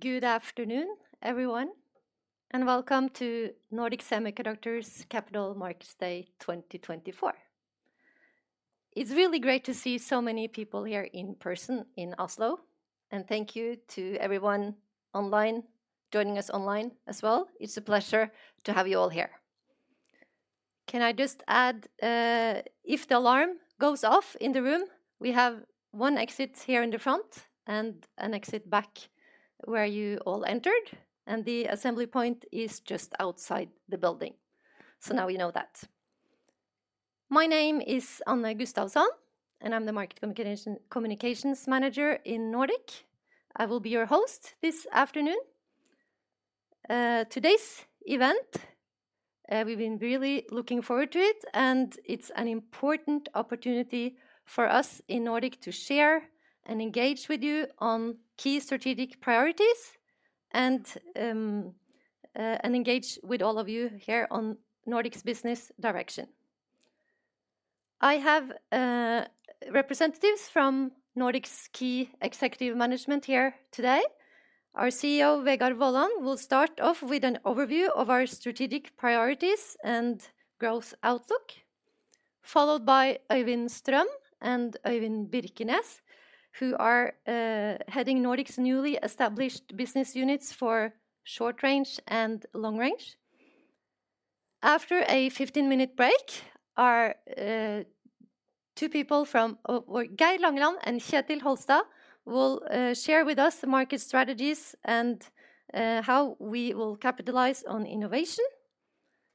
Good afternoon, everyone, and welcome to Nordic Semiconductor's Capital Markets Day 2024. It's really great to see so many people here in person in Oslo, and thank you to everyone online, joining us online as well. It's a pleasure to have you all here. Can I just add, if the alarm goes off in the room, we have one exit here in the front and an exit back where you all entered, and the assembly point is just outside the building. So now we know that. My name is Anne Gustavsson, and I'm the Marketing Communications Manager in Nordic. I will be your host this afternoon. Today's event, we've been really looking forward to it, and it's an important opportunity for us in Nordic to share and engage with you on key strategic priorities and engage with all of you here on Nordic's business direction. I have representatives from Nordic's key executive management here today. Our CEO, Vegard Wollan, will start off with an overview of our strategic priorities and growth outlook, followed by Øyvind Strøm and Øyvind Birkenes, who are heading Nordic's newly established business units for Short Range and Long Range. After a 15-minute break, our two people, Geir Langeland and Kjetil Holstad will share with us the market strategies and how we will capitalize on innovation,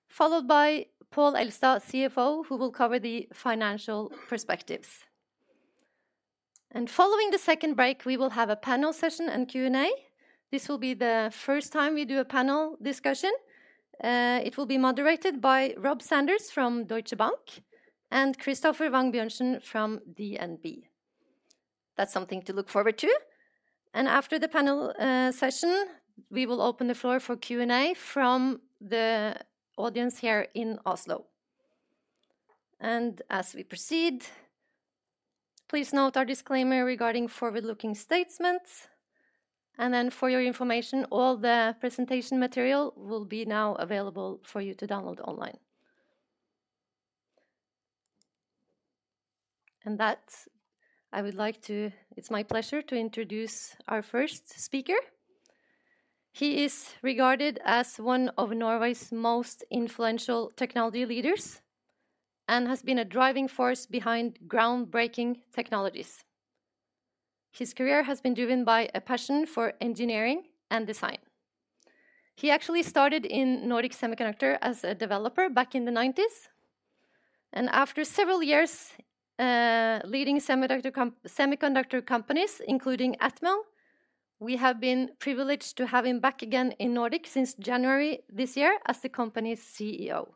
followed by Pål Elstad, CFO, who will cover the financial perspectives, following the second break, we will have a panel session and Q&A. This will be the first time we do a panel discussion. It will be moderated by Rob Sanders from Deutsche Bank and Christoffer Wang Bjørnsen from DNB. That's something to look forward to. And after the panel, session, we will open the floor for Q&A from the audience here in Oslo. And as we proceed, please note our disclaimer regarding forward-looking statements, and then for your information, all the presentation material will be now available for you to download online. It's my pleasure to introduce our first speaker. He is regarded as one of Norway's most influential technology leaders and has been a driving force behind groundbreaking technologies. His career has been driven by a passion for engineering and design. He actually started in Nordic Semiconductor as a developer back in the 1990s, and after several years leading semiconductor companies, including Atmel, we have been privileged to have him back again in Nordic since January this year as the company's CEO.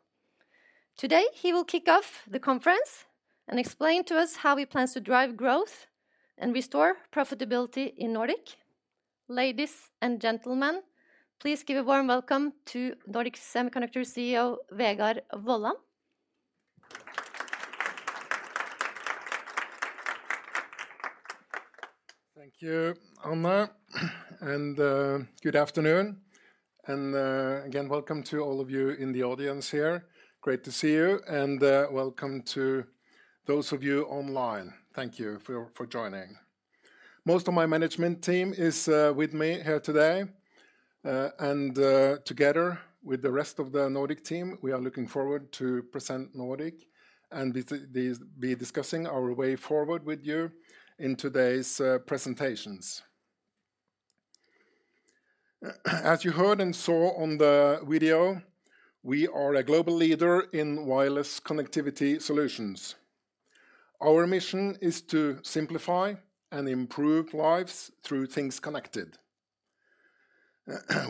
Today, he will kick off the conference and explain to us how he plans to drive growth and restore profitability in Nordic. Ladies and gentlemen, please give a warm welcome to Nordic Semiconductor's CEO, Vegard Wollan. Thank you, Anne, and good afternoon. And again, welcome to all of you in the audience here. Great to see you, and welcome to those of you online. Thank you for joining. Most of my management team is with me here today, and together with the rest of the Nordic team, we are looking forward to present Nordic and discussing our way forward with you in today's presentations. As you heard and saw on the video, we are a global leader in wireless connectivity solutions. Our mission is to simplify and improve lives through things connected.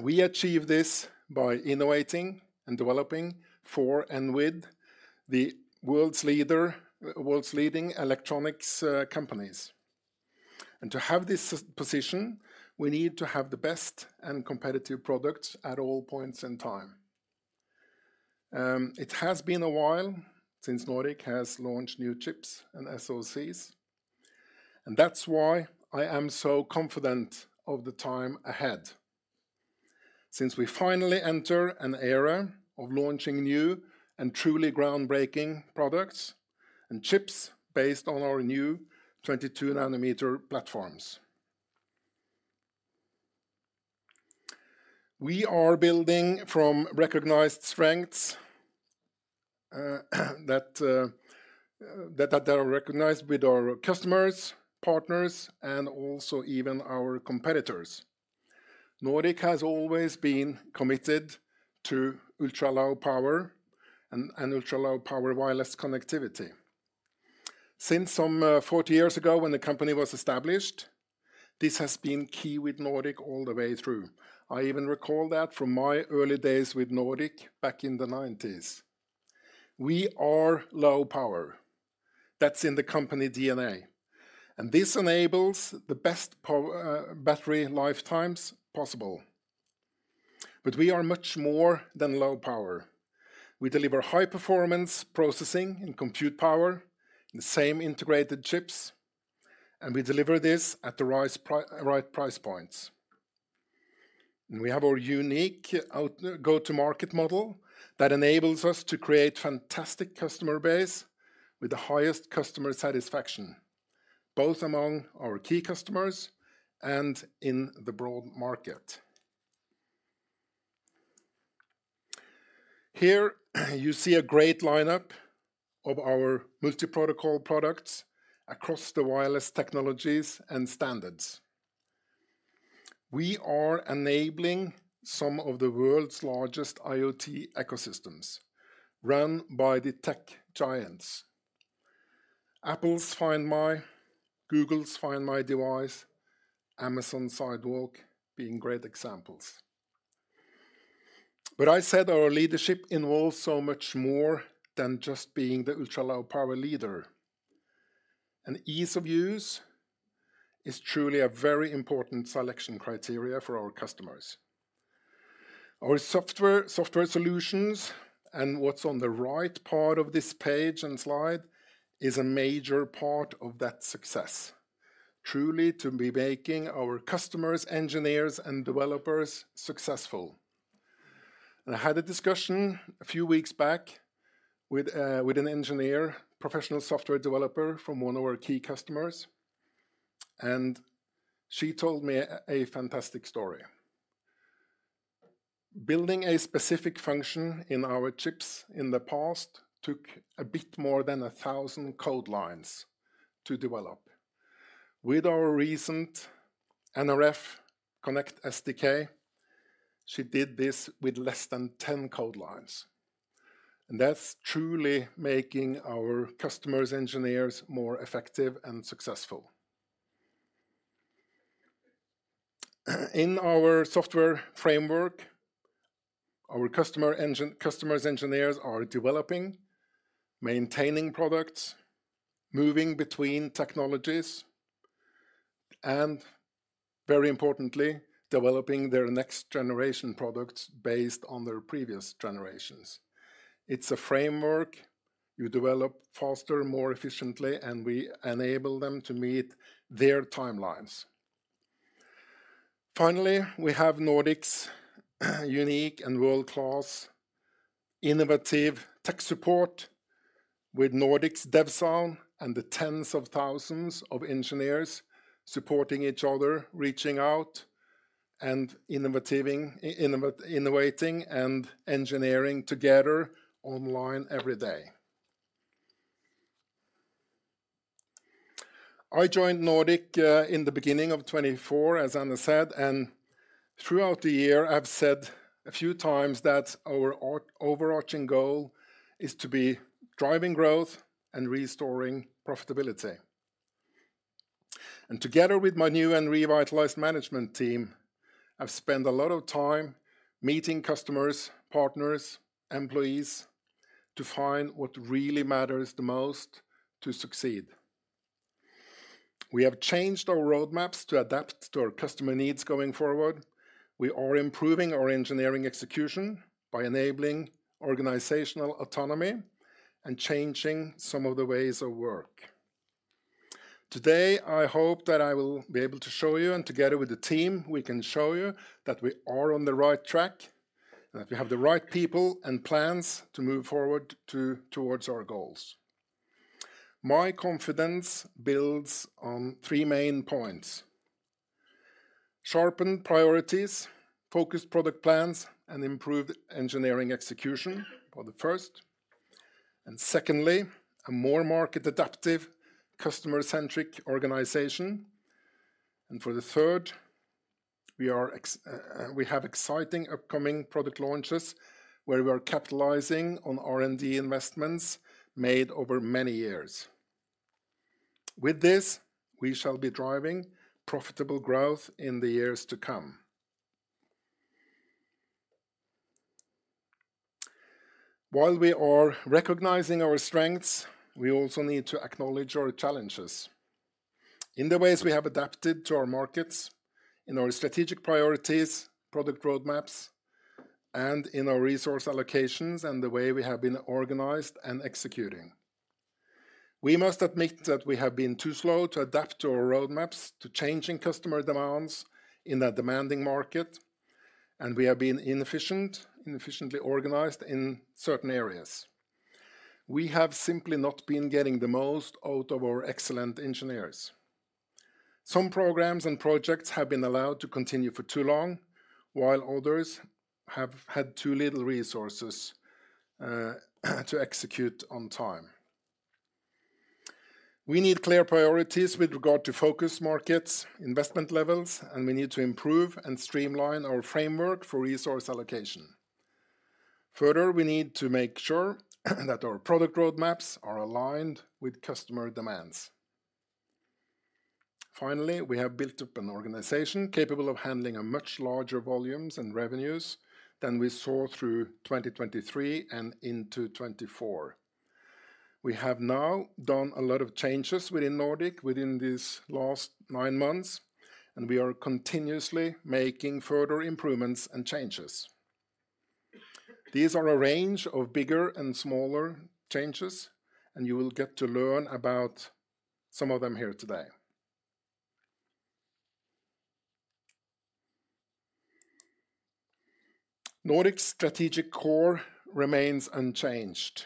We achieve this by innovating and developing for and with the world's leading electronics companies. And to have this strong position, we need to have the best and competitive products at all points in time. It has been a while since Nordic has launched new chips and SoCs, and that's why I am so confident of the time ahead. Since we finally enter an era of launching new and truly groundbreaking products and chips based on our new 22 nm platforms. We are building from recognized strengths that are recognized with our customers, partners, and also even our competitors. Nordic has always been committed to ultra-low power and ultra-low power wireless connectivity. Since some forty years ago when the company was established, this has been key with Nordic all the way through. I even recall that from my early days with Nordic back in the 1990s. We are low power. That's in the company DNA, and this enables the best battery lifetimes possible. But we are much more than low power. We deliver high-performance processing and compute power in the same integrated chips, and we deliver this at the right price points, and we have our unique go-to-market model that enables us to create fantastic customer base with the highest customer satisfaction, both among our key customers and in the broad market. Here, you see a great lineup of our multi-protocol products across the wireless technologies and standards. We are enabling some of the world's largest IoT ecosystems, run by the tech giants. Apple's Find My, Google's Find My Device, Amazon Sidewalk being great examples, but I said our leadership involves so much more than just being the ultra-low power leader, and ease of use is truly a very important selection criteria for our customers. Our software, software solutions, and what's on the right part of this page and slide, is a major part of that success, truly to be making our customers, engineers, and developers successful. I had a discussion a few weeks back with an engineer, professional software developer from one of our key customers, and she told me a fantastic story. Building a specific function in our chips in the past took a bit more than a thousand code lines to develop. With our recent nRF Connect SDK, she did this with less than ten code lines, and that's truly making our customers' engineers more effective and successful. In our software framework, our customers' engineers are developing, maintaining products, moving between technologies, and very importantly, developing their next-generation products based on their previous generations. It's a framework. You develop faster, more efficiently, and we enable them to meet their timelines. Finally, we have Nordic's unique and world-class innovative tech support with Nordic's DevZone and the tens of thousands of engineers supporting each other, reaching out, and innovating, innovating and engineering together online every day. I joined Nordic in the beginning of 2024, as Anne said, and throughout the year, I've said a few times that our overarching goal is to be driving growth and restoring profitability, and together with my new and revitalized management team, I've spent a lot of time meeting customers, partners, employees to find what really matters the most to succeed. We have changed our roadmaps to adapt to our customer needs going forward. We are improving our engineering execution by enabling organizational autonomy and changing some of the ways of work. Today, I hope that I will be able to show you, and together with the team, we can show you that we are on the right track, and that we have the right people and plans to move forward towards our goals. My confidence builds on three main points: sharpened priorities, focused product plans, and improved engineering execution are the first, and secondly, a more market-adaptive, customer-centric organization, and for the third, we have exciting upcoming product launches, where we are capitalizing on R&D investments made over many years. With this, we shall be driving profitable growth in the years to come. While we are recognizing our strengths, we also need to acknowledge our challenges. In the ways we have adapted to our markets, in our strategic priorities, product roadmaps, and in our resource allocations, and the way we have been organized and executing. We must admit that we have been too slow to adapt our roadmaps to changing customer demands in a demanding market, and we have been inefficient, inefficiently organized in certain areas. We have simply not been getting the most out of our excellent engineers. Some programs and projects have been allowed to continue for too long, while others have had too little resources to execute on time. We need clear priorities with regard to focus markets, investment levels, and we need to improve and streamline our framework for resource allocation. Further, we need to make sure that our product roadmaps are aligned with customer demands. Finally, we have built up an organization capable of handling a much larger volumes and revenues than we saw through 2023 and into 2024. We have now done a lot of changes within Nordic within these last nine months, and we are continuously making further improvements and changes. These are a range of bigger and smaller changes, and you will get to learn about some of them here today. Nordic's strategic core remains unchanged.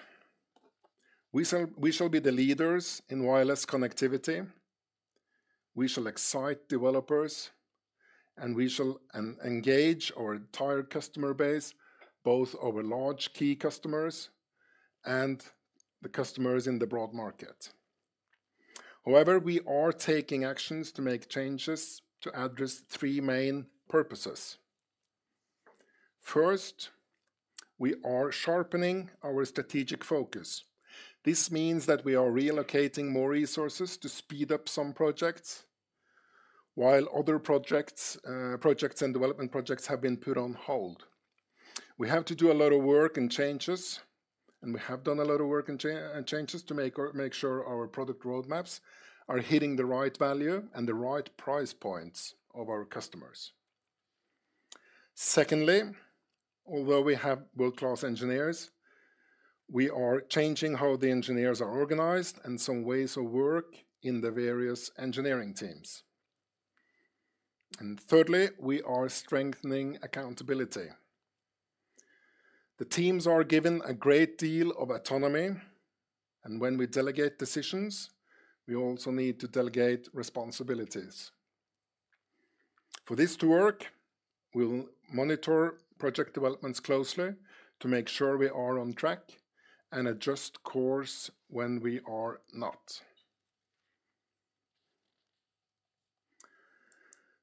We shall be the leaders in wireless connectivity, we shall excite developers, and we shall engage our entire customer base, both our large key customers and the customers in the broad market. However, we are taking actions to make changes to address three main purposes. First, we are sharpening our strategic focus. This means that we are relocating more resources to speed up some projects, while other projects and development projects have been put on hold. We have to do a lot of work and changes, and we have done a lot of work and changes to make our, make sure our product roadmaps are hitting the right value and the right price points of our customers. Secondly, although we have world-class engineers, we are changing how the engineers are organized and some ways of work in the various engineering teams. And thirdly, we are strengthening accountability. The teams are given a great deal of autonomy, and when we delegate decisions, we also need to delegate responsibilities. For this to work, we'll monitor project developments closely to make sure we are on track and adjust course when we are not.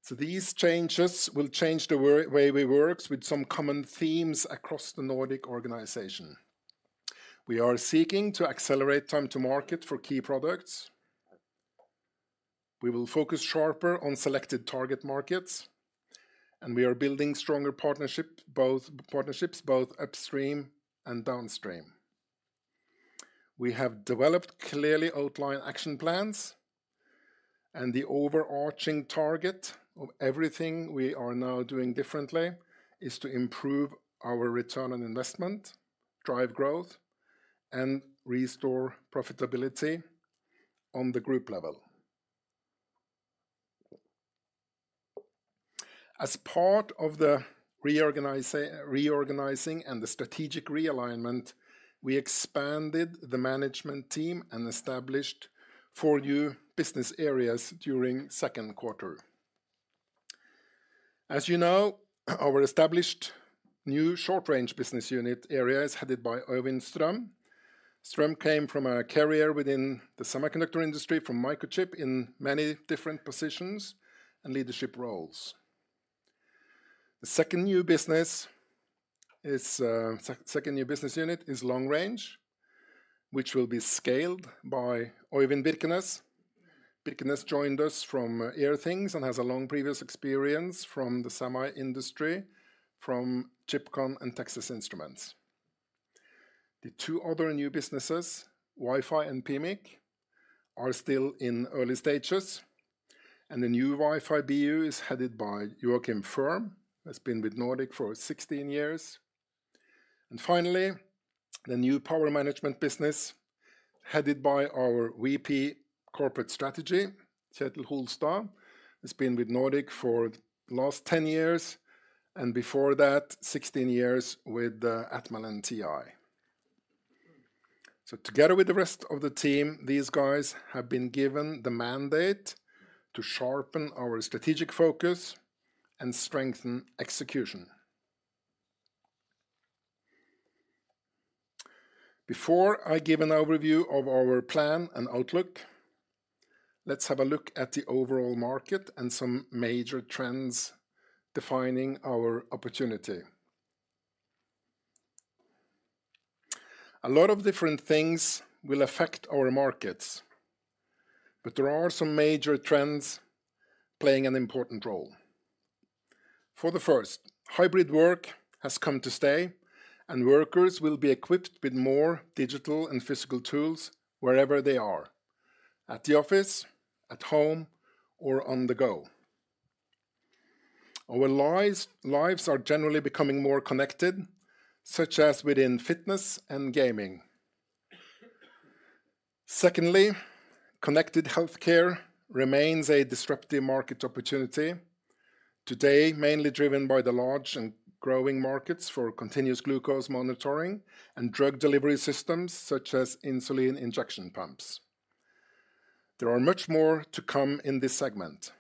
So these changes will change the way we work with some common themes across the Nordic organization. We are seeking to accelerate time to market for key products. We will focus sharper on selected target markets, and we are building stronger partnerships, both upstream and downstream. We have developed clearly outlined action plans, and the overarching target of everything we are now doing differently is to improve our return on investment, drive growth, and restore profitability on the group level. As part of the reorganizing and the strategic realignment, we expanded the management team and established four new business areas during second quarter. As you know, our established new Short Range Business unit area is headed by Øyvind Strøm. Strøm came from a career within the semiconductor industry, from Microchip, in many different positions and leadership roles. The second new business unit is Long Range, which will be scaled by Øyvind Birkenes. Birkenes joined us from Airthings and has a long previous experience from the semi industry, from Chipcon and Texas Instruments. The two other new businesses, Wi-Fi and PMIC, are still in early stages, and the new Wi-Fi BU is headed by Joakim Ferm, has been with Nordic for 16 years. And finally, the new power management business, headed by our VP Corporate Strategy, Kjetil Holstad, has been with Nordic for last 10 years, and before that, 16 years with Atmel and TI. So together with the rest of the team, these guys have been given the mandate to sharpen our strategic focus and strengthen execution. Before I give an overview of our plan and outlook, let's have a look at the overall market and some major trends defining our opportunity. A lot of different things will affect our markets, but there are some major trends playing an important role. For the first, hybrid work has come to stay, and workers will be equipped with more digital and physical tools wherever they are, at the office, at home, or on the go. Our lives are generally becoming more connected, such as within fitness and gaming. Secondly, connected healthcare remains a disruptive market opportunity, today mainly driven by the large and growing markets for continuous glucose monitoring and drug delivery systems, such as insulin injection pumps. There are much more to come in this segment.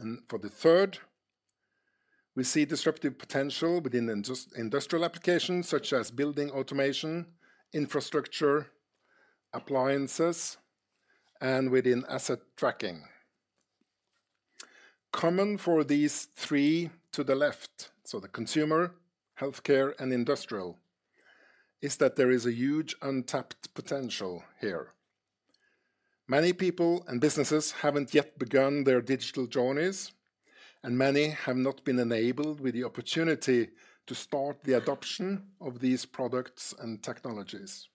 And for the third, we see disruptive potential within industrial applications such as building automation, infrastructure, appliances, and asset tracking. common for these three to the left, so the consumer, healthcare, and industrial, is that there is a huge untapped potential here. Many people and businesses haven't yet begun their digital journeys, and many have not been enabled with the opportunity to start the adoption of these products and technologies.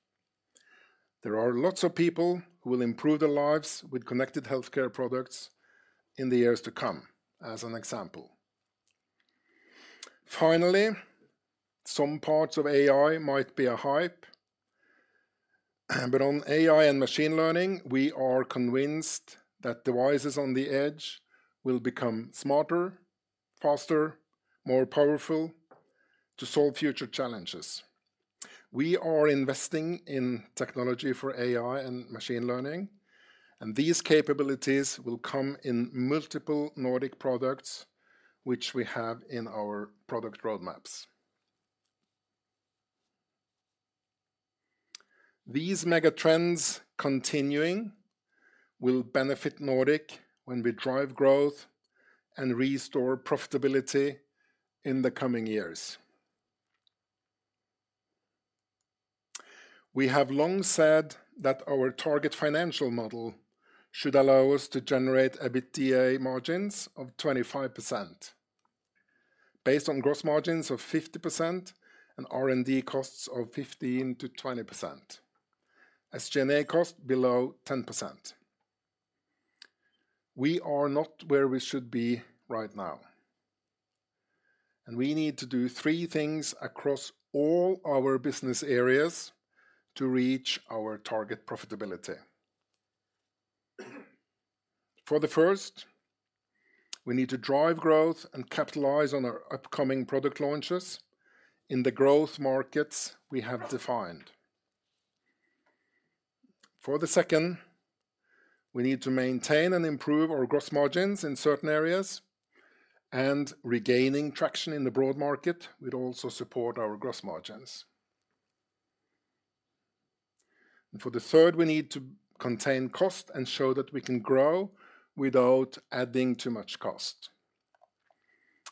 There are lots of people who will improve their lives with connected healthcare products in the years to come, as an example. Finally, some parts of AI might be a hype, but on AI and machine learning, we are convinced that devices on the edge will become smarter, faster, more powerful to solve future challenges. We are investing in technology for AI and machine learning, and these capabilities will come in multiple Nordic products, which we have in our product roadmaps. These mega trends continuing will benefit Nordic when we drive growth and restore profitability in the coming years. We have long said that our target financial model should allow us to generate EBITDA margins of 25%, based on gross margins of 50% and R&D costs of 15%-20%, SG&A cost below 10%. We are not where we should be right now, and we need to do three things across all our business areas to reach our target profitability. For the first, we need to drive growth and capitalize on our upcoming product launches in the growth markets we have defined. For the second, we need to maintain and improve our gross margins in certain areas, and regaining traction in the broad market will also support our gross margins. And for the third, we need to contain cost and show that we can grow without adding too much cost.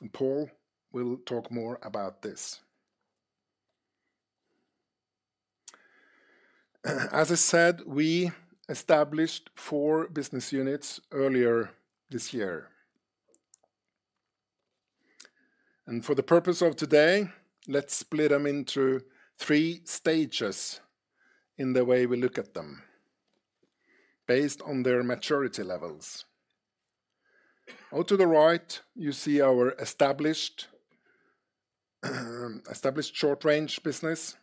And Pål will talk more about this. As I said, we established four business units earlier this year. And for the purpose of today, let's split them into three stages in the way we look at them, based on their maturity levels. Out to the right, you see our established Short Range Business,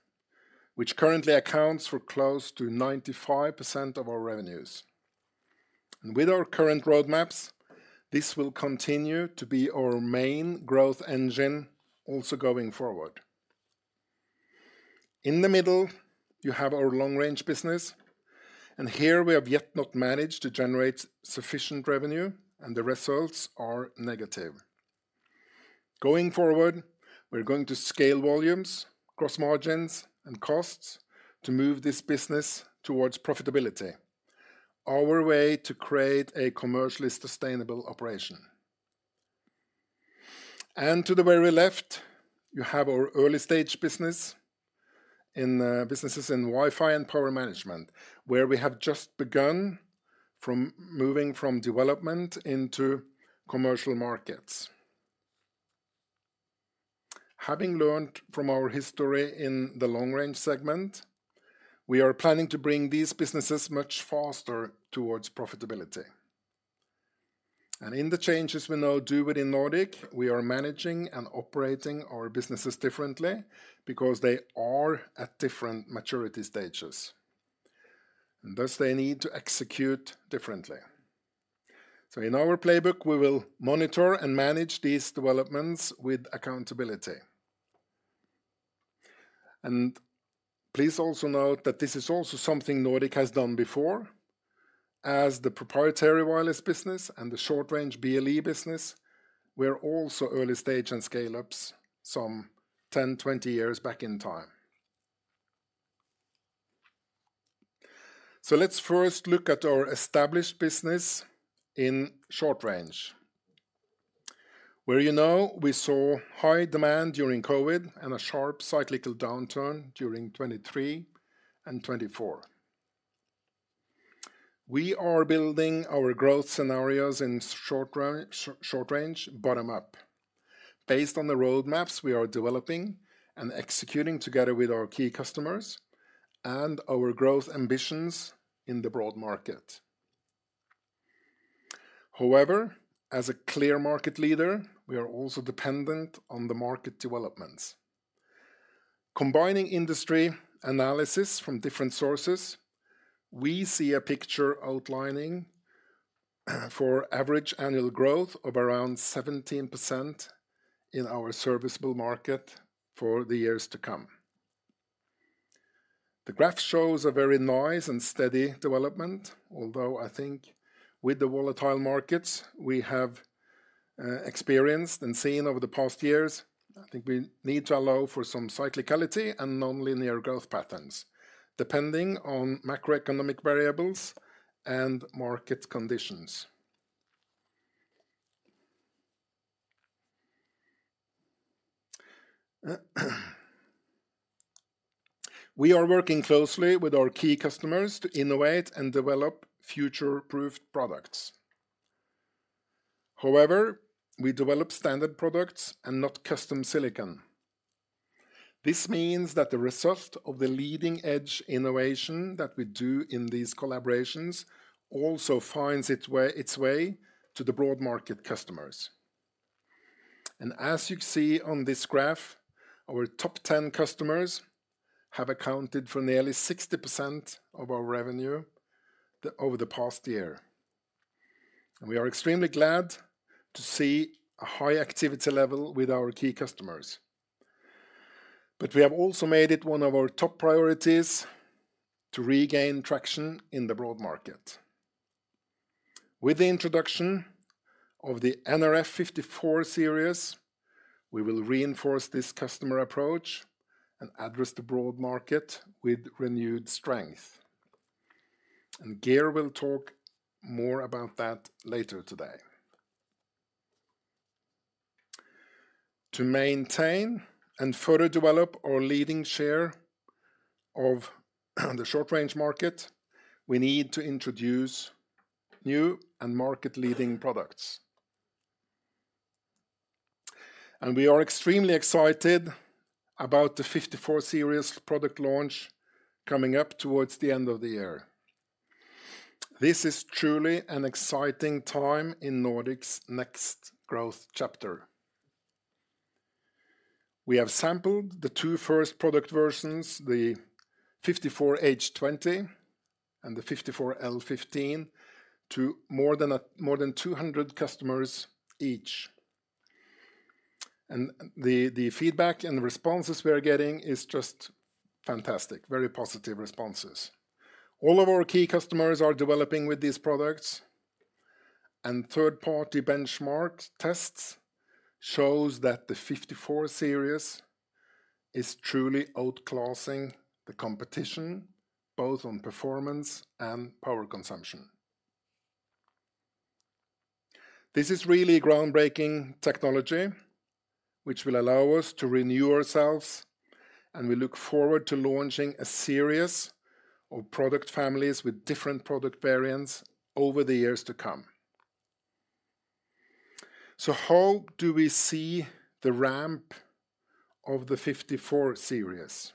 which currently accounts for close to 95% of our revenues. And with our current roadmaps, this will continue to be our main growth engine, also going forward. In the middle, you have Long Range Business, and here we have yet not managed to generate sufficient revenue, and the results are negative. Going forward, we're going to scale volumes, gross margins, and costs to move this business towards profitability, our way to create a commercially sustainable operation. And to the very left, you have our early-stage business in, businesses in Wi-Fi and power management, where we have just begun from moving from development into commercial markets. Having learned from our history in the Long Range segment, we are planning to bring these businesses much faster towards profitability. And in the changes we now do within Nordic, we are managing and operating our businesses differently because they are at different maturity stages, and thus they need to execute differently. So in our playbook, we will monitor and manage these developments with accountability. And please also note that this is also something Nordic has done before, as the proprietary wireless business and the Short Range BLE business were also early stage and scale-ups some ten, twenty years back in time. So let's first look at our established business in Short Range, where you know we saw high demand during COVID and a sharp cyclical downturn during 2023 and 2024. We are building our growth scenarios in Short Range, Short Range, bottom up, based on the roadmaps we are developing and executing together with our key customers and our growth ambitions in the broad market. However, as a clear market leader, we are also dependent on the market developments. Combining industry analysis from different sources, we see a picture outlining for average annual growth of around 17% in our serviceable market for the years to come. The graph shows a very nice and steady development, although I think with the volatile markets we have experienced and seen over the past years, I think we need to allow for some cyclicality and nonlinear growth patterns, depending on macroeconomic variables and market conditions. We are working closely with our key customers to innovate and develop future-proof products. However, we develop standard products and not custom silicon. This means that the result of the leading-edge innovation that we do in these collaborations also finds its way to the broad market customers. And as you see on this graph, our top 10 customers have accounted for nearly 60% of our revenue over the past year. And we are extremely glad to see a high activity level with our key customers. We have also made it one of our top priorities to regain traction in the broad market. With the introduction of the nRF54L Series, we will reinforce this customer approach and address the broad market with renewed strength, and Geir will talk more about that later today. To maintain and further develop our leading share of the Short Range market, we need to introduce new and market-leading products. We are extremely excited about the 54 series product launch coming up towards the end of the year. This is truly an exciting time in Nordic's next growth chapter. We have sampled the two first product versions, the 54H20 and the 54L15, to more than 200 customers each. The feedback and the responses we are getting is just fantastic. Very positive responses. All of our key customers are developing with these products, and third-party benchmark tests show that the nRF54 Series is truly outclassing the competition, both on performance and power consumption. This is really groundbreaking technology, which will allow us to renew ourselves, and we look forward to launching a series of product families with different product variants over the years to come. So how do we see the ramp of the nRF54 Series?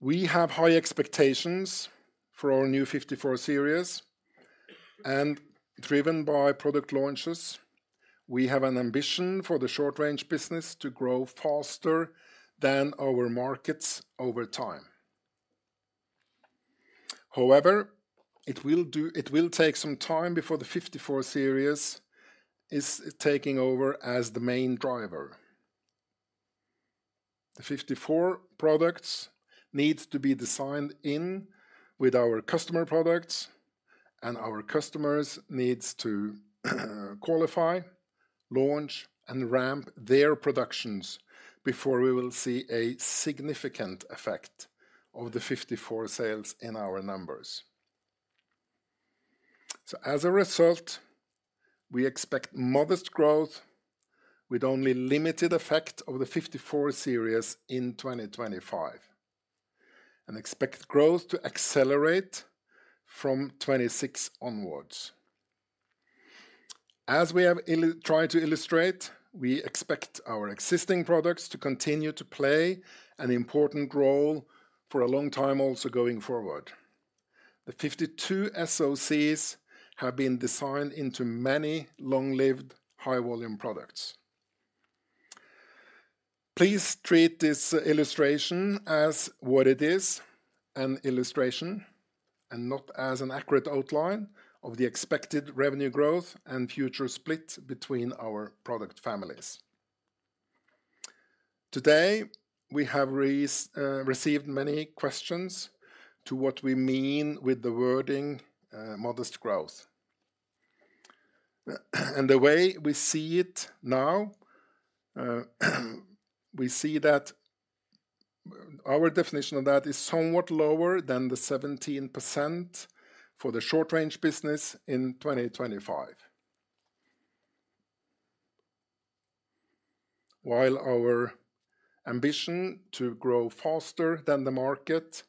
We have high expectations for our new nRF54 Series, and driven by product launches, we have an ambition for the Short Range Business to grow faster than our markets over time. However, it will take some time before the nRF54 Series is taking over as the main driver. The 54 products needs to be designed in with our customer products, and our customers needs to qualify, launch, and ramp their productions before we will see a significant effect of the sales in our numbers, so as a result, we expect modest growth with only limited effect of the 54 series in 2025, and expect growth to accelerate from 2026 onwards. As we have tried to illustrate, we expect our existing products to continue to play an important role for a long time, also going forward. The nRF52 SoCs have been designed into many long-lived, high-volume products. Please treat this illustration as what it is, an illustration, and not as an accurate outline of the expected revenue growth and future split between our product families. Today, we have these. Received many questions to what we mean with the wording, "modest growth," and the way we see it now, we see that our definition of that is somewhat lower than the 17% for the Short Range Business in 2025. While our ambition to grow faster than the market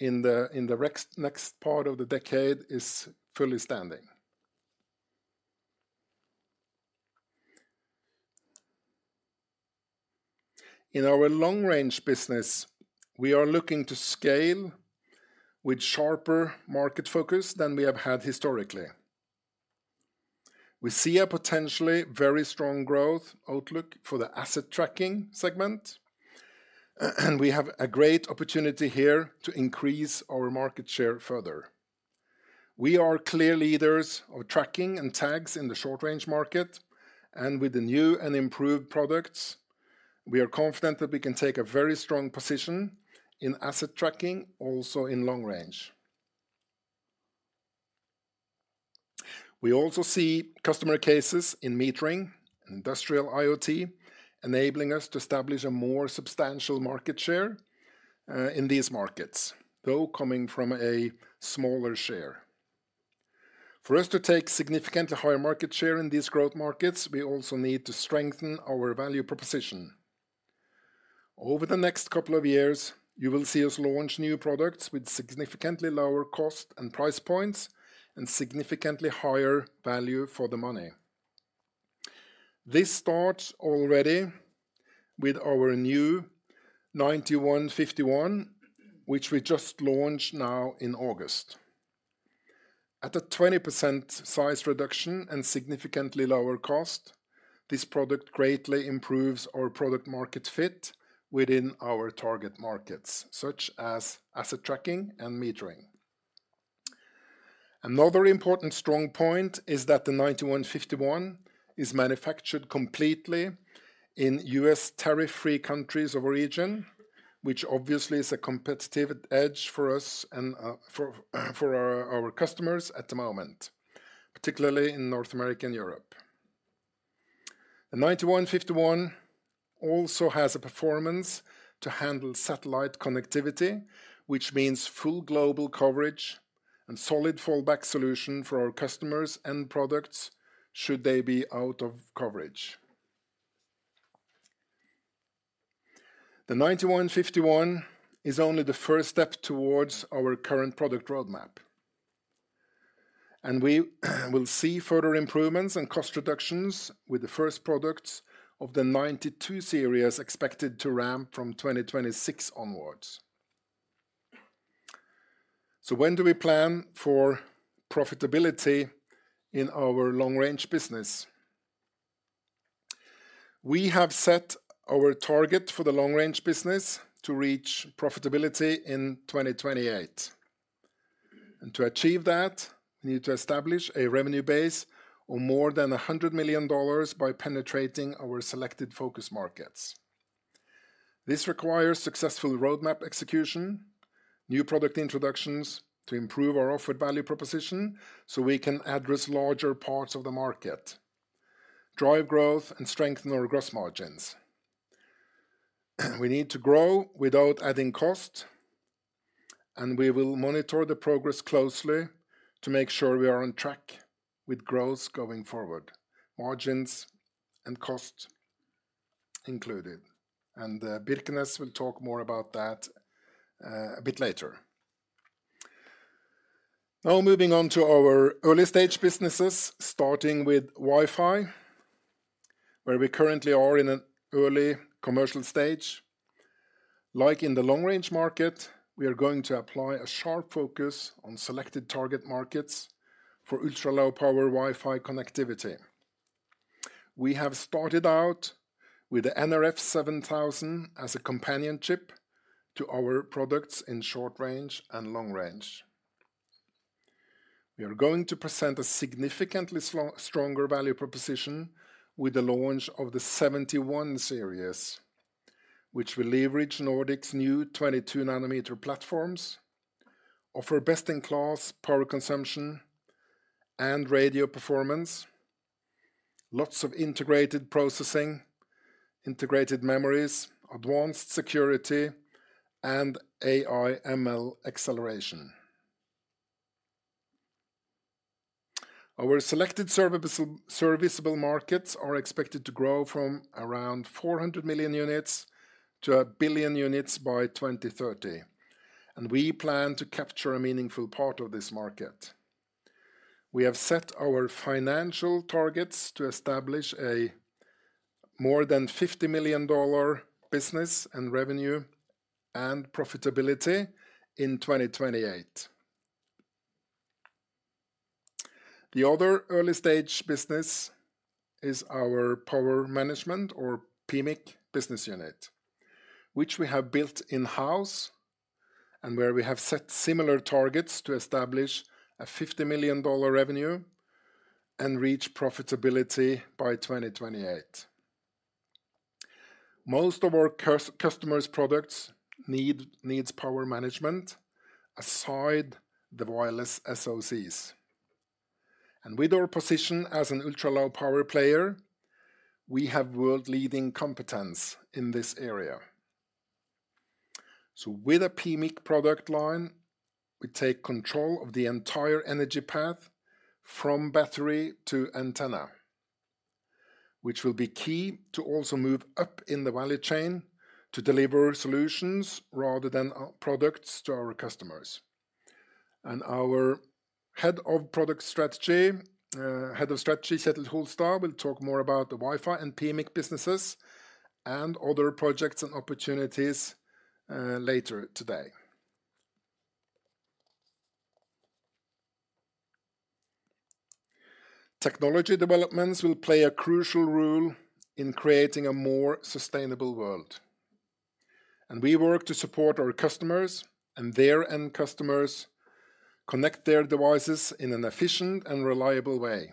in the next part of the decade is fully standing. In Long Range Business, we are looking to scale with sharper market focus than we have had historically. We see a potentially very strong growth outlook for asset tracking segment, and we have a great opportunity here to increase our market share further. We are clear leaders of tracking and tags in the Short Range market, and with the new and improved products, we are confident that we can take a very strong position asset tracking, also in Long Range. We also see customer cases in metering, industrial IoT, enabling us to establish a more substantial market share in these markets, though coming from a smaller share. For us to take significantly higher market share in these growth markets, we also need to strengthen our value proposition. Over the next couple of years, you will see us launch new products with significantly lower cost and price points, and significantly higher value for the money. This starts already with our new nRF9151, which we just launched now in August. At a 20% size reduction and significantly lower cost, this product greatly improves our product market fit within our target markets, such asset tracking and metering. Another important strong point is that the nRF9151 is manufactured completely in U.S. tariff-free countries of origin, which obviously is a competitive edge for us and for our customers at the moment, particularly in North America and Europe. The nRF9151 also has a performance to handle satellite connectivity, which means full global coverage and solid fallback solution for our customers and products, should they be out of coverage. The nRF9151 is only the first step towards our current product roadmap, and we will see further improvements and cost reductions with the first products of the nRF92 Series expected to ramp from 2026 onwards. So when do we plan for profitability in Long Range Business? we have set our target for Long Range Business to reach profitability in 2028. To achieve that, we need to establish a revenue base of more than $100 million by penetrating our selected focus markets. This requires successful roadmap execution, new product introductions to improve our offered value proposition, so we can address larger parts of the market, drive growth, and strengthen our gross margins. We need to grow without adding cost, and we will monitor the progress closely to make sure we are on track with growth going forward, margins and cost included, and Birkenes will talk more about that a bit later. Now, moving on to our early-stage businesses, starting with Wi-Fi, where we currently are in an early commercial stage. Like in the Long Range market, we are going to apply a sharp focus on selected target markets for ultra-low power Wi-Fi connectivity. We have started out with the nRF7000 as a companion chip to our products in Short Range and Long Range. We are going to present a significantly stronger value proposition with the launch of the nRF71 Series, which will leverage Nordic's new 22 nm platforms, offer best-in-class power consumption and radio performance, lots of integrated processing, integrated memories, advanced security, and AI/ML acceleration. Our selected serviceable markets are expected to grow from around 400 million units to a billion units by 2030, and we plan to capture a meaningful part of this market. We have set our financial targets to establish a more than $50 million business and revenue and profitability in 2028. The other early-stage business is our power management or PMIC business unit, which we have built in-house and where we have set similar targets to establish a $50 million revenue and reach profitability by 2028. Most of our customers' products need power management aside the wireless SoCs. And with our position as an ultra-low power player, we have world-leading competence in this area. So with a PMIC product line, we take control of the entire energy path from battery to antenna, which will be key to also move up in the value chain to deliver solutions rather than products to our customers. And our Head of Product Strategy, Head of Strategy, Kjetil Holstad, will talk more about the Wi-Fi and PMIC businesses and other projects and opportunities later today. Technology developments will play a crucial role in creating a more sustainable world, and we work to support our customers and their end customers connect their devices in an efficient and reliable way.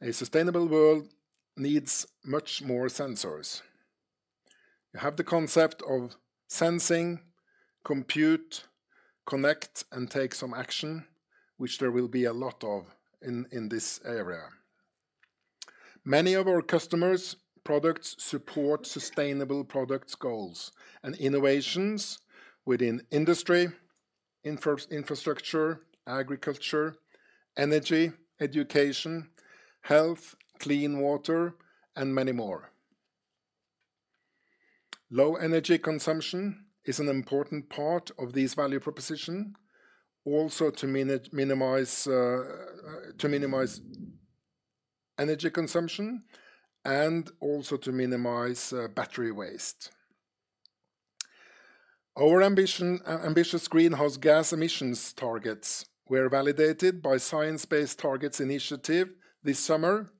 A sustainable world needs much more sensors. You have the concept of sensing, compute, connect, and take some action, which there will be a lot of in this area. Many of our customers' products support sustainable products goals and innovations within industry, infrastructure, agriculture, energy, education, health, clean water, and many more. Low energy consumption is an important part of this value proposition, also to minimize energy consumption and also to minimize battery waste. Our ambitious greenhouse gas emissions targets were validated by the Science Based Targets initiative this summer,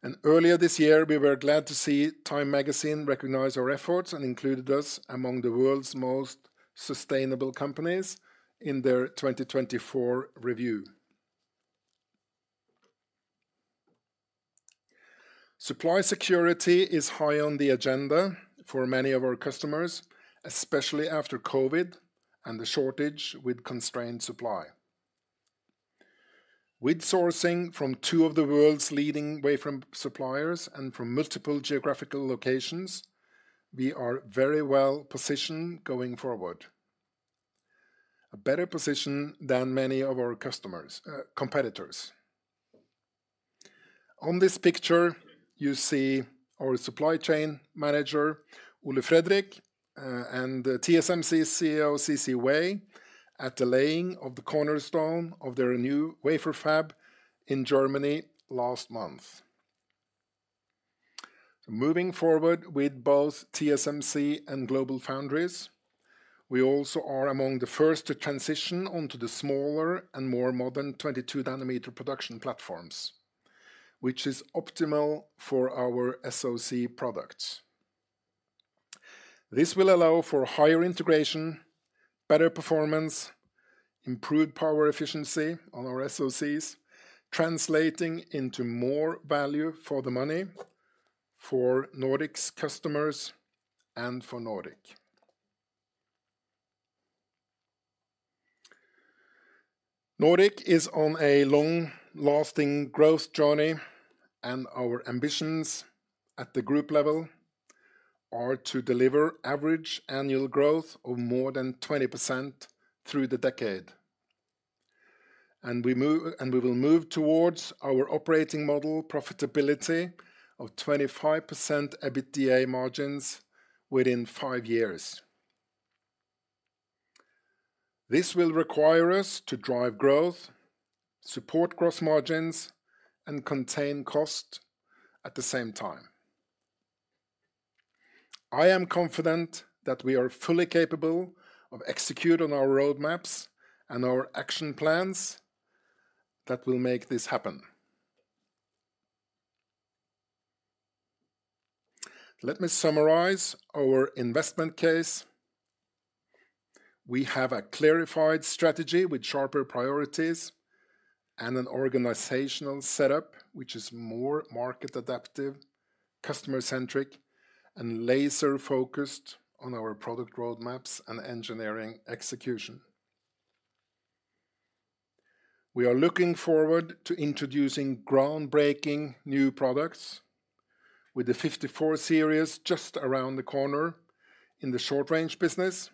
and earlier this year, we were glad to see Time Magazine recognize our efforts and included us among the world's most sustainable companies in their 2024 review. Supply security is high on the agenda for many of our customers, especially after COVID and the shortage with constrained supply. With sourcing from two of the world's leading wafer suppliers and from multiple geographical locations, we are very well positioned going forward. A better position than many of our customers, competitors. On this picture, you see our supply chain manager, Ole Fredrik, and the TSMC CEO, CC Wei, at the laying of the cornerstone of their new wafer fab in Germany last month. Moving forward with both TSMC and GlobalFoundries, we also are among the first to transition onto the smaller and more modern 22 nm production platforms, which is optimal for our SoC products. This will allow for higher integration, better performance, improved power efficiency on our SoCs, translating into more value for the money for Nordic's customers and for Nordic. Nordic is on a long-lasting growth journey, and our ambitions at the group level are to deliver average annual growth of more than 20% through the decade, and we will move towards our operating model profitability of 25% EBITDA margins within five years. This will require us to drive growth, support gross margins, and contain cost at the same time. I am confident that we are fully capable of execute on our roadmaps and our action plans that will make this happen. Let me summarize our investment case. We have a clarified strategy with sharper priorities and an organizational setup, which is more market adaptive, customer-centric, and laser-focused on our product roadmaps and engineering execution. We are looking forward to introducing groundbreaking new products with the 54 series just around the corner in the Short Range Business,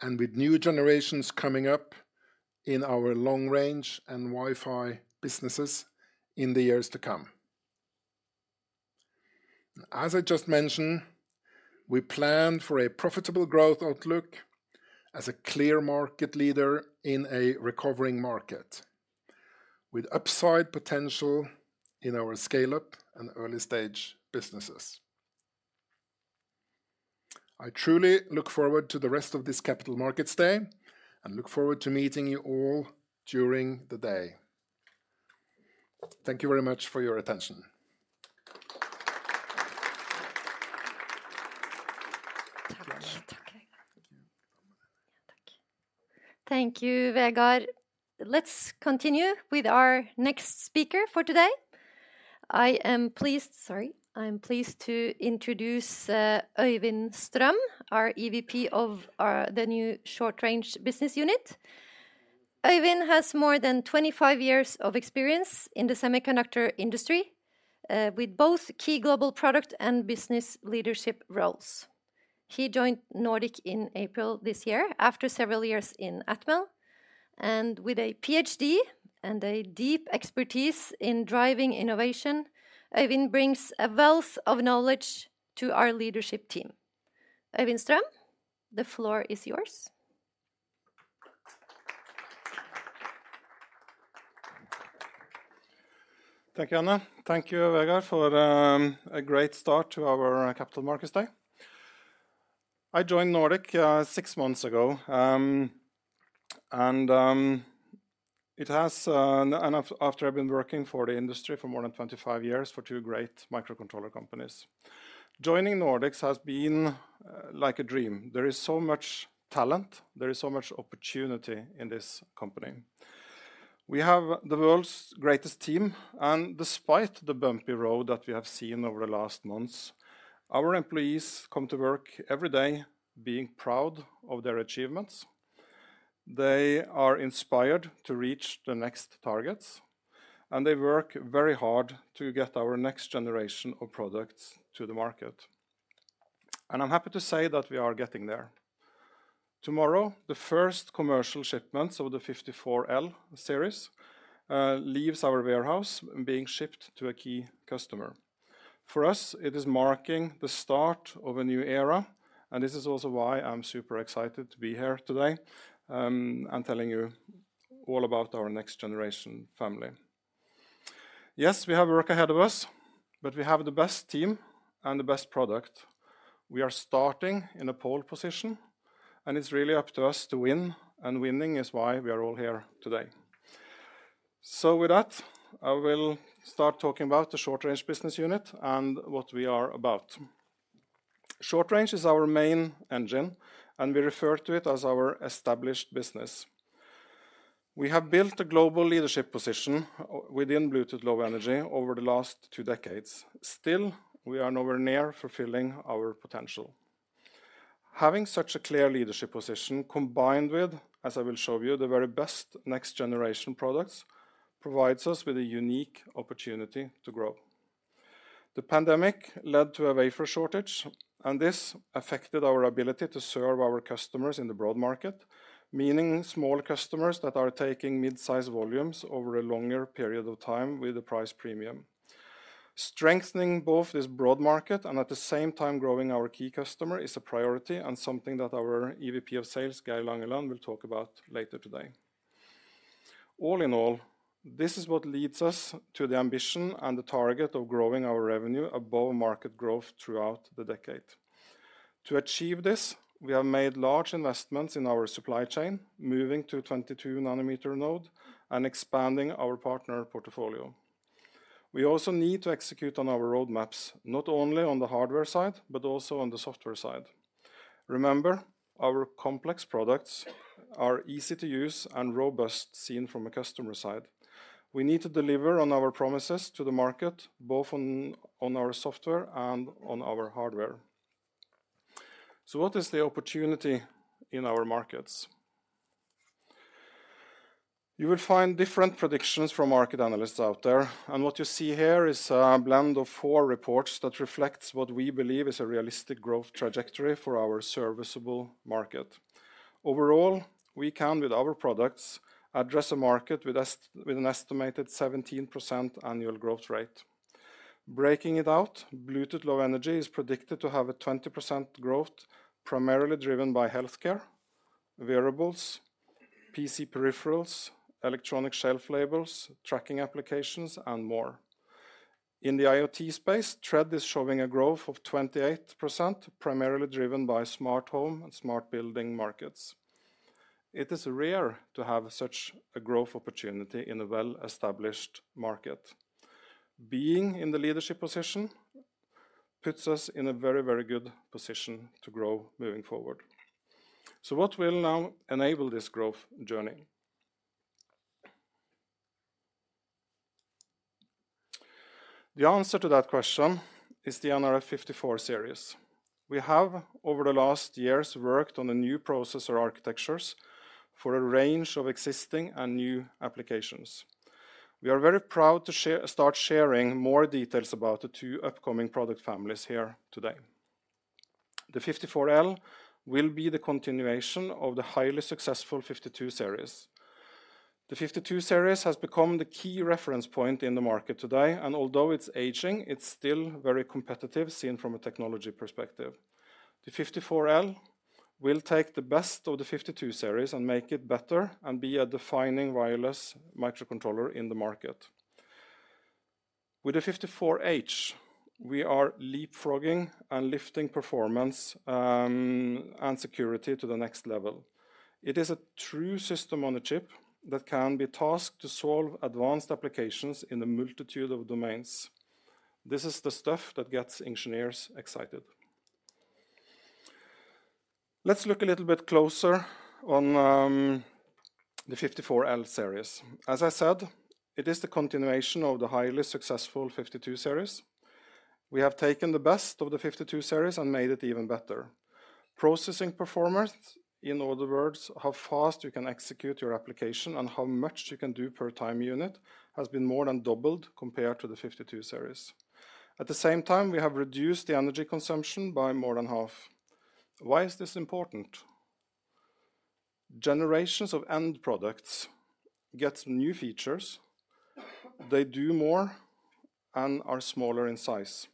and with new generations coming up in our Long Range and Wi-Fi businesses in the years to come. As I just mentioned, we plan for a profitable growth outlook as a clear market leader in a recovering market, with upside potential in our scale-up and early-stage businesses. I truly look forward to the rest of this Capital Markets Day, and look forward to meeting you all during the day. Thank you very much for your attention. Thank you, Vegard. Let's continue with our next speaker for today. I am pleased to introduce Øyvind Strøm, our EVP of the new Short Range Business unit. Øyvind has more than 25 years of experience in the semiconductor industry, with both key global product and business leadership roles. He joined Nordic in April this year after several years in Atmel, and with a PhD and a deep expertise in driving innovation, Øyvind brings a wealth of knowledge to our leadership team. Øyvind Strøm, the floor is yours. Thank you, Anne. Thank you, Vegard, for a great start to our Capital Markets Day. I joined Nordic six months ago, and after I've been working for the industry for more than 25 years, for two great microcontroller companies. Joining Nordic has been like a dream. There is so much talent, there is so much opportunity in this company. We have the world's greatest team, and despite the bumpy road that we have seen over the last months, our employees come to work every day being proud of their achievements. They are inspired to reach the next targets, and they work very hard to get our next generation of products to the market. And I'm happy to say that we are getting there. Tomorrow, the first commercial shipments of the nrf54L Series leaves our warehouse, being shipped to a key customer. For us, it is marking the start of a new era, and this is also why I'm super excited to be here today, and telling you all about our next generation family. Yes, we have work ahead of us, but we have the best team and the best product. We are starting in a pole position, and it's really up to us to win, and winning is why we are all here today. With that, I will start talking about the Short Range Business unit and what we are about. Short Range is our main engine, and we refer to it as our established business. We have built a global leadership position within Bluetooth Low Energy over the last two decades. Still, we are nowhere near fulfilling our potential. Having such a clear leadership position, combined with, as I will show you, the very best next-generation products, provides us with a unique opportunity to grow. The pandemic led to a wafer shortage, and this affected our ability to serve our customers in the broad market, meaning small customers that are taking mid-size volumes over a longer period of time with a price premium. Strengthening both this broad market and at the same time growing our key customer is a priority and something that our EVP of sales, Geir Langeland, will talk about later today. All in all, this is what leads us to the ambition and the target of growing our revenue above market growth throughout the decade. To achieve this, we have made large investments in our supply chain, moving to 22 nm node and expanding our partner portfolio. We also need to execute on our roadmaps, not only on the hardware side, but also on the software side. Remember, our complex products are easy to use and robust, seen from a customer side. We need to deliver on our promises to the market, both on our software and on our hardware. So what is the opportunity in our markets? You will find different predictions from market analysts out there, and what you see here is a blend of four reports that reflects what we believe is a realistic growth trajectory for our serviceable market. Overall, we can, with our products, address a market with an estimated 17% annual growth rate. Breaking it out, Bluetooth Low Energy is predicted to have a 20% growth, primarily driven by healthcare, wearables, PC peripherals, electronic shelf labels, tracking applications, and more. In the IoT space, Thread is showing a growth of 28%, primarily driven by smart home and smart building markets. It is rare to have such a growth opportunity in a well-established market. Being in the leadership position puts us in a very, very good position to grow moving forward. So what will now enable this growth journey? The answer to that question is the nRF54 Series. We have, over the last years, worked on the new processor architectures for a range of existing and new applications. We are very proud to start sharing more details about the two upcoming product families here today. The nRF54L will be the continuation of the highly successful nRF52 Series. The nRF52 Series has become the key reference point in the market today, and although it's aging, it's still very competitive, seen from a technology perspective. The nRF54L will take the best of the nRF52 Series and make it better and be a defining wireless microcontroller in the market. With the 54H, we are leapfrogging and lifting performance, and security to the next level. It is a true system-on-a-chip that can be tasked to solve advanced applications in a multitude of domains. This is the stuff that gets engineers excited. Let's look a little bit closer on the nrf54L Series. As I said, it is the continuation of the highly successful nRF52 Series. We have taken the best of the nRF52 Series and made it even better. Processing performance, in other words, how fast you can execute your application and how much you can do per time unit, has been more than doubled compared to the nRF52 Series. At the same time, we have reduced the energy consumption by more than half. Why is this important? Generations of end products get new features. They do more and are smaller in size.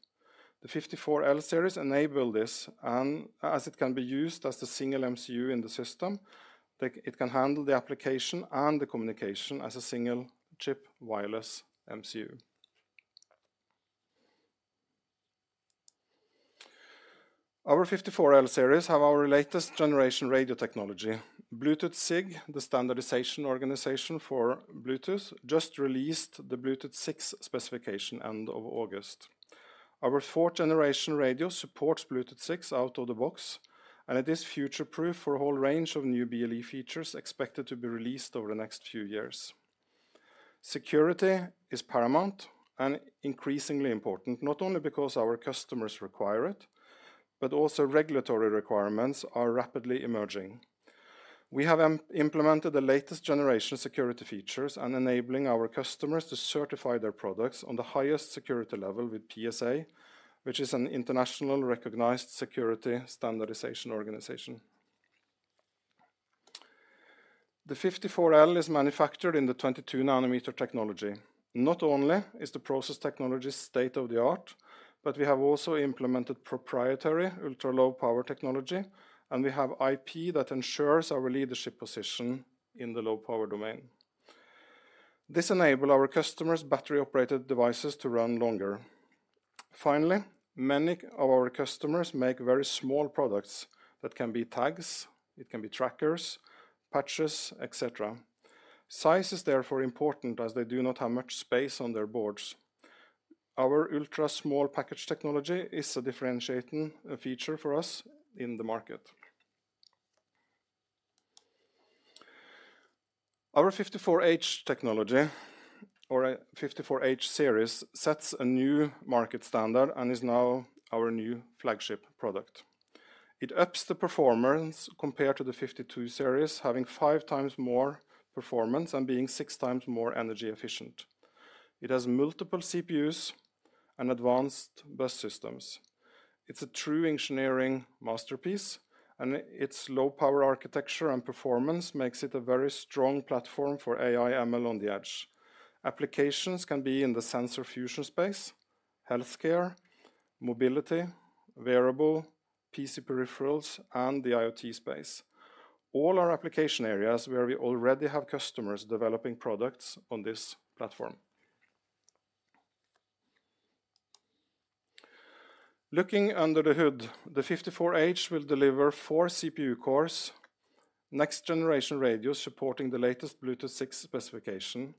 The nRF54L Series enable this, and as it can be used as the single MCU in the system, it can handle the application and the communication as a single-chip wireless MCU. Our nRF54L Series have our latest generation radio technology. Bluetooth SIG, the standards organization for Bluetooth, just released the Bluetooth 6 specification end of August. Our fourth generation radio supports Bluetooth 6 out of the box, and it is future-proof for a whole range of new BLE features expected to be released over the next few years. Security is paramount and increasingly important, not only because our customers require it, but also regulatory requirements are rapidly emerging. We have implemented the latest generation security features and enabling our customers to certify their products on the highest security level with PSA, which is an international recognized security standardization organization. The nRF54L is manufactured in the 22 nm technology. Not only is the process technology state-of-the-art, but we have also implemented proprietary ultra-low power technology, and we have IP that ensures our leadership position in the low-power domain. This enable our customers' battery-operated devices to run longer. Finally, many of our customers make very small products. That can be tags, it can be trackers, patches, et cetera. Size is therefore important, as they do not have much space on their boards. Our ultra-small package technology is a differentiating feature for us in the market. Our nRF54H technology, or nrf54H Series, sets a new market standard and is now our new flagship product. It ups the performance compared to the nRF52 Series, having five times more performance and being six times more energy efficient. It has multiple CPUs and advanced bus systems. It's a true engineering masterpiece, and its low power architecture and performance makes it a very strong platform for AI/ML on the edge. Applications can be in the sensor fusion space, healthcare, mobility, wearable, PC peripherals, and the IoT space. All our application areas where we already have customers developing products on this platform. Looking under the hood, the nRF54H will deliver four CPU cores, next generation radio supporting the latest Bluetooth 6 specification.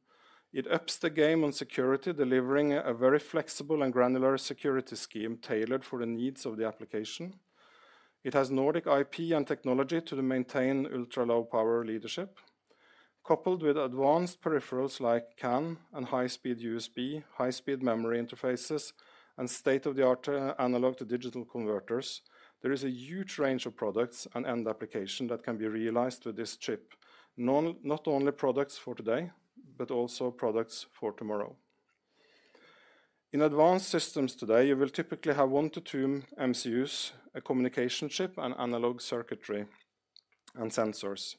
It ups the game on security, delivering a very flexible and granular security scheme tailored for the needs of the application. It has Nordic IP and technology to maintain ultra-low power leadership, coupled with advanced peripherals like CAN and high-speed USB, high-speed memory interfaces, and state-of-the-art analog-to-digital converters. There is a huge range of products and end applications that can be realized with this chip. Not only products for today, but also products for tomorrow. In advanced systems today, you will typically have one to two MCUs, a communication chip, and analog circuitry, and sensors.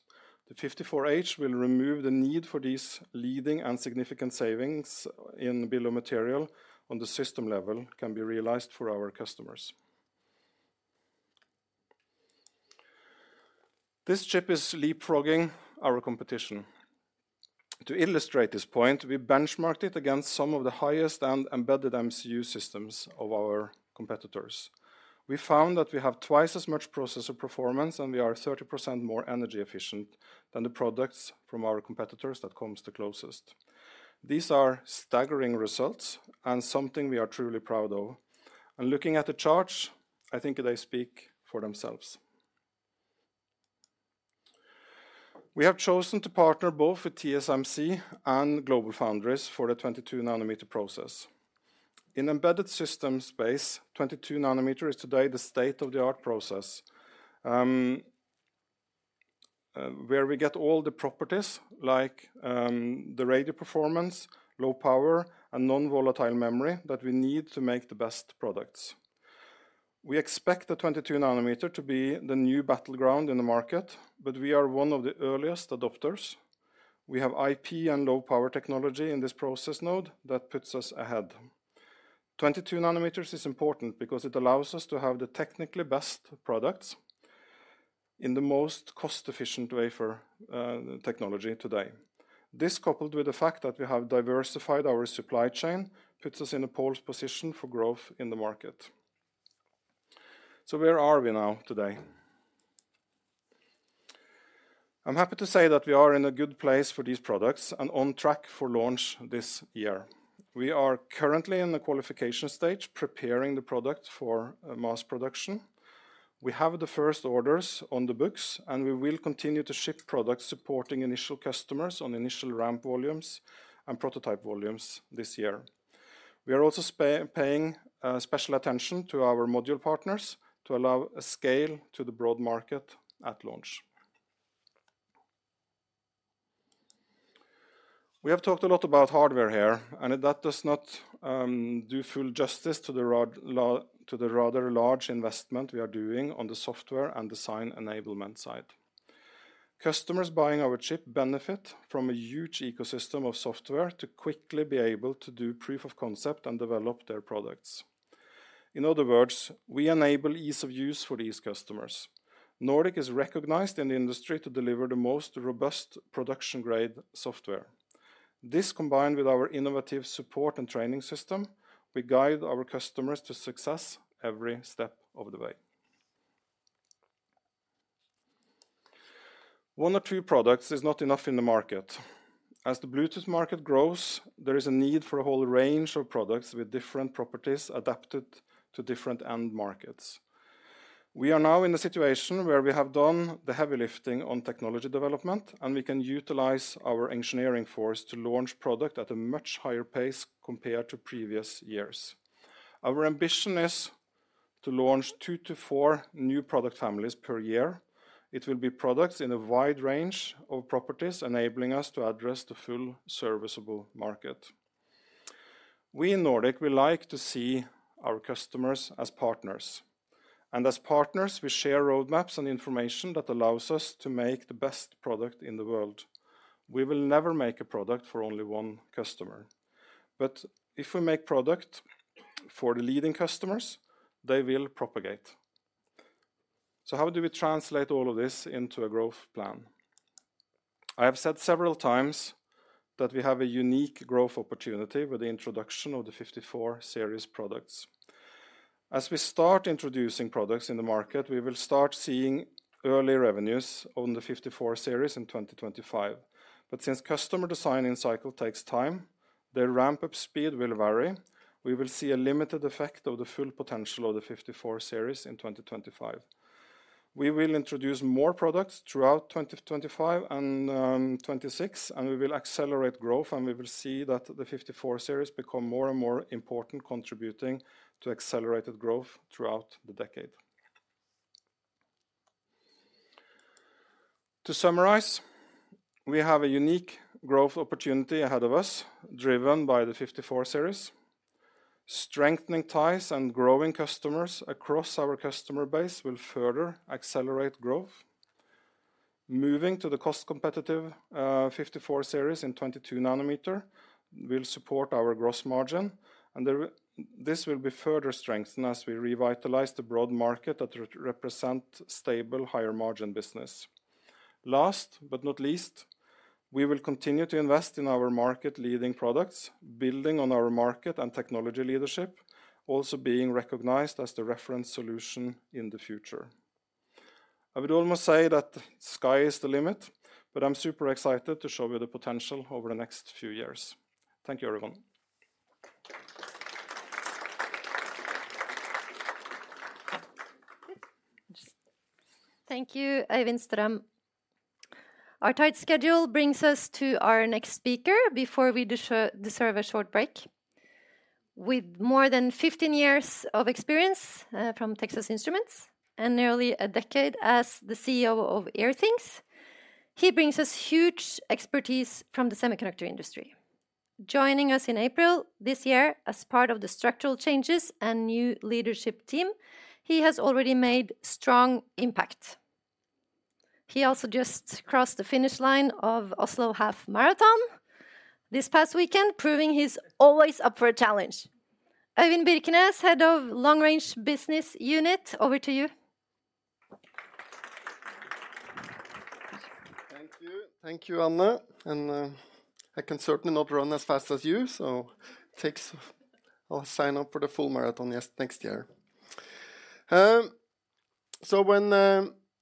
The nRF54H will remove the need for these, leading to significant savings in bill of material on the system level that can be realized for our customers. This chip is leapfrogging our competition. To illustrate this point, we benchmarked it against some of the highest-end embedded MCU systems of our competitors. We found that we have twice as much processor performance, and we are 30% more energy efficient than the products from our competitors that comes the closest. These are staggering results and something we are truly proud of, and looking at the charts, I think they speak for themselves. We have chosen to partner both with TSMC and GlobalFoundries for the 22 nm process. In embedded system space, 22 nm is today the state-of-the-art process, where we get all the properties like, the radio performance, low power, and non-volatile memory that we need to make the best products. We expect the 22 nm to be the new battleground in the market, but we are one of the earliest adopters. We have IP and low power technology in this process node that puts us ahead. 22 nm is important because it allows us to have the technically best products in the most cost-efficient way for technology today. This, coupled with the fact that we have diversified our supply chain, puts us in a pole position for growth in the market. So where are we now today? I'm happy to say that we are in a good place for these products and on track for launch this year. We are currently in the qualification stage, preparing the product for mass production. We have the first orders on the books, and we will continue to ship products supporting initial customers on initial ramp volumes and prototype volumes this year. We are also paying special attention to our module partners to allow a scale to the broad market at launch. We have talked a lot about hardware here, and that does not do full justice to the rather large investment we are doing on the software and design enablement side. Customers buying our chip benefit from a huge ecosystem of software to quickly be able to do proof of concept and develop their products. In other words, we enable ease of use for these customers. Nordic is recognized in the industry to deliver the most robust production-grade software. This, combined with our innovative support and training system, we guide our customers to success every step of the way. One or two products is not enough in the market. As the Bluetooth market grows, there is a need for a whole range of products with different properties adapted to different end markets. We are now in a situation where we have done the heavy lifting on technology development, and we can utilize our engineering force to launch product at a much higher pace compared to previous years. Our ambition is to launch two to four new product families per year. It will be products in a wide range of properties, enabling us to address the full serviceable market. We in Nordic, we like to see our customers as partners, and as partners, we share roadmaps and information that allows us to make the best product in the world. We will never make a product for only one customer, but if we make product for the leading customers, they will propagate. So how do we translate all of this into a growth plan? I have said several times that we have a unique growth opportunity with the introduction of the nRF54 Series products. As we start introducing products in the market, we will start seeing early revenues on the nRF54 Series in 2025. But since customer designing cycle takes time, their ramp-up speed will vary. We will see a limited effect of the full potential of the nRF54 Series in 2025. We will introduce more products throughout 2025 and 2026, and we will accelerate growth, and we will see that the nRF54 Series become more and more important, contributing to accelerated growth throughout the decade. To summarize, we have a unique growth opportunity ahead of us, driven by the nRF54 Series. Strengthening ties and growing customers across our customer base will further accelerate growth. Moving to the cost-competitive nRF54 Series in 22 nm will support our gross margin, and this will be further strengthened as we revitalize the broad market that represent stable, higher-margin business. Last but not least, we will continue to invest in our market-leading products, building on our market and technology leadership, also being recognized as the reference solution in the future. I would almost say that the sky is the limit, but I'm super excited to show you the potential over the next few years. Thank you, everyone. Thank you, Øyvind Strøm. Our tight schedule brings us to our next speaker before we deserve a short break. With more than 15 years of experience from Texas Instruments and nearly a decade as the CEO of Airthings, he brings us huge expertise from the semiconductor industry. Joining us in April this year, as part of the structural changes and new leadership team, he has already made strong impact. He also just crossed the finish line of Oslo Half Marathon this past weekend, proving he's always up for a challenge. Øyvind Birkenes, Head Long Range Business unit, over to you. Thank you. Thank you, Anne, and I can certainly not run as fast as you, so thanks. I'll sign up for the full marathon next year. So when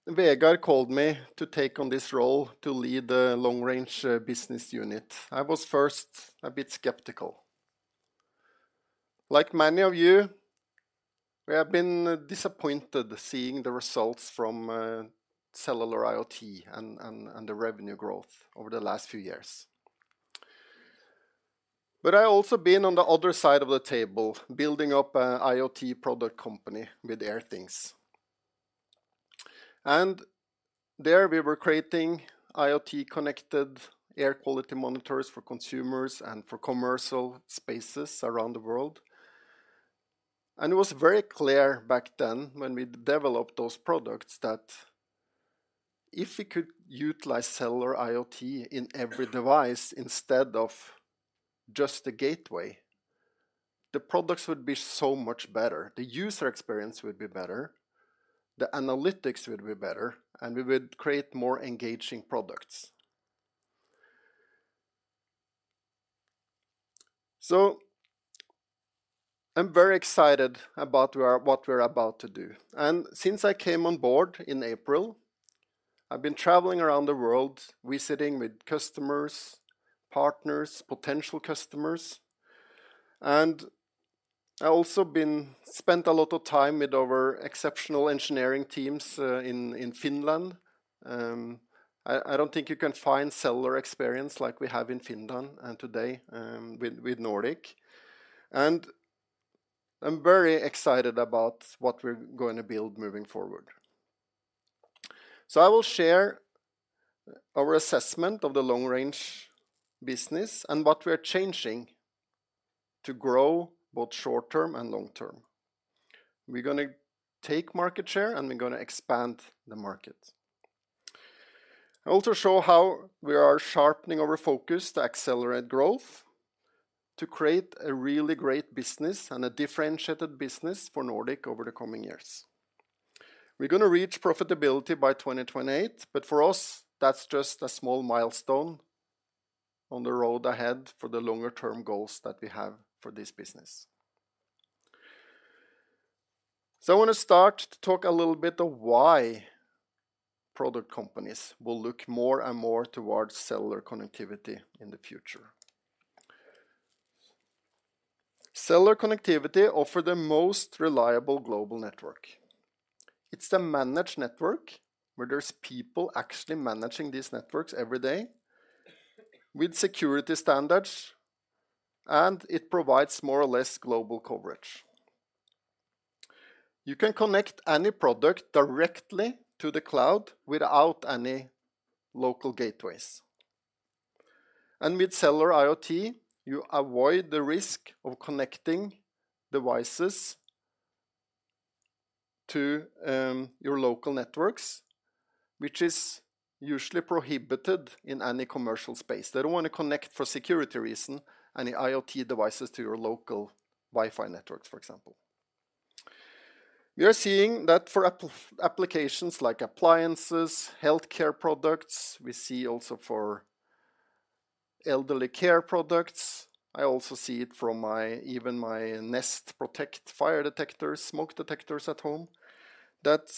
Vegard called me to take on this role to lead Long Range Business unit, I was first a bit skeptical. Like many of you, we have been disappointed seeing the results from Cellular IoT and the revenue growth over the last few years, but I also been on the other side of the table, building up an IoT product company with Airthings, and there we were creating IoT-connected air quality monitors for consumers and for commercial spaces around the world. It was very clear back then, when we developed those products, that if we could utilize Cellular IoT in every device instead of just the gateway, the products would be so much better. The user experience would be better, the analytics would be better, and we would create more engaging products. I'm very excited about where what we're about to do. Since I came on board in April, I've been traveling around the world, visiting with customers, partners, potential customers, and I also spent a lot of time with our exceptional engineering teams in Finland. I don't think you can find stellar experience like we have in Finland today with Nordic. I'm very excited about what we're going to build moving forward. I will share our assessment of Long Range Business and what we are changing to grow both short term and long term. We're gonna take market share, and we're gonna expand the market. I'll also show how we are sharpening our focus to accelerate growth, to create a really great business and a differentiated business for Nordic over the coming years. We're gonna reach profitability by 2028, but for us, that's just a small milestone on the road ahead for the longer-term goals that we have for this business. I want to start to talk a little bit of why product companies will look more and more towards cellular connectivity in the future. Cellular connectivity offer the most reliable global network. It's a most reliable global network, managed network, where there's people actually managing these networks every day, with security standards, and it provides more or less global coverage. You can connect any product directly to the cloud without any local gateways, and with Cellular IoT, you avoid the risk of connecting devices to your local networks, which is usually prohibited in any commercial space. They don't want to connect, for security reason, any IoT devices to your local Wi-Fi networks, for example. We are seeing that for applications like appliances, healthcare products, we see also for elderly care products. I also see it from even my Nest Protect fire detectors, smoke detectors at home, that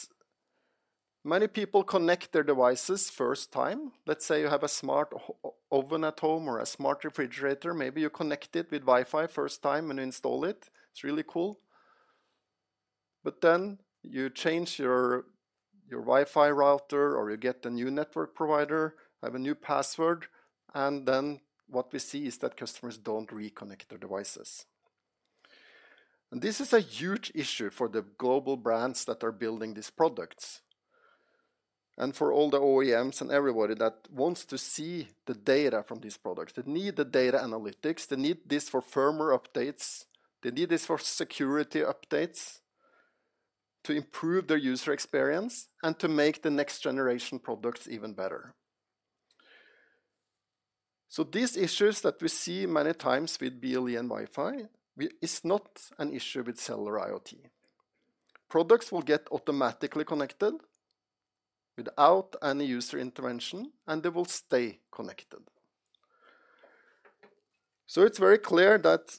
many people connect their devices first time. Let's say you have a smart oven at home or a smart refrigerator. Maybe you connect it with Wi-Fi first time when you install it, it's really cool. But then you change your Wi-Fi router, or you get a new network provider, have a new password, and then what we see is that customers don't reconnect their devices. And this is a huge issue for the global brands that are building these products, and for all the OEMs and everybody that wants to see the data from these products. They need the data analytics. They need this for firmware updates. They need this for security updates, to improve their user experience and to make the next generation products even better. So these issues that we see many times with BLE and Wi-Fi is not an issue with Cellular IoT. Products will get automatically connected without any user intervention, and they will stay connected. So it's very clear that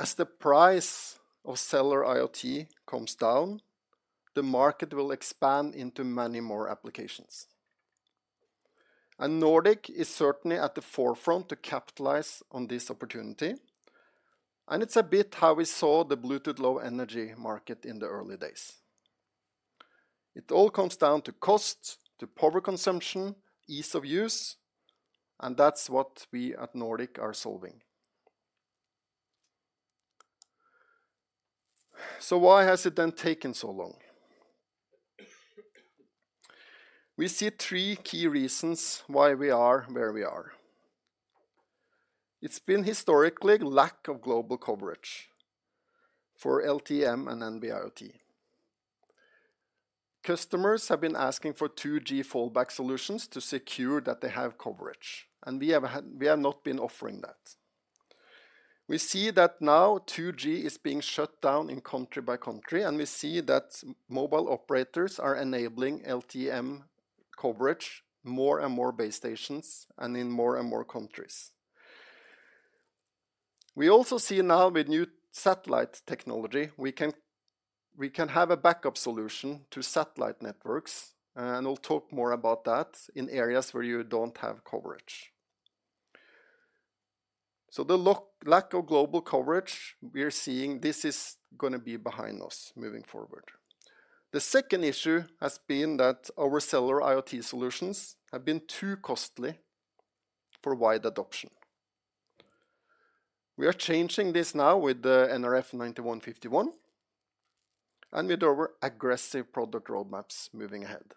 as the price of Cellular IoT comes down, the market will expand into many more applications. Nordic is certainly at the forefront to capitalize on this opportunity, and it's a bit how we saw the Bluetooth Low Energy market in the early days. It all comes down to cost, to power consumption, ease of use, and that's what we at Nordic are solving. Why has it then taken so long? We see three key reasons why we are where we are. It's been historically lack of global coverage for LTE-M and NB-IoT. Customers have been asking for 2G fallback solutions to secure that they have coverage, and we have not been offering that. We see that now 2G is being shut down in country by country, and we see that mobile operators are enabling LTE-M coverage, more and more base stations, and in more and more countries. We also see now with new satellite technology, we can have a backup solution to satellite networks, and I'll talk more about that in areas where you don't have coverage. The lack of global coverage, we are seeing this is gonna be behind us moving forward. The second issue has been that our Cellular IoT solutions have been too costly for wide adoption. We are changing this now with the nRF9151 and with our aggressive product roadmaps moving ahead.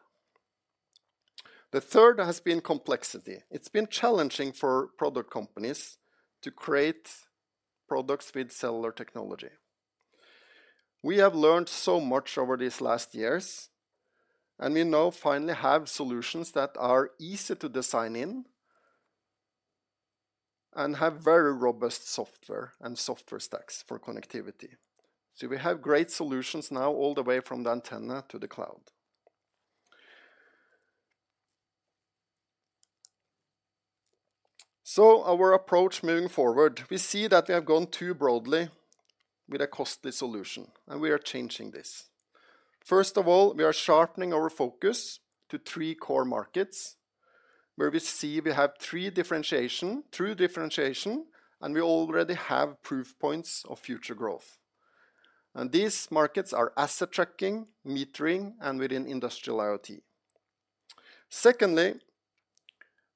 The third has been complexity. It's been challenging for product companies to create products with cellular technology. We have learned so much over these last years, and we now finally have solutions that are easy to design in and have very robust software stacks for connectivity. We have great solutions now, all the way from the antenna to the cloud. So our approach moving forward, we see that we have gone too broadly with a costly solution, and we are changing this. First of all, we are sharpening our focus to three core markets, where we see we have three differentiation- true differentiation, and we already have proof points of future growth. And these markets asset tracking, metering, and within industrial IoT. Secondly,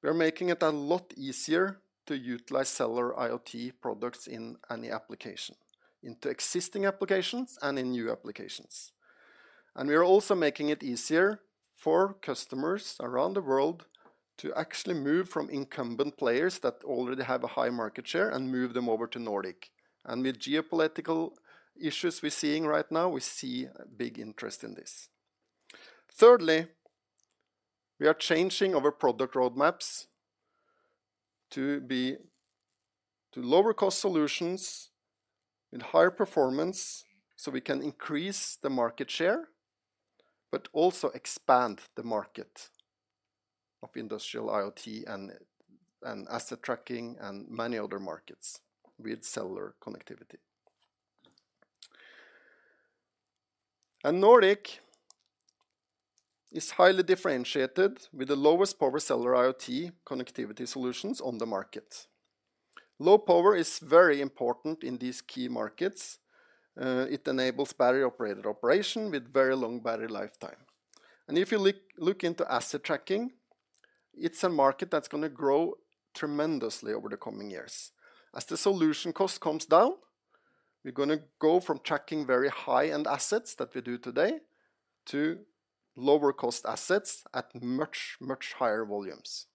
we are making it a lot easier to utilize Cellular IoT products in any application, into existing applications and in new applications. And we are also making it easier for customers around the world to actually move from incumbent players that already have a high market share and move them over to Nordic. And with geopolitical issues we're seeing right now, we see a big interest in this. Thirdly, we are changing our product roadmaps to be to lower cost solutions and higher performance, so we can increase the market share, but also expand the market of Industrial IoT asset tracking and many other markets with cellular connectivity. And Nordic is highly differentiated with the lowest power Cellular IoT connectivity solutions on the market. Low power is very important in these key markets. It enables battery-operated operation with very long battery lifetime. And if you look asset tracking, it's a market that's gonna grow tremendously over the coming years. As the solution cost comes down, we're gonna go from tracking very high-end assets that we do today, to lower cost assets at much higher volumes.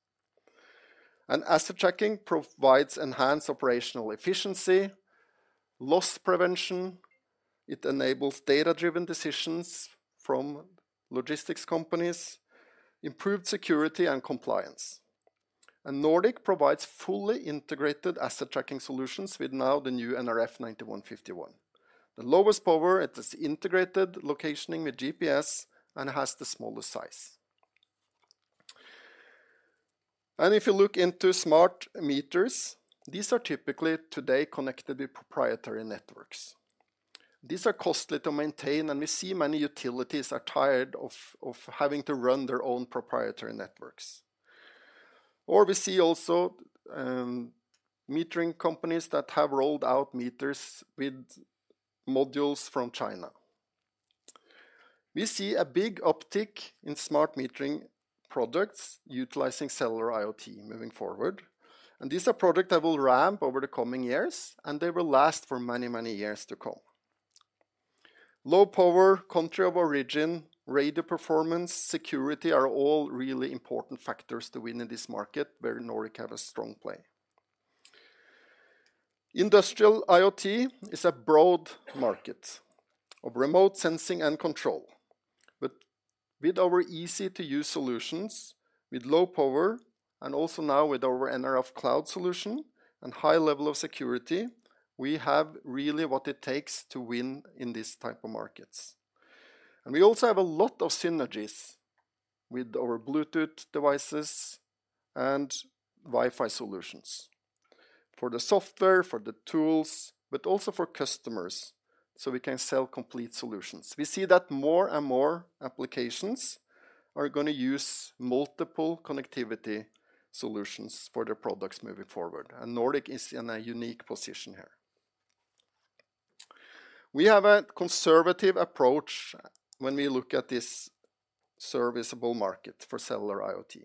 asset tracking provides enhanced operational efficiency, loss prevention, it enables data-driven decisions from logistics companies, improved security and compliance. Nordic provides fully asset tracking solutions with now the new nRF9151. The lowest power, it is integrated locationing with GPS, and has the smallest size. If you look into smart meters, these are typically today connected with proprietary networks. These are costly to maintain, and we see many utilities are tired of having to run their own proprietary networks. We see also, metering companies that have rolled out meters with modules from China. We see a big uptick in smart metering products utilizing Cellular IoT moving forward, and these are products that will ramp over the coming years, and they will last for many, many years to come. Low power, country of origin, radio performance, security, are all really important factors to win in this market, where Nordic have a strong play. Industrial IoT is a broad market of remote sensing and control, but with our easy-to-use solutions, with low power, and also now with our nRF Cloud solution and high level of security, we have really what it takes to win in these type of markets, and we also have a lot of synergies with our Bluetooth devices and Wi-Fi solutions. For the software, for the tools, but also for customers, so we can sell complete solutions. We see that more and more applications are gonna use multiple connectivity solutions for their products moving forward, and Nordic is in a unique position here. We have a conservative approach when we look at this serviceable market for Cellular IoT.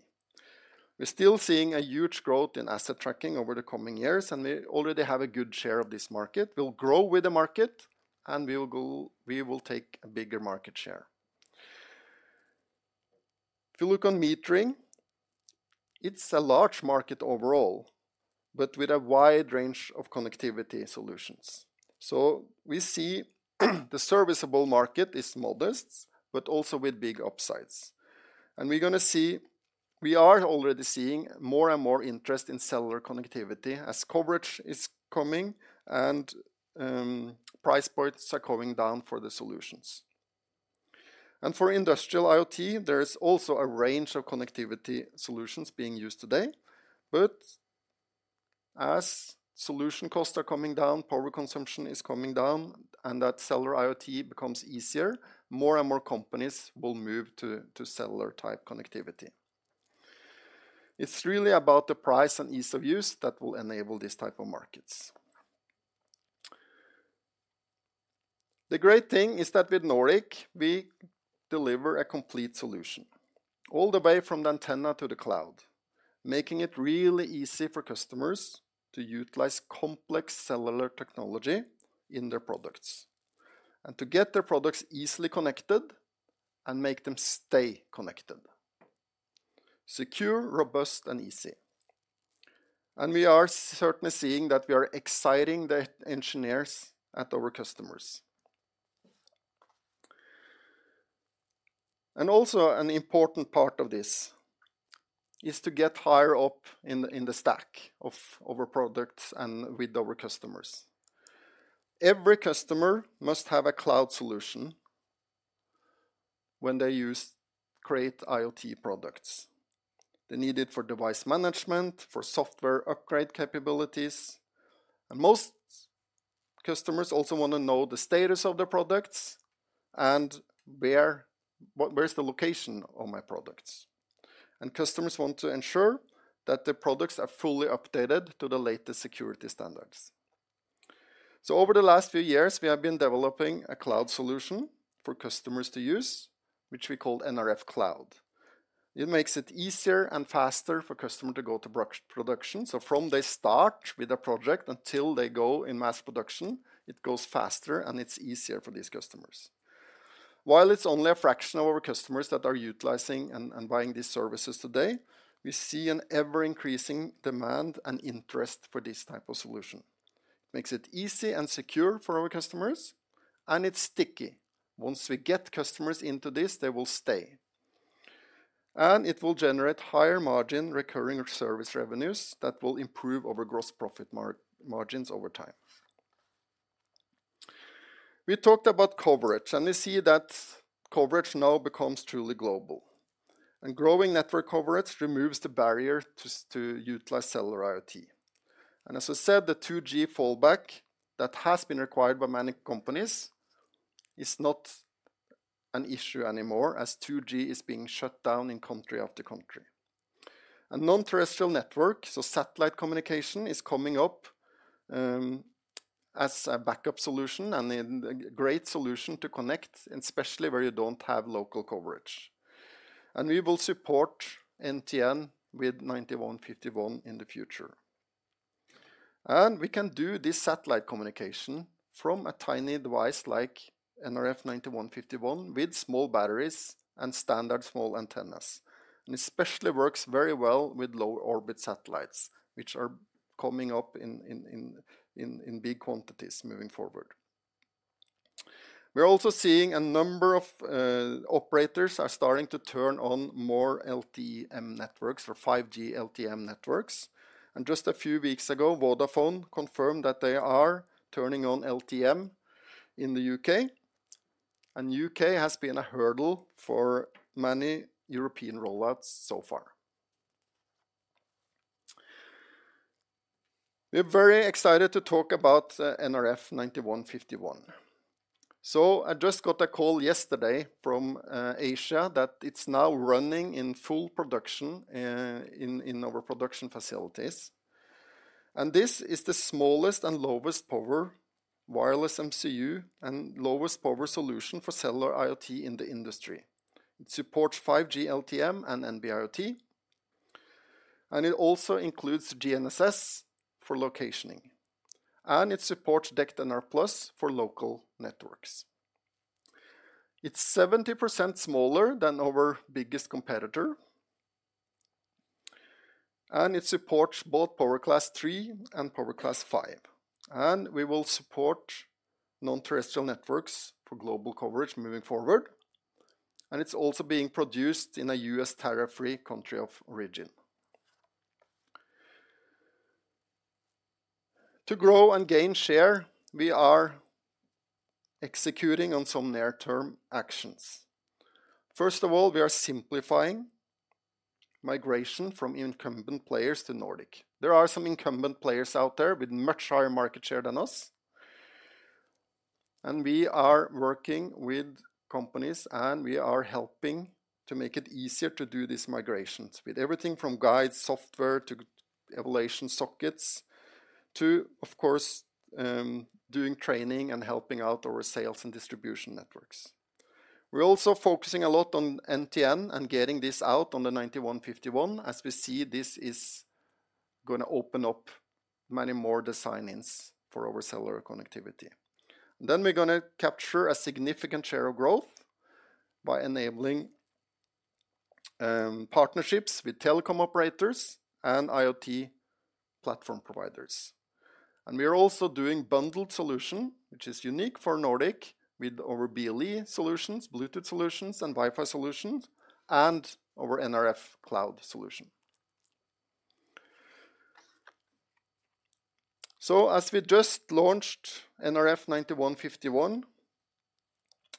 We're still seeing a huge growth asset tracking over the coming years, and we already have a good share of this market. We'll grow with the market, and we will go. We will take a bigger market share. If you look on metering, it's a large market overall, but with a wide range of connectivity solutions. So we see the serviceable market is modest, but also with big upsides. And we are already seeing more and more interest in cellular connectivity as coverage is coming and price points are coming down for the solutions. And for Industrial IoT, there is also a range of connectivity solutions being used today, but as solution costs are coming down, power consumption is coming down, and that Cellular IoT becomes easier, more and more companies will move to cellular-type connectivity. It's really about the price and ease of use that will enable these type of markets. The great thing is that with Nordic, we deliver a complete solution, all the way from the antenna to the cloud, making it really easy for customers to utilize complex cellular technology in their products, and to get their products easily connected and make them stay connected. Secure, robust, and easy. We are certainly seeing that we are exciting the engineers at our customers. Also an important part of this is to get higher up in the stack of our products and with our customers. Every customer must have a cloud solution when they use create IoT products. They need it for device management, for software upgrade capabilities, and most customers also want to know the status of their products and where is the location of my products. Customers want to ensure that their products are fully updated to the latest security standards. Over the last few years, we have been developing a cloud solution for customers to use, which we call nRF Cloud. It makes it easier and faster for customer to go to production. From they start with a project until they go in mass production, it goes faster, and it's easier for these customers. While it's only a fraction of our customers that are utilizing and buying these services today, we see an ever-increasing demand and interest for this type of solution. Makes it easy and secure for our customers, and it's sticky. Once we get customers into this, they will stay. It will generate higher margin recurring service revenues that will improve our gross profit margins over time. We talked about coverage, and we see that coverage now becomes truly global. Growing network coverage removes the barrier to utilize Cellular IoT. And as I said, the 2G fallback that has been required by many companies is not an issue anymore, as 2G is being shut down in country after country. And non-terrestrial network, so satellite communication, is coming up as a backup solution and a great solution to connect, especially where you don't have local coverage. And we will support NTN with nRF9151 in the future. And we can do this satellite communication from a tiny device like nRF9151, with small batteries and standard small antennas. And it especially works very well with low orbit satellites, which are coming up in big quantities moving forward. We're also seeing a number of operators are starting to turn on more LTE-M networks or 5G LTE-M networks. And just a few weeks ago, Vodafone confirmed that they are turning on LTE-M in the U.K., and U.K. has been a hurdle for many European rollouts so far. We're very excited to talk about the nRF9151. So I just got a call yesterday from Asia that it's now running in full production in our production facilities. And this is the smallest and lowest power wireless MCU, and lowest power solution for Cellular IoT in the industry. It supports 5G LTE-M and NB-IoT, and it also includes GNSS for locationing, and it supports DECT NR+ for local networks. It's 70% smaller than our biggest competitor, and it supports both Power Class 3 and Power Class 5. And we will support non-terrestrial networks for global coverage moving forward, and it's also being produced in a U.S. tariff-free country of origin. To grow and gain share, we are executing on some near-term actions. First of all, we are simplifying migration from incumbent players to Nordic. There are some incumbent players out there with much higher market share than us, and we are working with companies, and we are helping to make it easier to do these migrations, with everything from guide software to evaluation sockets to, of course, doing training and helping out our sales and distribution networks. We're also focusing a lot on NTN and getting this out on the nRF9151. As we see, this is gonna open up many more design-ins for our cellular connectivity. Then we're gonna capture a significant share of growth by enabling partnerships with telecom operators and IoT platform providers. We are also doing bundled solution, which is unique for Nordic, with our BLE solutions, Bluetooth solutions, and Wi-Fi solutions, and our nRF Cloud solution. As we just launched nRF9151,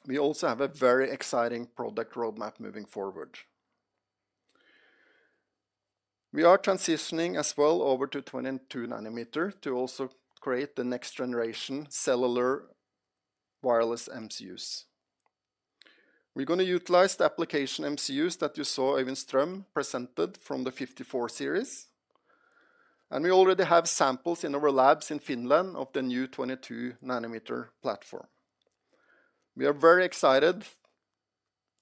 we also have a very exciting product roadmap moving forward. We are transitioning as well over to 22 nm to also create the next generation cellular wireless MCUs. We are going to utilize the application MCUs that you saw Øyvind Strøm presented from the nRF54 Series, and we already have samples in our labs in Finland of the new 22 nm platform. We are very excited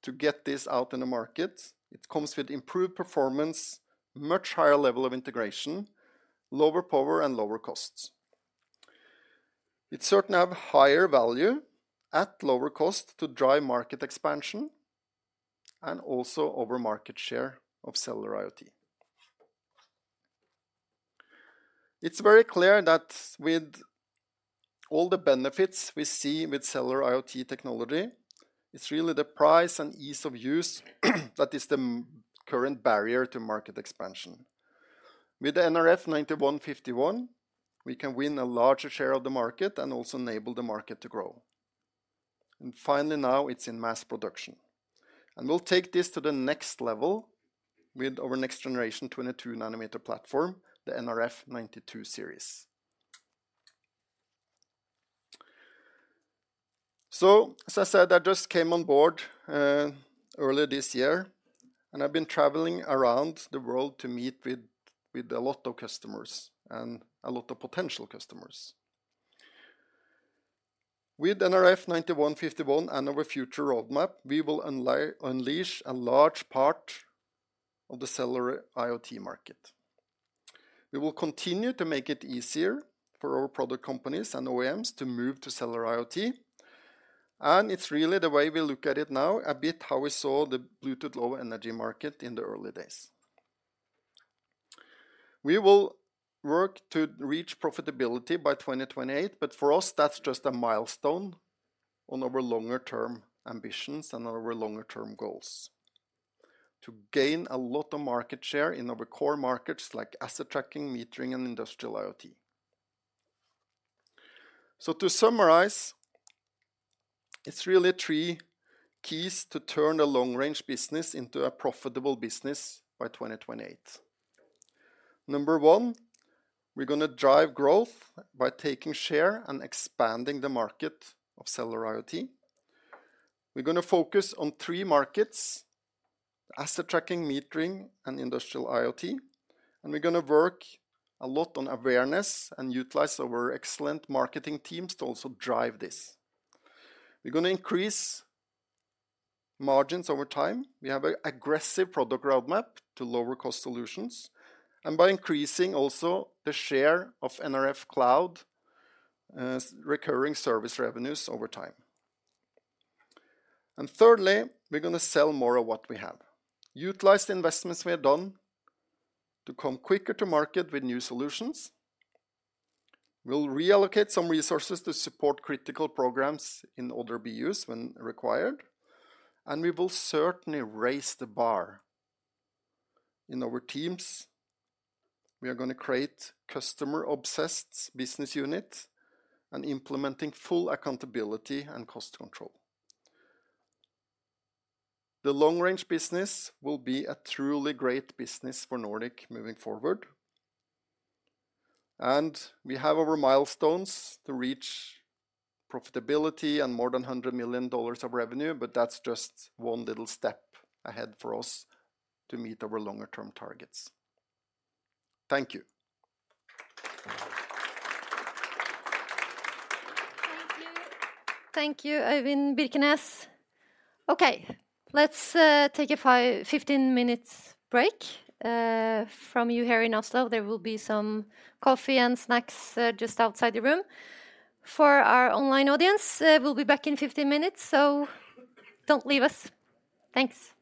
to get this out in the market. It comes with improved performance, much higher level of integration, lower power, and lower costs. It certainly has higher value at lower cost to drive market expansion and also our market share of Cellular IoT. It's very clear that with all the benefits we see with Cellular IoT technology, it's really the price and ease of use that is the current barrier to market expansion. With the nRF9151, we can win a larger share of the market and also enable the market to grow. Finally, now it's in mass production. We'll take this to the next level with our next generation 22 nm platform, the nRF92 Series. As I said, I just came on board earlier this year, and I've been traveling around the world to meet with a lot of customers and a lot of potential customers. With nRF9151 and our future roadmap, we will unleash a large part of the Cellular IoT market. We will continue to make it easier for our product companies and OEMs to move to Cellular IoT, and it's really the way we look at it now, a bit how we saw the Bluetooth Low Energy market in the early days. We will work to reach profitability by 2028, but for us, that's just a milestone on our longer term ambitions and our longer term goals to gain a lot of market share in our core markets asset tracking, metering, and Industrial IoT. So to summarize, it's really three keys to turn Long Range Business into a profitable business by 2028. Number one, we're going to drive growth by taking share and expanding the market of Cellular IoT. We're going to focus on three asset tracking, metering, and Industrial IoT, and we're going to work a lot on awareness and utilize our excellent marketing teams to also drive this. We're going to increase margins over time. We have an aggressive product roadmap to lower cost solutions, and by increasing also the share of nRF Cloud, recurring service revenues over time, and thirdly, we're going to sell more of what we have. Utilize the investments we have done to come quicker to market with new solutions. We'll reallocate some resources to support critical programs in other BUs when required, and we will certainly raise the bar in our teams. We are going to create customer-obsessed business units and implementing full accountability and cost control. Long Range Business will be a truly great business for Nordic moving forward, and we have our milestones to reach profitability and more than $100 million of revenue, but that's just one little step ahead for us to meet our longer-term targets. Thank you. Thank you. Thank you, Øyvind Birkenes. Okay, let's take a 15-minute break from you here in Oslo. There will be some coffee and snacks just outside the room. For our online audience, we'll be back in 15 minutes, so don't leave us. Thanks!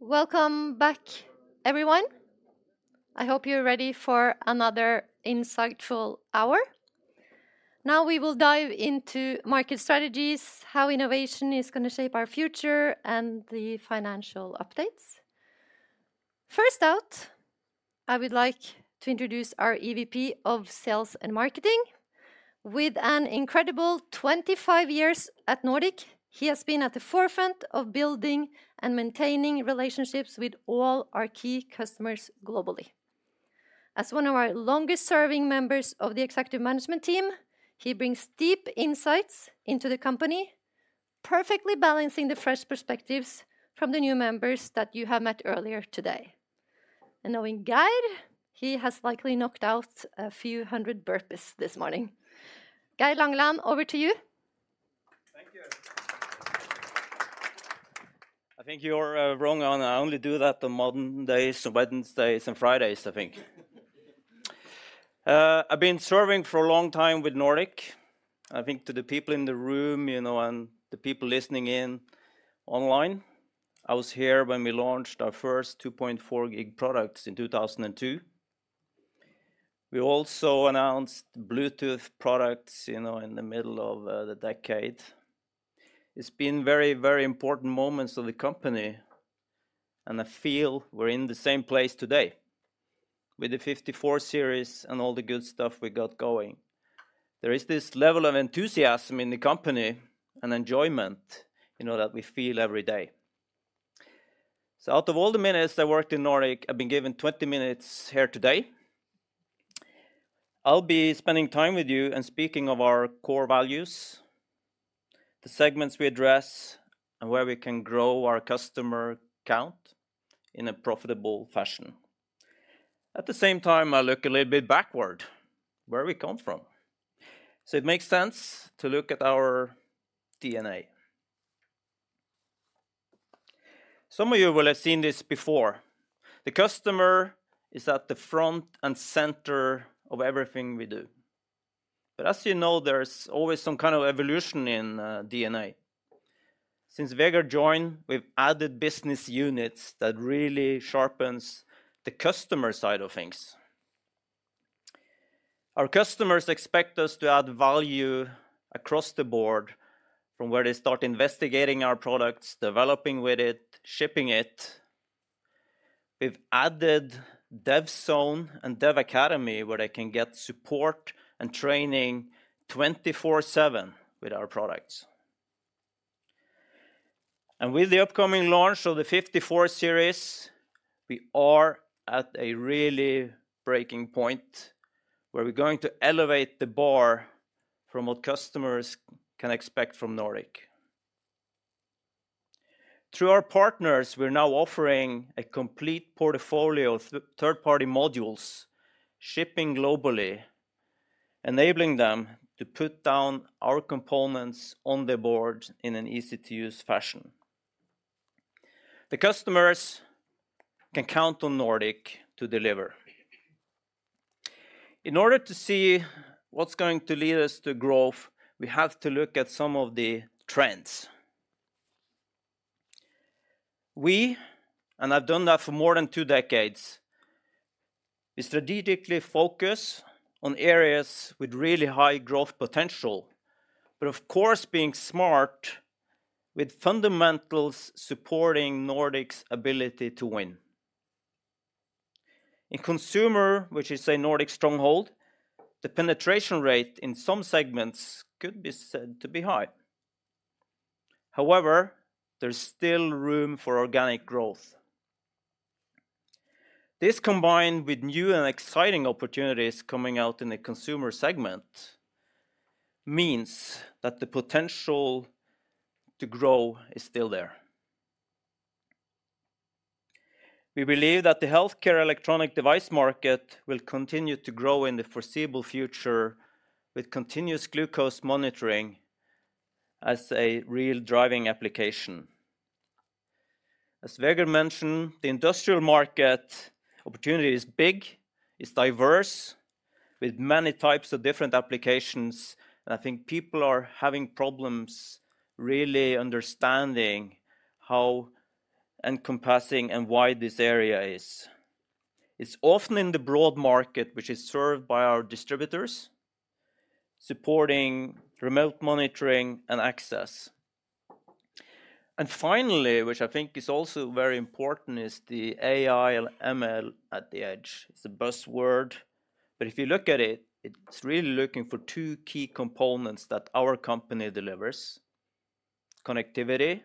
Welcome back, everyone. I hope you're ready for another insightful hour. Now, we will dive into market strategies, how innovation is gonna shape our future, and the financial updates. First out, I would like to introduce our EVP of Sales and Marketing. With an incredible twenty-five years at Nordic, he has been at the forefront of building and maintaining relationships with all our key customers globally. As one of our longest-serving members of the executive management team, he brings deep insights into the company, perfectly balancing the fresh perspectives from the new members that you have met earlier today, and knowing Geir, he has likely knocked out a few hundred burpees this morning. Geir Langeland, over to you. Thank you. I think you're wrong on that. I only do that on Mondays, Wednesdays and Fridays, I think. I've been serving for a long time with Nordic. I think to the people in the room, you know, and the people listening in online, I was here when we launched our first 2.4 GHz products in 2002. We also announced Bluetooth products, you know, in the middle of the decade. It's been very, very important moments of the company, and I feel we're in the same place today with the nRF54 Series and all the good stuff we got going. There is this level of enthusiasm in the company and enjoyment, you know, that we feel every day. So out of all the minutes I worked in Nordic, I've been given twenty minutes here today. I'll be spending time with you and speaking of our core values, the segments we address, and where we can grow our customer count in a profitable fashion. At the same time, I look a little bit backward, where we come from. So it makes sense to look at our DNA. Some of you will have seen this before. The customer is at the front and center of everything we do. But as you know, there's always some kind of evolution in DNA. Since Vegard joined, we've added business units that really sharpens the customer side of things. Our customers expect us to add value across the board from where they start investigating our products, developing with it, shipping it. We've added DevZone and DevAcademy, where they can get support and training 24/7 with our products. And with the upcoming launch of the nRF54 Series, we are at a really breaking point, where we're going to elevate the bar from what customers can expect from Nordic. Through our partners, we're now offering a complete portfolio of third-party modules, shipping globally, enabling them to put down our components on the board in an easy-to-use fashion. The customers can count on Nordic to deliver. In order to see what's going to lead us to growth, we have to look at some of the trends. We, and I've done that for more than two decades, we strategically focus on areas with really high growth potential, but of course, being smart with fundamentals supporting Nordic's ability to win. In consumer, which is a Nordic stronghold, the penetration rate in some segments could be said to be high. However, there's still room for organic growth. This, combined with new and exciting opportunities coming out in the consumer segment, means that the potential to grow is still there. We believe that the healthcare electronic device market will continue to grow in the foreseeable future, with continuous glucose monitoring as a real driving application. As Vegard mentioned, the industrial market opportunity is big, it's diverse, with many types of different applications. I think people are having problems really understanding how encompassing and wide this area is. It's often in the broad market, which is served by our distributors, supporting remote monitoring and access. And finally, which I think is also very important, is the AI and ML at the Edge. It's a buzzword, but if you look at it, it's really looking for two key components that our company delivers: connectivity,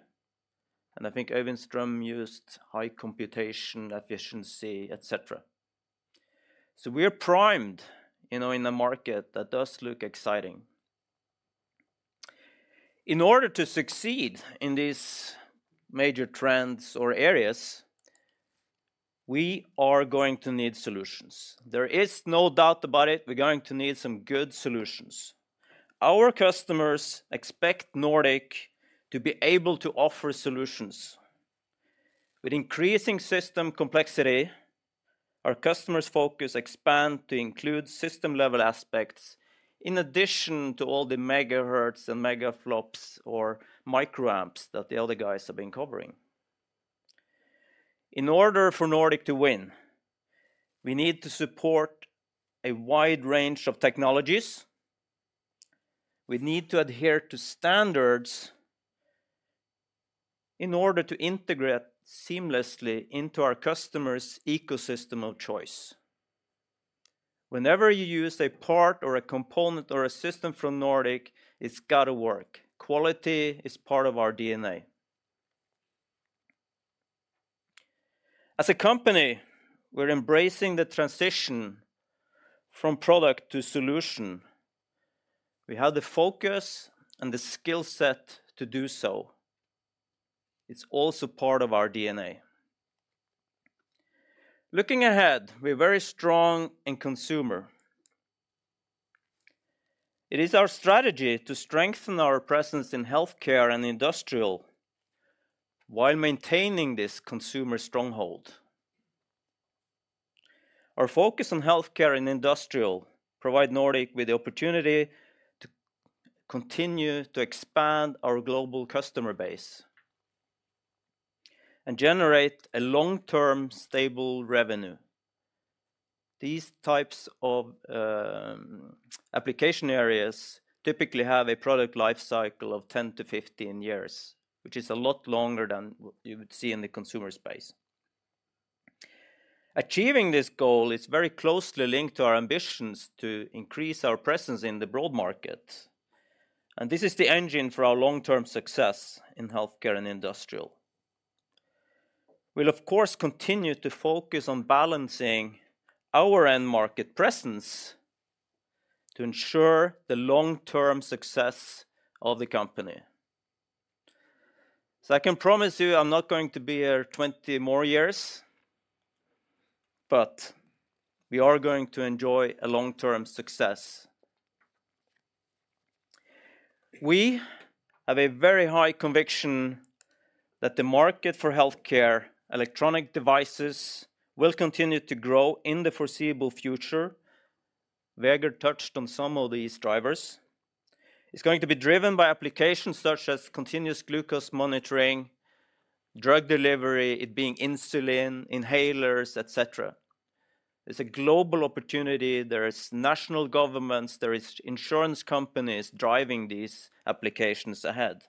and I think Øyvind Strøm used high computation efficiency, et cetera. So we're primed, you know, in a market that does look exciting. In order to succeed in these major trends or areas, we are going to need solutions. There is no doubt about it, we're going to need some good solutions. Our customers expect Nordic to be able to offer solutions. With increasing system complexity, our customers' focus expand to include system-level aspects, in addition to all the MHz and megaflops or µA that the other guys have been covering. In order for Nordic to win, we need to support a wide range of technologies. We need to adhere to standards in order to integrate seamlessly into our customer's ecosystem of choice. Whenever you use a part or a component or a system from Nordic, it's gotta work. Quality is part of our DNA. As a company, we're embracing the transition from product to solution. We have the focus and the skill set to do so. It's also part of our DNA. Looking ahead, we're very strong in consumer. It is our strategy to strengthen our presence in healthcare and industrial, while maintaining this consumer stronghold. Our focus on healthcare and industrial provide Nordic with the opportunity to continue to expand our global customer base and generate a long-term, stable revenue. These types of application areas typically have a product life cycle of 10 years-15 years, which is a lot longer than what you would see in the consumer space. Achieving this goal is very closely linked to our ambitions to increase our presence in the broad market, and this is the engine for our long-term success in healthcare and industrial. We'll, of course, continue to focus on balancing our end market presence to ensure the long-term success of the company. So I can promise you, I'm not going to be here twenty more years, but we are going to enjoy a long-term success. We have a very high conviction that the market for healthcare electronic devices will continue to grow in the foreseeable future. Vegard touched on some of these drivers. It's going to be driven by applications such as continuous glucose monitoring, drug delivery, it being insulin, inhalers, et cetera. There's a global opportunity, there is national governments, there is insurance companies driving these applications ahead.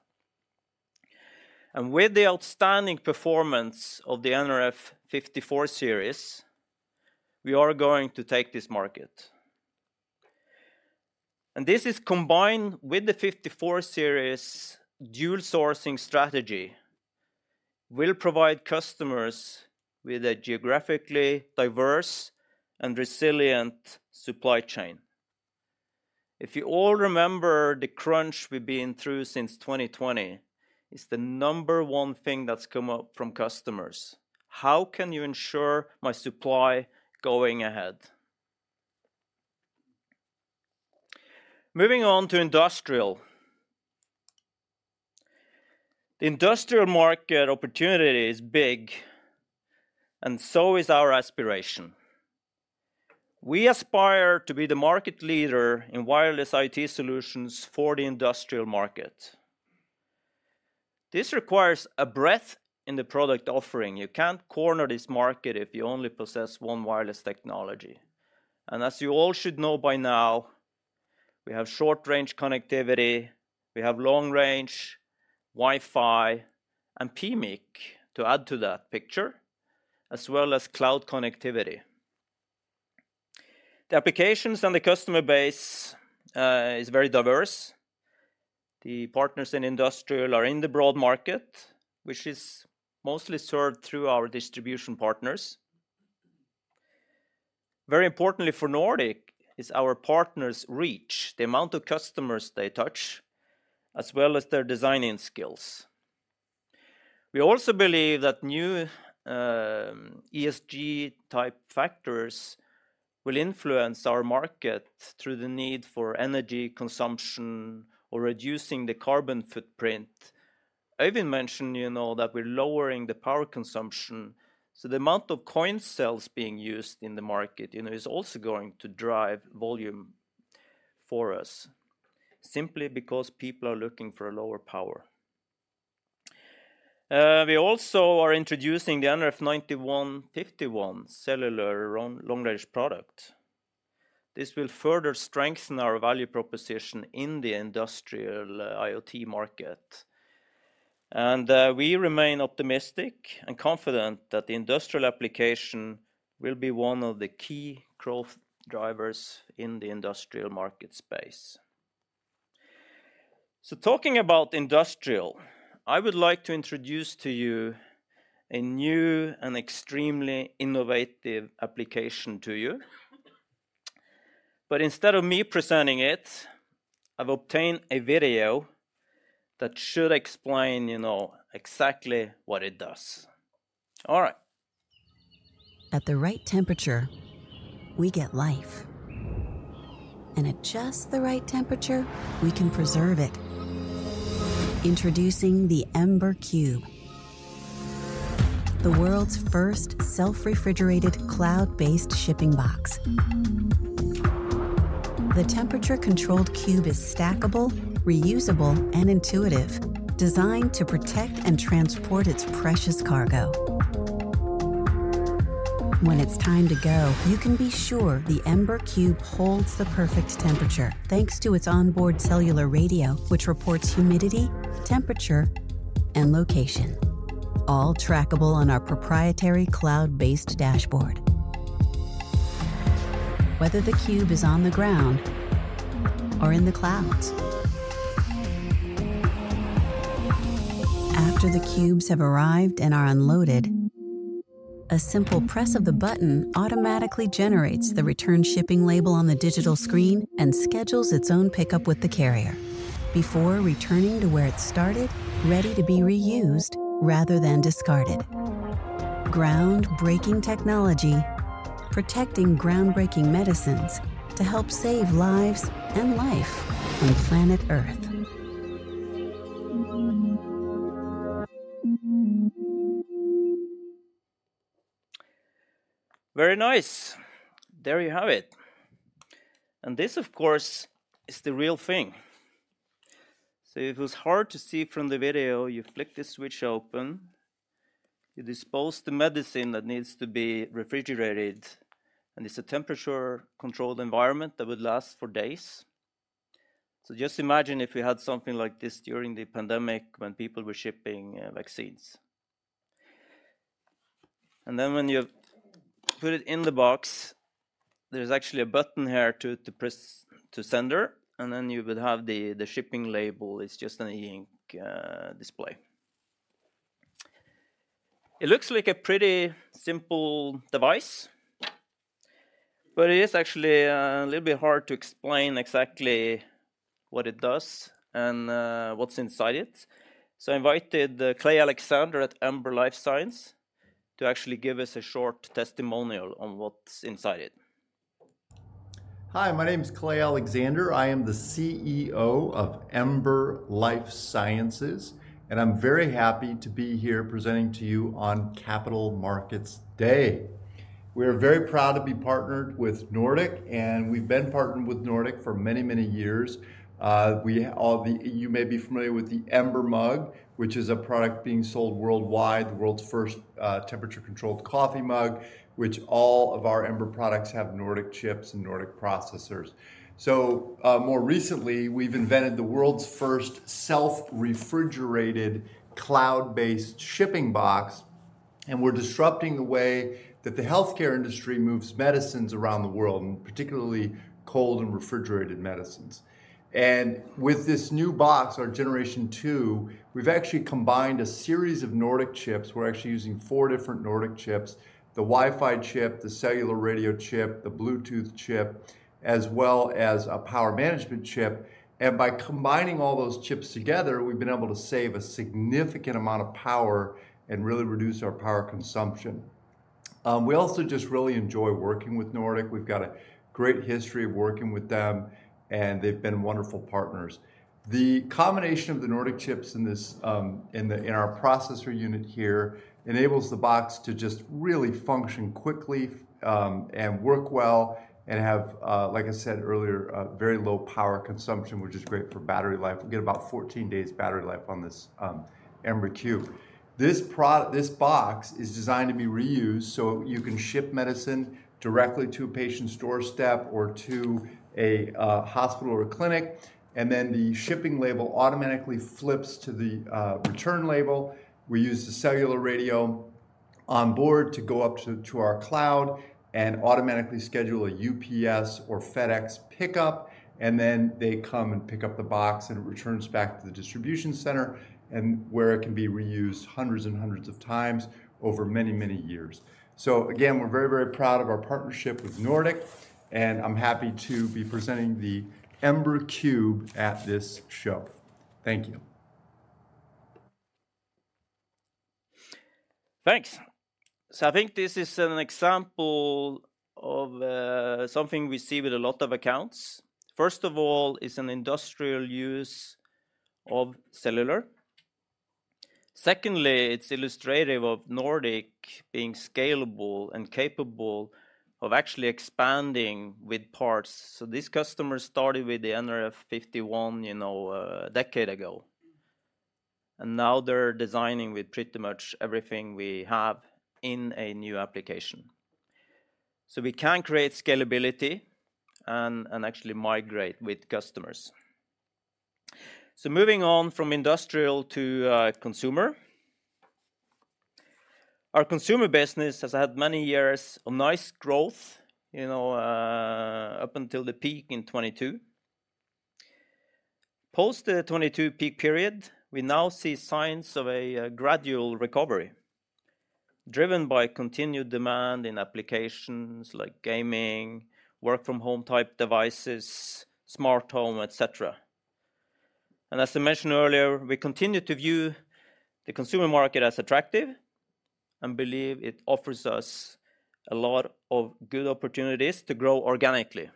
And with the outstanding performance of the nRF54 Series, we are going to take this market. And this is combined with the nRF54 Series dual sourcing strategy, will provide customers with a geographically diverse and resilient supply chain. If you all remember the crunch we've been through since 2020, it's the number one thing that's come up from customers: "How can you ensure my supply going ahead?" Moving on to industrial. The industrial market opportunity is big, and so is our aspiration. We aspire to be the market leader in wireless IT solutions for the industrial market. This requires a breadth in the product offering. You can't corner this market if you only possess one wireless technology. And as you all should know by now, we have Short Range connectivity, we have Long Range, Wi-Fi, and PMIC to add to that picture, as well as cloud connectivity. The applications and the customer base is very diverse. The partners in industrial are in the broad market, which is mostly served through our distribution partners. Very importantly for Nordic is our partners' reach, the amount of customers they touch, as well as their designing skills. We also believe that new ESG-type factors will influence our market through the need for energy consumption or reducing the carbon footprint. Øyvind mentioned, you know, that we're lowering the power consumption, so the amount of coin cells being used in the market, you know, is also going to drive volume for us simply because people are looking for a lower power. We also are introducing the nRF9151 cellular Long Range product. This will further strengthen our value proposition in the Industrial IoT market. And we remain optimistic and confident that the industrial application will be one of the key growth drivers in the industrial market space. So, talking about industrial, I would like to introduce to you a new and extremely innovative application to you. But instead of me presenting it, I've obtained a video that should explain, you know, exactly what it does. All right. At the right temperature, we get life. And at just the right temperature, we can preserve it. Introducing the Ember Cube. The world's first self-refrigerated, cloud-based shipping box. The temperature-controlled cube is stackable, reusable, and intuitive, designed to protect and transport its precious cargo. When it's time to go, you can be sure the Ember Cube holds the perfect temperature, thanks to its onboard cellular radio, which reports humidity, temperature, and location, all trackable on our proprietary cloud-based dashboard. Whether the cube is on the ground or in the clouds. After the cubes have arrived and are unloaded, a simple press of the button automatically generates the return shipping label on the digital screen and schedules its own pickup with the carrier before returning to where it started, ready to be reused rather than discarded. Groundbreaking technology, protecting groundbreaking medicines to help save lives and life on planet Earth. Very nice! There you have it. And this, of course, is the real thing. So if it was hard to see from the video, you flick this switch open, you deposit the medicine that needs to be refrigerated, and it's a temperature-controlled environment that would last for days. So just imagine if we had something like this during the pandemic when people were shipping vaccines. And then when you put it in the box, there's actually a button here to press to send, and then you would have the shipping label. It's just an e-ink display. It looks like a pretty simple device, but it is actually a little bit hard to explain exactly what it does and what's inside it. So I invited Clay Alexander at Ember LifeSciences to actually give us a short testimonial on what's inside it. Hi, my name is Clay Alexander. I am the CEO of Ember LifeSciences, and I'm very happy to be here presenting to you on Capital Markets Day. We are very proud to be partnered with Nordic, and we've been partnered with Nordic for many, many years. You may be familiar with the Ember Mug, which is a product being sold worldwide, the world's first temperature-controlled coffee mug, which all of our Ember products have Nordic chips and Nordic processors. So, more recently, we've invented the world's first self-refrigerated, cloud-based shipping box, and we're disrupting the way that the healthcare industry moves medicines around the world, and particularly cold and refrigerated medicines, and with this new box, our Generation Two, we've actually combined a series of Nordic chips. We're actually using four different Nordic chips: the Wi-Fi chip, the cellular radio chip, the Bluetooth chip, as well as a power management chip. And by combining all those chips together, we've been able to save a significant amount of power and really reduce our power consumption. We also just really enjoy working with Nordic. We've got a great history of working with them, and they've been wonderful partners. The combination of the Nordic chips in our processor unit here enables the box to just really function quickly, and work well, and have, like I said earlier, a very low power consumption, which is great for battery life. We get about fourteen days battery life on this Ember Cube. This box is designed to be reused, so you can ship medicine directly to a patient's doorstep or to a hospital or a clinic, and then the shipping label automatically flips to the return label. We use the cellular radio on board to go up to our cloud and automatically schedule a UPS or FedEx pickup, and then they come and pick up the box, and it returns back to the distribution center, and where it can be reused hundreds and hundreds of times over many, many years. So again, we're very, very proud of our partnership with Nordic, and I'm happy to be presenting the Ember Cube at this show. Thank you. Thanks. So I think this is an example of something we see with a lot of accounts. First of all, it's an industrial use of cellular. Secondly, it's illustrative of Nordic being scalable and capable of actually expanding with parts. So this customer started with the nRF51, you know, a decade ago, and now they're designing with pretty much everything we have in a new application. So we can create scalability and actually migrate with customers. So moving on from industrial to consumer. Our consumer business has had many years of nice growth, you know, up until the peak in 2022. Post the 22 peak period, we now see signs of a gradual recovery, driven by continued demand in applications like gaming, work from home type devices, smart home, et cetera. And as I mentioned earlier, we continue to view the consumer market as attractive and believe it offers us a lot of good opportunities to grow organically.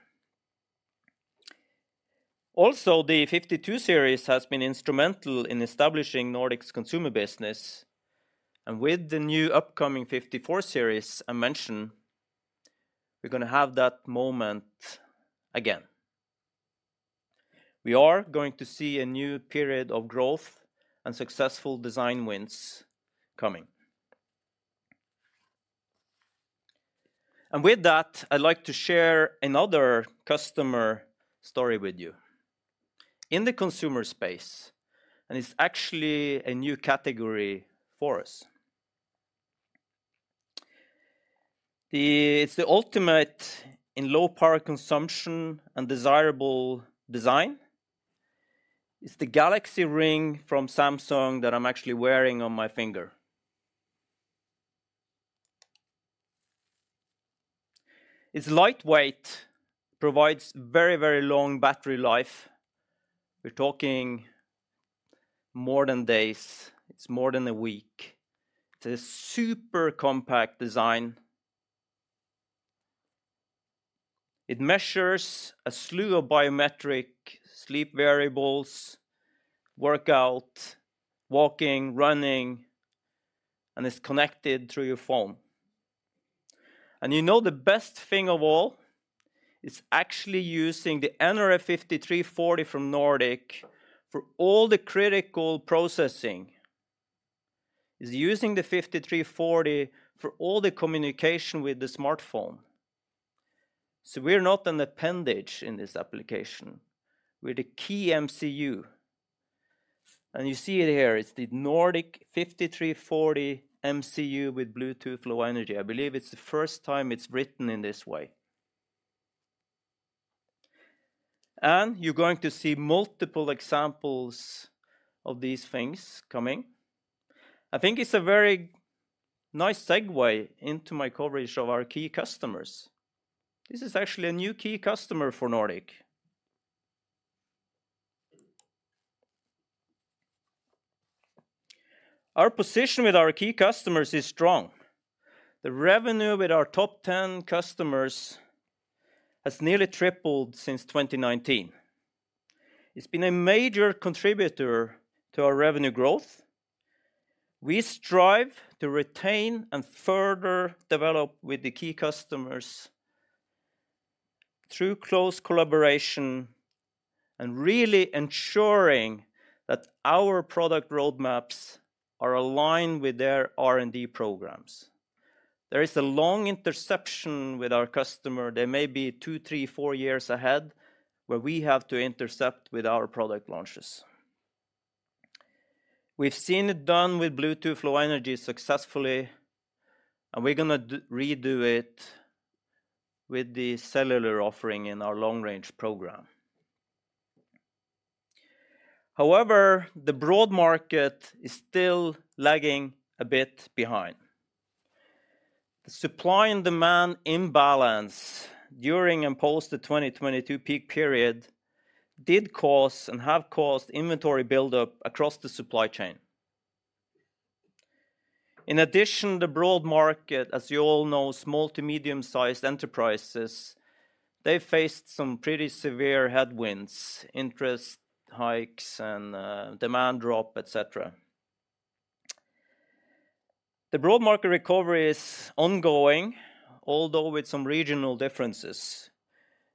Also, the nRF52 Series has been instrumental in establishing Nordic's consumer business, and with the new upcoming nRF54 Series I mentioned, we're gonna have that moment again. We are going to see a new period of growth and successful design wins coming. And with that, I'd like to share another customer story with you. In the consumer space, and it's actually a new category for us. It's the ultimate in low power consumption and desirable design. It's the Galaxy Ring from Samsung that I'm actually wearing on my finger. It's lightweight, provides very, very long battery life. We're talking more than days, it's more than a week. It's a super compact design. It measures a slew of biometric sleep variables, workout, walking, running, and it's connected through your phone. You know the best thing of all? It's actually using the nRF5340 from Nordic for all the critical processing. It's using the nRF5340 for all the communication with the smartphone. We're not an appendage in this application. We're the key MCU. You see it here, it's the Nordic nRF5340 MCU with Bluetooth Low Energy. I believe it's the first time it's written in this way. You're going to see multiple examples of these things coming. I think it's a very nice segue into my coverage of our key customers. This is actually a new key customer for Nordic. Our position with our key customers is strong. The revenue with our top 10 customers has nearly tripled since 2019. It's been a major contributor to our revenue growth. We strive to retain and further develop with the key customers through close collaboration and really ensuring that our product roadmaps are aligned with their R&D programs. There is a long interception with our customer. They may be two, three, four years ahead, where we have to intercept with our product launches. We've seen it done with Bluetooth Low Energy successfully, and we're gonna redo it with the cellular offering in our Long Range program. However, the broad market is still lagging a bit behind. The supply and demand imbalance during and post the 2022 peak period did cause and have caused inventory buildup across the supply chain. In addition, the broad market, as you all know, small to medium-sized enterprises, they faced some pretty severe headwinds, interest hikes, and demand drop, et cetera. The broad market recovery is ongoing, although with some regional differences.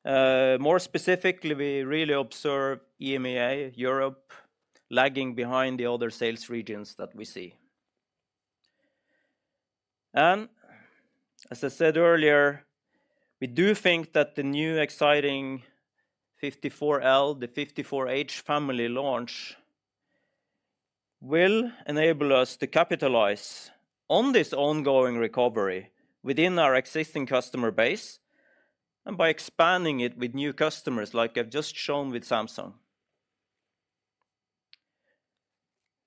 More specifically, we really observe EMEA, Europe, lagging behind the other sales regions that we see. And as I said earlier, we do think that the new exciting nRF54L, the nRF54H family launch, will enable us to capitalize on this ongoing recovery within our existing customer base, and by expanding it with new customers, like I've just shown with Samsung.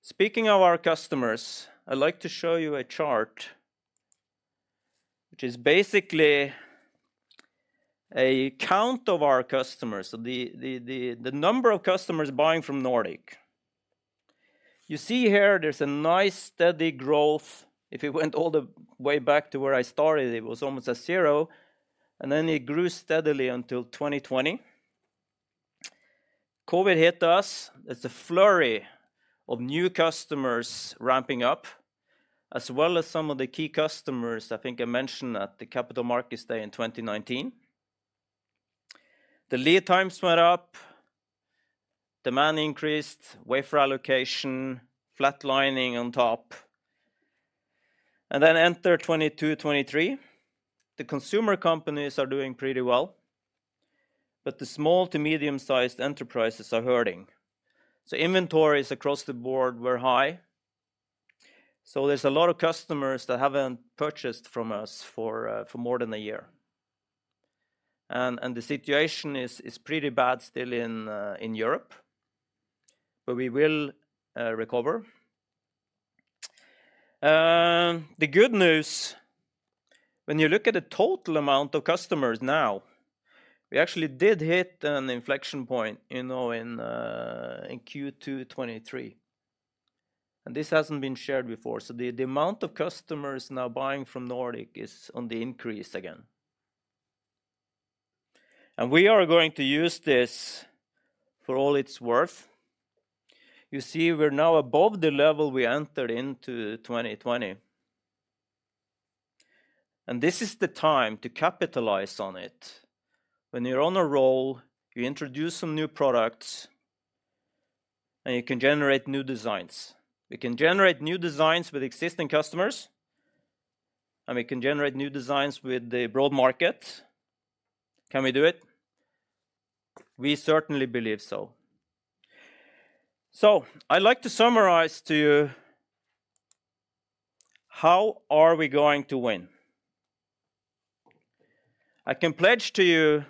Speaking of our customers, I'd like to show you a chart, which is basically a count of our customers, so the number of customers buying from Nordic. You see here, there's a nice, steady growth. If it went all the way back to where I started, it was almost at zero, and then it grew steadily until 2020. COVID hit us. It's a flurry of new customers ramping up, as well as some of the key customers I think I mentioned at the Capital Markets Day in 2019. The lead times went up, demand increased, wafer allocation, flatlining on top, and then enter 2022, 2023. The consumer companies are doing pretty well, but the small to medium-sized enterprises are hurting, so inventories across the board were high. So there's a lot of customers that haven't purchased from us for more than a year, and the situation is pretty bad still in Europe, but we will recover. The good news, when you look at the total amount of customers now, we actually did hit an inflection point, you know, in Q2 2023, and this hasn't been shared before. So the amount of customers now buying from Nordic is on the increase again. And we are going to use this for all it's worth. You see, we're now above the level we entered into 2020, and this is the time to capitalize on it. When you're on a roll, you introduce some new products, and you can generate new designs. We can generate new designs with existing customers, and we can generate new designs with the broad market. Can we do it? We certainly believe so. So I'd like to summarize to you, how are we going to win? I can pledge to you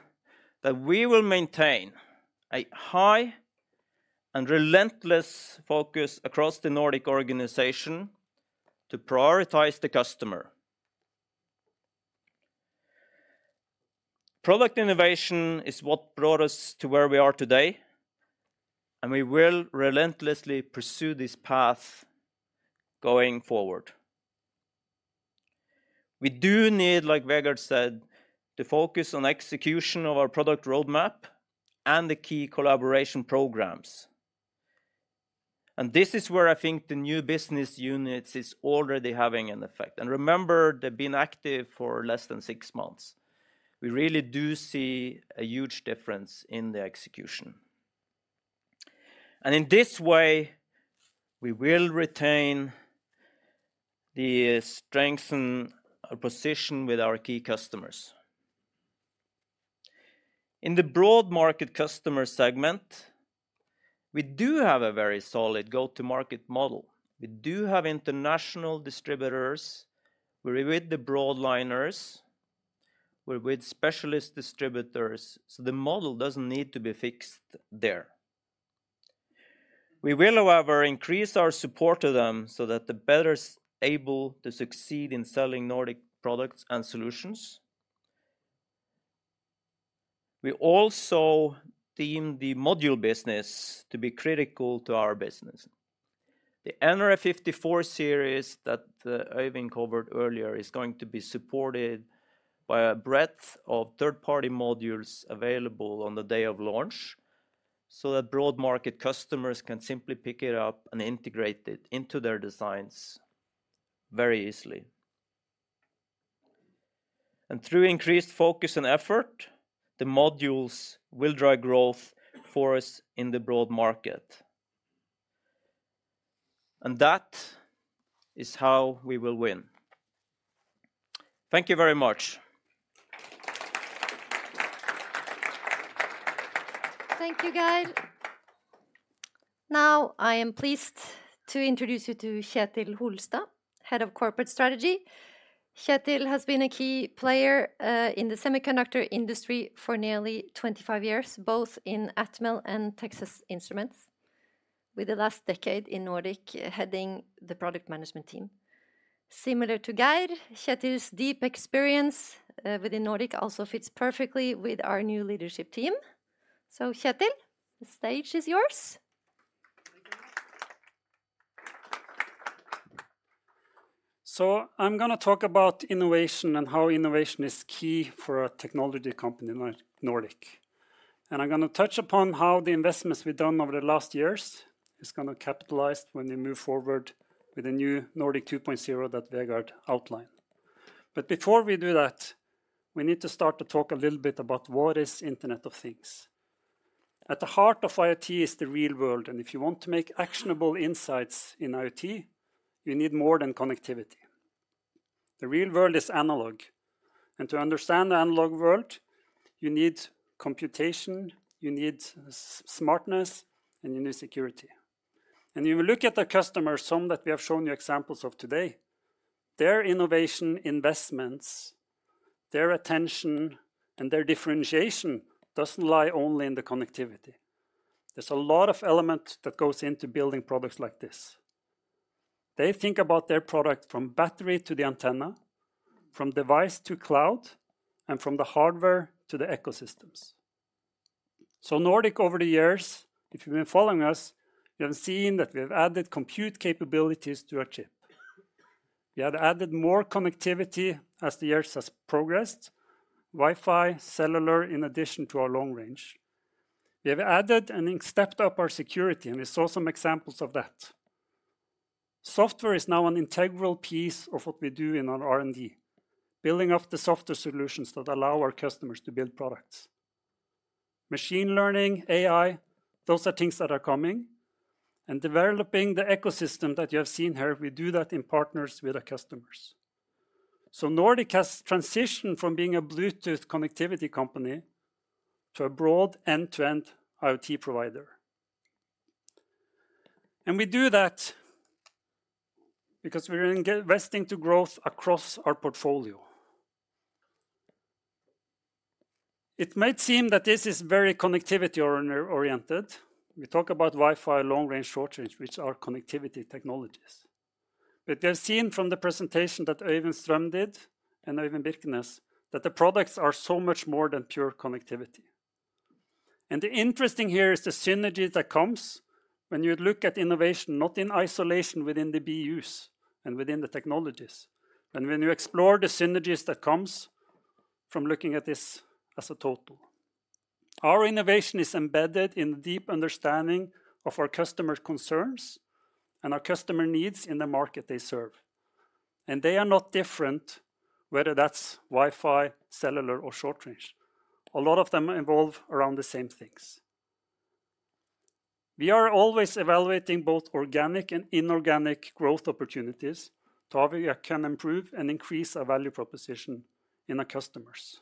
that we will maintain a high and relentless focus across the Nordic organization to prioritize the customer. Product innovation is what brought us to where we are today, and we will relentlessly pursue this path going forward. We do need, like Vegard said, to focus on execution of our product roadmap and the key collaboration programs. This is where I think the new business units is already having an effect. Remember, they've been active for less than six months. We really do see a huge difference in the execution. In this way, we will retain the strength and our position with our key customers. In the broad market customer segment, we do have a very solid go-to-market model. We do have international distributors. We're with the broadliners, we're with specialist distributors, so the model doesn't need to be fixed there. We will, however, increase our support to them so that they're better able to succeed in selling Nordic products and solutions. We also deem the module business to be critical to our business. The nRF54 Series that Øyvind covered earlier is going to be supported by a breadth of third-party modules available on the day of launch, so that broad market customers can simply pick it up and integrate it into their designs very easily, and through increased focus and effort, the modules will drive growth for us in the broad market, and that is how we will win. Thank you very much. Thank you, Geir. Now, I am pleased to introduce you to Kjetil Holstad, Head of Corporate Strategy. Kjetil has been a key player in the semiconductor industry for nearly 25 years, both in Atmel and Texas Instruments, with the last decade in Nordic, heading the product management team. Similar to Geir, Kjetil's deep experience within Nordic also fits perfectly with our new leadership team. So, Kjetil, the stage is yours. I'm gonna talk about innovation and how innovation is key for a technology company like Nordic. I'm gonna touch upon how the investments we've done over the last years is gonna capitalize when we move forward with the new Nordic 2.0 that Vegard outlined. Before we do that, we need to start to talk a little bit about what is Internet of Things. At the heart of IoT is the real world, and if you want to make actionable insights in IoT, you need more than connectivity. The real world is analog, and to understand the analog world, you need computation, you need smartness, and you need security. You look at the customers, some that we have shown you examples of today, their innovation investments, their attention, and their differentiation doesn't lie only in the connectivity. There's a lot of elements that goes into building products like this. They think about their product from battery to the antenna, from device to cloud, and from the hardware to the ecosystems. So Nordic, over the years, if you've been following us, you have seen that we have added compute capabilities to our chip. We have added more connectivity as the years has progressed, Wi-Fi, cellular, in addition to our Long Range. We have added and then stepped up our security, and we saw some examples of that. Software is now an integral piece of what we do in our R&D, building up the software solutions that allow our customers to build products. Machine learning, AI, those are things that are coming, and developing the ecosystem that you have seen here, we do that in partners with our customers... So Nordic has transitioned from being a Bluetooth connectivity company to a broad end-to-end IoT provider. And we do that because we're investing in growth across our portfolio. It might seem that this is very connectivity oriented. We talk about Wi-Fi, Long Range, Short Range, which are connectivity technologies. But you have seen from the presentation that Øyvind Strøm did, and Øyvind Birkenes, that the products are so much more than pure connectivity. And the interesting here is the synergy that comes when you look at innovation, not in isolation within the BUs and within the technologies, but when you explore the synergies that comes from looking at this as a total. Our innovation is embedded in the deep understanding of our customers' concerns and our customer needs in the market they serve, and they are not different, whether that's Wi-Fi, cellular, or Short Range. A lot of them involve around the same things. We are always evaluating both organic and inorganic growth opportunities, so we can improve and increase our value proposition in our customers.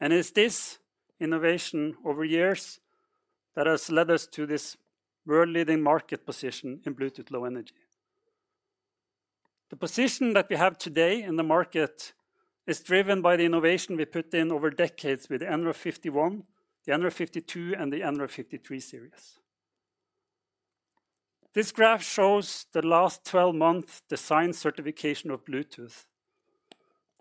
And it's this innovation over years that has led us to this world-leading market position in Bluetooth Low Energy. The position that we have today in the market is driven by the innovation we put in over decades with the nRF51, the nRF52, and the nRF53 Series. This graph shows the last 12 months design certification of Bluetooth.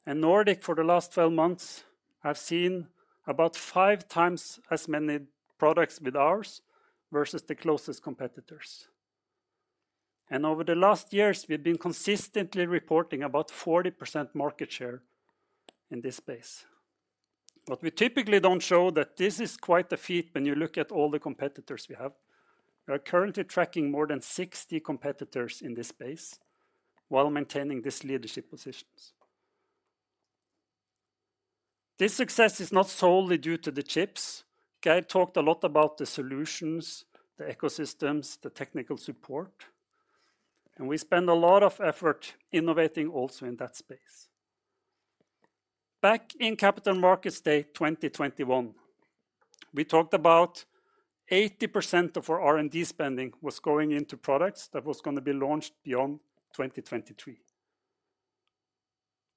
And Nordic, for the last 12 months, have seen about five times as many products with ours versus the closest competitors. And over the last years, we've been consistently reporting about 40% market share in this space. What we typically don't show that this is quite a feat when you look at all the competitors we have. We are currently tracking more than 60 competitors in this space while maintaining this leadership positions. This success is not solely due to the chips. Geir talked a lot about the solutions, the ecosystems, the technical support, and we spend a lot of effort innovating also in that space. Back in Capital Markets Day 2021, we talked about 80% of our R&D spending was going into products that was gonna be launched beyond 2023.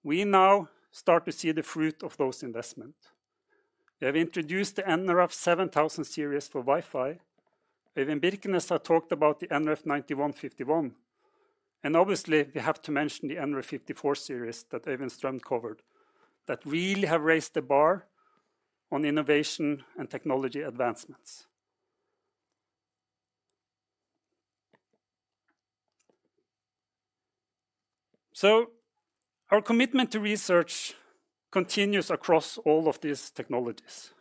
We now start to see the fruit of those investment. We have introduced the nRF7000 Series for Wi-Fi. Øyvind Birkenes has talked about the nRF9151, and obviously, we have to mention the nRF54 Series that Øyvind Strøm covered, that really have raised the bar on innovation and technology advancements. Our commitment to research continues across all of these technologies.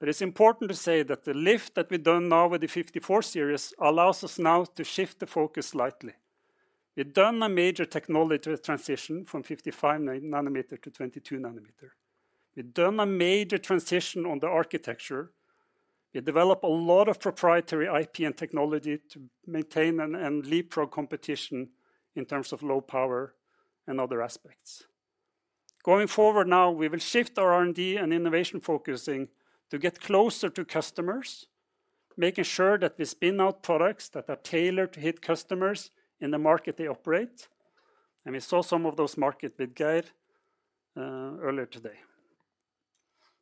It is important to say that the lift that we've done now with the nRF54 Series allows us now to shift the focus slightly. We've done a major technology transition from 55 nm - 22 nm. We've done a major transition on the architecture. We developed a lot of proprietary IP and technology to maintain and leapfrog competition in terms of low power and other aspects. Going forward now, we will shift our R&D and innovation focusing to get closer to customers, making sure that we spin out products that are tailored to hit customers in the market they operate, and we saw some of those markets with Geir earlier today.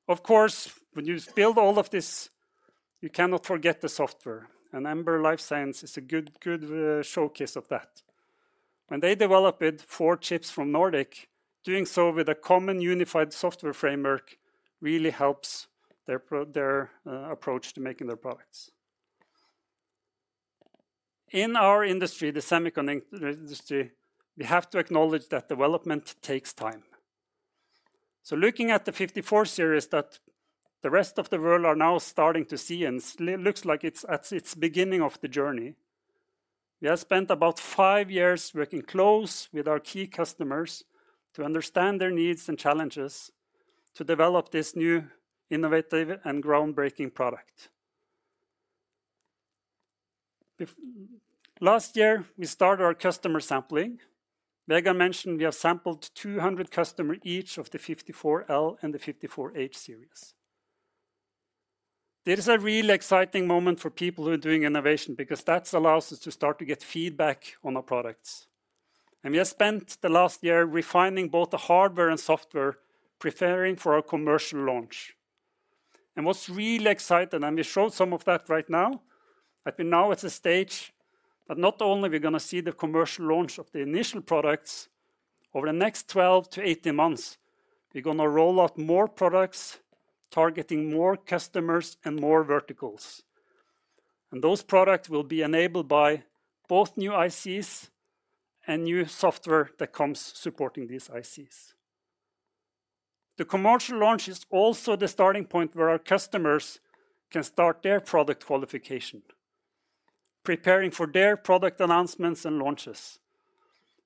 Of course, when you build all of this, you cannot forget the software, and Ember LifeSciences is a good showcase of that. When they developed it for chips from Nordic, doing so with a common unified software framework really helps their approach to making their products. In our industry, the semiconductor industry, we have to acknowledge that development takes time. So looking at the 54 series that the rest of the world are now starting to see, and it looks like it's at its beginning of the journey, we have spent about 5 years working close with our key customers to understand their needs and challenges to develop this new, innovative, and groundbreaking product. Last year, we started our customer sampling. Vegard mentioned we have sampled 200 customers, each of the nRF54L and the nrf54H Series. This is a really exciting moment for people who are doing innovation because that allows us to start to get feedback on our products. We have spent the last year refining both the hardware and software, preparing for our commercial launch. What's really exciting, and we showed some of that right now, that we're now at a stage that not only we're gonna see the commercial launch of the initial products, over the next twelve to eighteen months, we're gonna roll out more products, targeting more customers and more verticals. And those products will be enabled by both new ICs and new software that comes supporting these ICs. The commercial launch is also the starting point where our customers can start their product qualification, preparing for their product announcements and launches.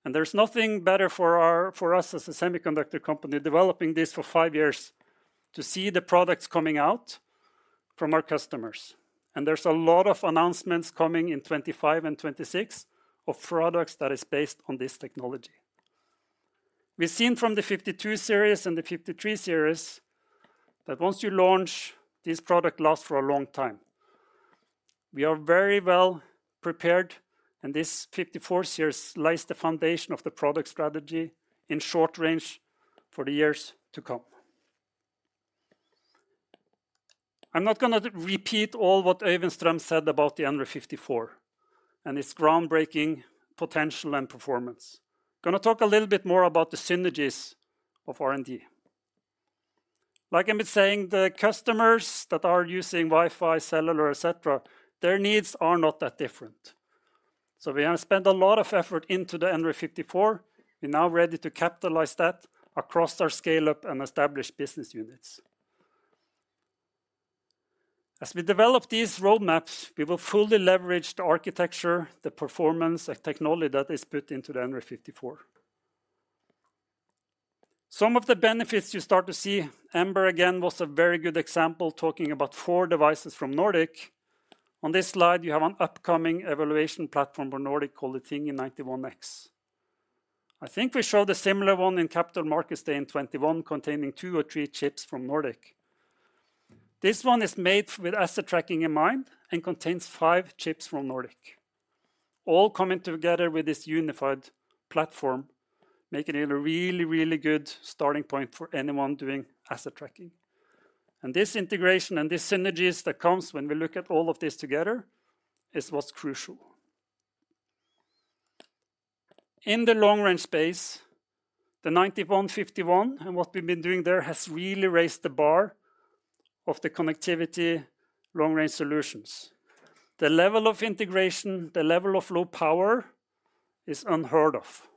There's nothing better for our, for us as a semiconductor company, developing this for five years, to see the products coming out... From our customers, and there's a lot of announcements coming in 2025 and 2026 of products that is based on this technology. We've seen from the nRF52 Series and the nRF53 Series, that once you launch, this product lasts for a long time. We are very well prepared, and this nRF54 Series lays the foundation of the product strategy in Short Range for the years to come. I'm not gonna repeat all what Øyvind Strøm said about the nRF54 and its groundbreaking potential and performance. Gonna talk a little bit more about the synergies of R&D. Like I've been saying, the customers that are using Wi-Fi, cellular, et cetera, their needs are not that different. So we have spent a lot of effort into the nRF54. We're now ready to capitalize that across our scale-up and established business units. As we develop these roadmaps, we will fully leverage the architecture, the performance, the technology that is put into the nRF54. Some of the benefits you start to see, Ember again, was a very good example, talking about four devices from Nordic. On this slide, you have an upcoming evaluation platform for Nordic called Thingy:91 X. I think we showed a similar one in Capital Markets Day in 2021, containing two or three chips from Nordic. This one is made asset tracking in mind and contains five chips from Nordic, all coming together with this unified platform, making it a really, really good starting point for anyone asset tracking. this integration and this synergies that comes when we look at all of this together is what's crucial. In the Long Range space, the 9151, and what we've been doing there has really raised the bar of the connectivity Long Range solutions. The level of integration, the level of low power, is unheard of.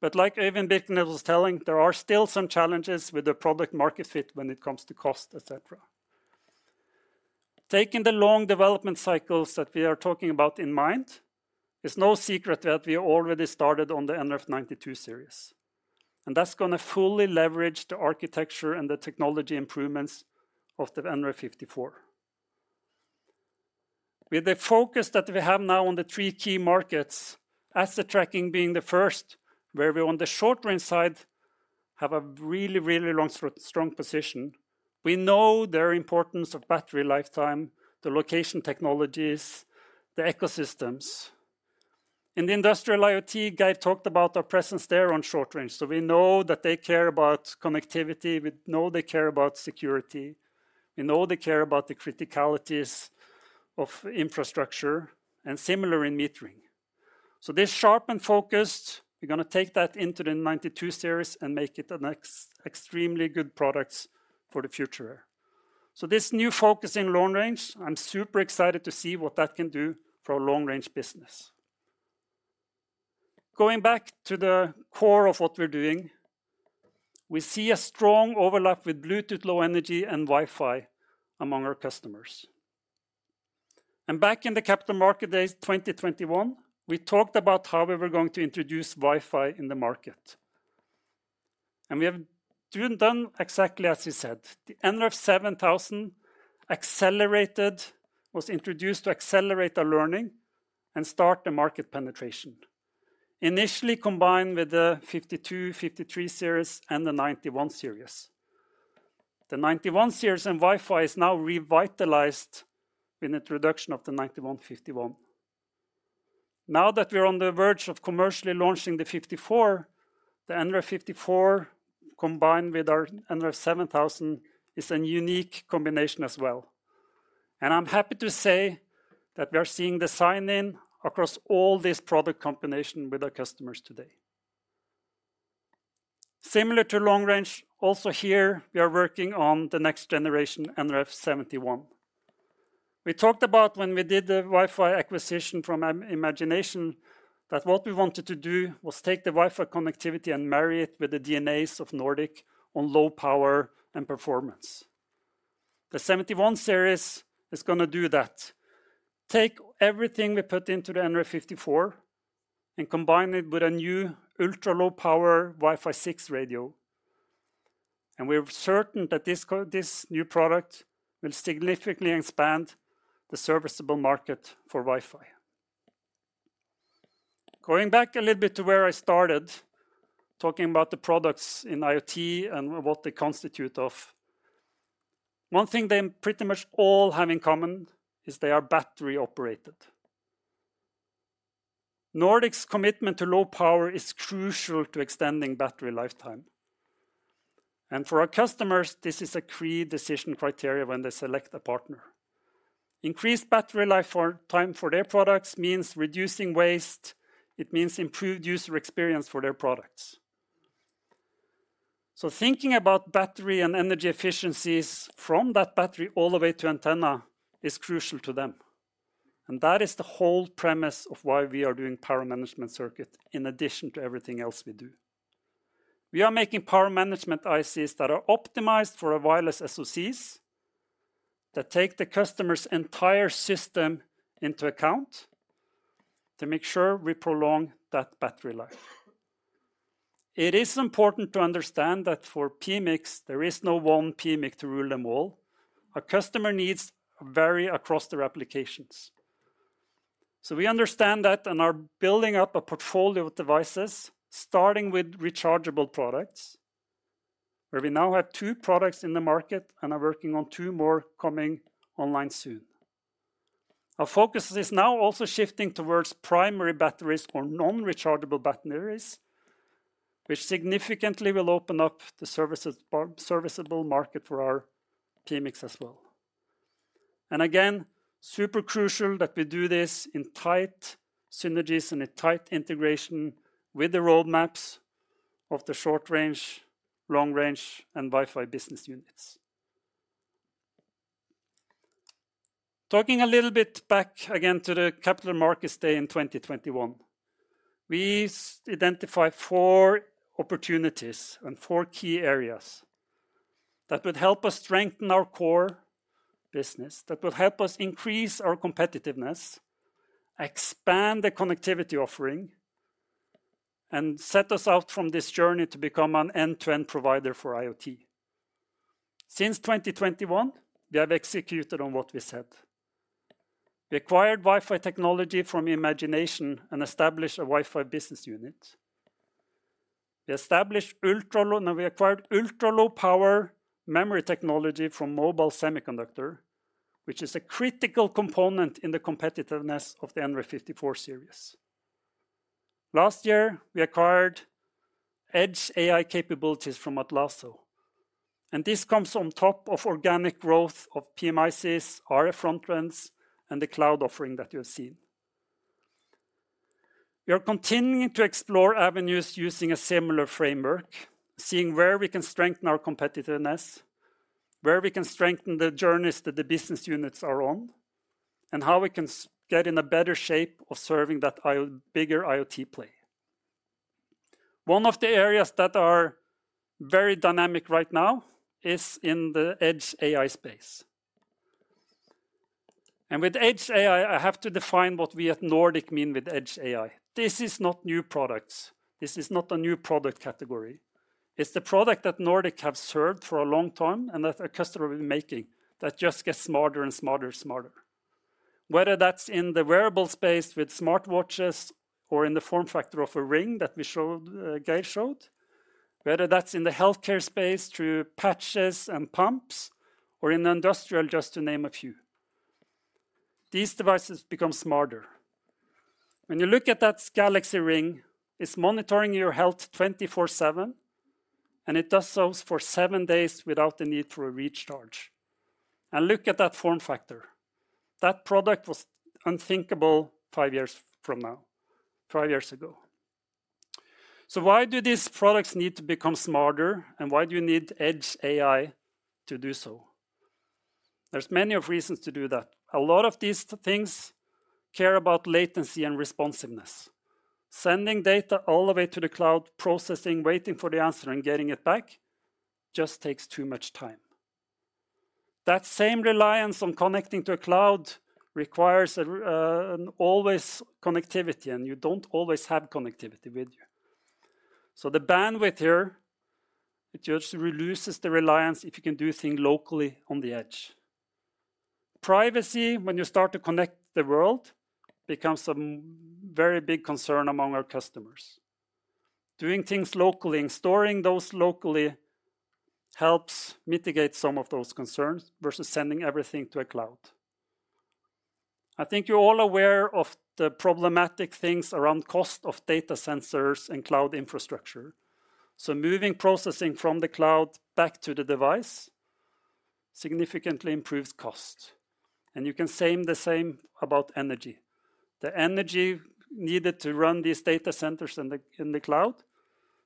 But like Øyvind Birkenes was telling, there are still some challenges with the product market fit when it comes to cost, et cetera. Taking the long development cycles that we are talking about in mind, it's no secret that we already started on the nRF92 Series, and that's gonna fully leverage the architecture and the technology improvements of the nRF54. With the focus that we have now on the three key asset tracking being the first, where we, on the Short Range side, have a really, really long strong position. We know the importance of battery lifetime, the location technologies, the ecosystems. In the Industrial IoT, Geir talked about our presence there on Short Range. So we know that they care about connectivity, we know they care about security, we know they care about the criticalities of infrastructure, and similar in metering. So this sharp and focused, we're gonna take that into the nRF92 Series and make it the next extremely good products for the future. So this new focus in Long Range, I'm super excited to see what that can do for Long Range Business. going back to the core of what we're doing, we see a strong overlap with Bluetooth Low Energy and Wi-Fi among our customers. And back in the Capital Markets Day 2021, we talked about how we were going to introduce Wi-Fi in the market. And we have done exactly as we said. The nRF7000 accelerated, was introduced to accelerate our learning and start the market penetration, initially combined with the nRF52, nRF53 Series and the nRF91 series. The nRF91 series and Wi-Fi is now revitalized with introduction of the nRF9151. Now that we're on the verge of commercially launching the nRF54, the nRF54, combined with our nRF7000, is a unique combination as well. And I'm happy to say that we are seeing the sign-in across all this product combination with our customers today. Similar to Long Range, also here, we are working on the next generation nRF71. We talked about when we did the Wi-Fi acquisition from Imagination, that what we wanted to do was take the Wi-Fi connectivity and marry it with the DNAs of Nordic on low power and performance. The nRF71 Series is gonna do that. Take everything we put into the nRF54 and combine it with a new ultra-low power Wi-Fi 6 radio, and we're certain that this new product will significantly expand the serviceable market for Wi-Fi. Going back a little bit to where I started, talking about the products in IoT and what they constitute of, one thing they pretty much all have in common is they are battery-operated. Nordic's commitment to low power is crucial to extending battery lifetime, and for our customers, this is a key decision criteria when they select a partner. Increased battery life or time for their products means reducing waste; it means improved user experience for their products. So thinking about battery and energy efficiencies from that battery all the way to antenna is crucial to them, and that is the whole premise of why we are doing power management circuit, in addition to everything else we do. We are making power management ICs that are optimized for our wireless SoCs, that take the customer's entire system into account, to make sure we prolong that battery life. It is important to understand that for PMICs, there is no one PMIC to rule them all. Our customer needs vary across their applications. So we understand that and are building up a portfolio of devices, starting with rechargeable products, where we now have two products in the market and are working on two more coming online soon. Our focus is now also shifting towards primary batteries or non-rechargeable batteries, which significantly will open up the services, serviceable market for our PMICs as well. And again, super crucial that we do this in tight synergies and a tight integration with the roadmaps of the Short Range, Long Range, and Wi-Fi business units. Talking a little bit back again to the Capital Markets Day in 2021, we identified four opportunities and four key areas that would help us strengthen our core business, that will help us increase our competitiveness, expand the connectivity offering, and set us out from this journey to become an end-to-end provider for IoT. Since 2021, we have executed on what we said. We acquired Wi-Fi technology from Imagination and established a Wi-Fi business unit. We established ultra-low, now we acquired ultra-low power memory technology from Mobile Semiconductor, which is a critical component in the competitiveness of the nRF54 Series. Last year, we acquired edge AI capabilities from Atlazo, and this comes on top of organic growth of PMICs, RF frontends, and the cloud offering that you have seen. We are continuing to explore avenues using a similar framework, seeing where we can strengthen our competitiveness, where we can strengthen the journeys that the business units are on, and how we can get in a better shape of serving that bigger IoT play. One of the areas that are very dynamic right now is in the edge AI space, and with edge AI, I have to define what we at Nordic mean with edge AI. This is not new products. This is not a new product category. It's the product that Nordic have served for a long time and that our customer will be making, that just gets smarter and smarter, smarter. Whether that's in the wearable space with smartwatches or in the form factor of a ring that we showed, Geir showed, whether that's in the healthcare space through patches and pumps, or in industrial, just to name a few. These devices become smarter. When you look at that Galaxy Ring, it's monitoring your health 24/7, and it does so for seven days without the need for a recharge, and look at that form factor. That product was unthinkable five years from now, five years ago, so why do these products need to become smarter, and why do you need edge AI to do so? There's many of reasons to do that. A lot of these things care about latency and responsiveness. Sending data all the way to the cloud, processing, waiting for the answer, and getting it back, just takes too much time. That same reliance on connecting to a cloud requires an always connectivity, and you don't always have connectivity with you. So the bandwidth here, it just reduces the reliance if you can do things locally on the edge. Privacy, when you start to connect the world, becomes a very big concern among our customers. Doing things locally and storing those locally helps mitigate some of those concerns versus sending everything to a cloud. I think you're all aware of the problematic things around cost of data centers and cloud infrastructure. So moving processing from the cloud back to the device significantly improves cost, and you can say the same about energy. The energy needed to run these data centers in the cloud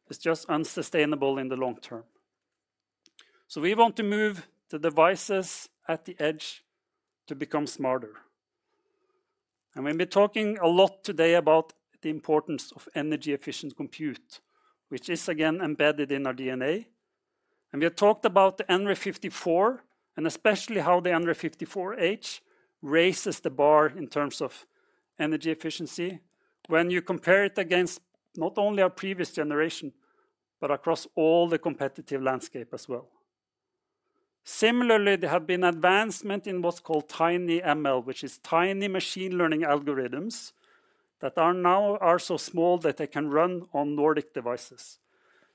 is just unsustainable in the long term. So we want to move the devices at the edge to become smarter. And we've been talking a lot today about the importance of energy-efficient compute, which is, again, embedded in our DNA. And we have talked about the nRF54, and especially how the nRF54H raises the bar in terms of energy efficiency when you compare it against not only our previous generation, but across all the competitive landscape as well. Similarly, there have been advancement in what's called TinyML, which is tiny machine learning algorithms, that are now so small that they can run on Nordic devices.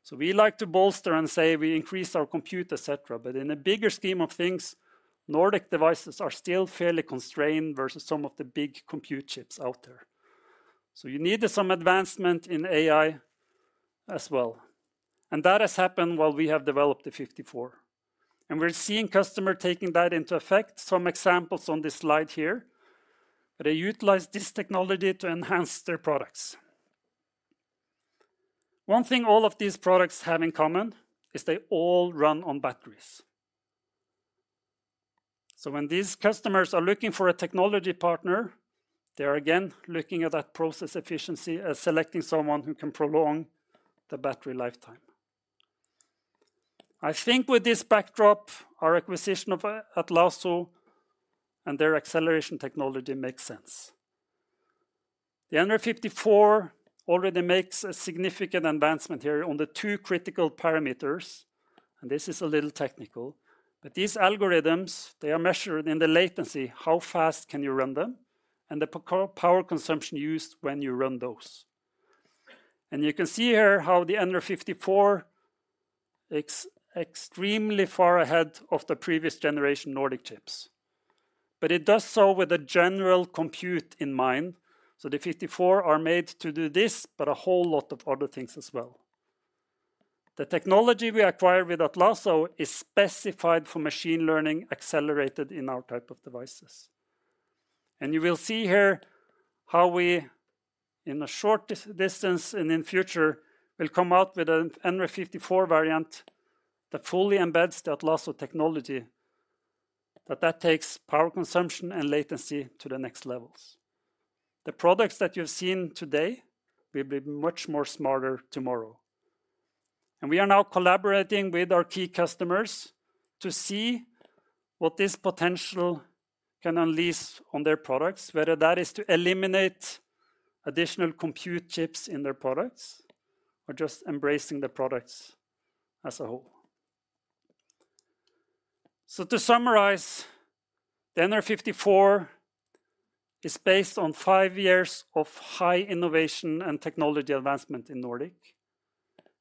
So we like to bolster and say we increase our compute, et cetera, but in a bigger scheme of things, Nordic devices are still fairly constrained versus some of the big compute chips out there. You need some advancement in AI as well, and that has happened while we have developed the nRF54. We're seeing customer taking that into effect. Some examples on this slide here, they utilize this technology to enhance their products. One thing all of these products have in common is they all run on batteries. When these customers are looking for a technology partner, they are again looking at that process efficiency as selecting someone who can prolong the battery lifetime. I think with this backdrop, our acquisition of Atlazo and their acceleration technology makes sense. The nRF54 already makes a significant advancement here on the two critical parameters, and this is a little technical, but these algorithms, they are measured in the latency, how fast can you run them, and the power consumption used when you run those. You can see here how the nRF54 is extremely far ahead of the previous generation Nordic chips. It does so with a general compute in mind, so the nRF54 are made to do this, but a whole lot of other things as well. The technology we acquired with Atlazo is specified for machine learning, accelerated in our type of devices. You will see here how we, in a short distance and in future, will come out with a nRF54 variant that fully embeds the Atlazo technology, but that takes power consumption and latency to the next levels. The products that you've seen today will be much more smarter tomorrow, and we are now collaborating with our key customers to see what this potential can unleash on their products, whether that is to eliminate additional compute chips in their products or just embracing the products as a whole. So to summarize, the nRF54 is based on five years of high innovation and technology advancement in Nordic.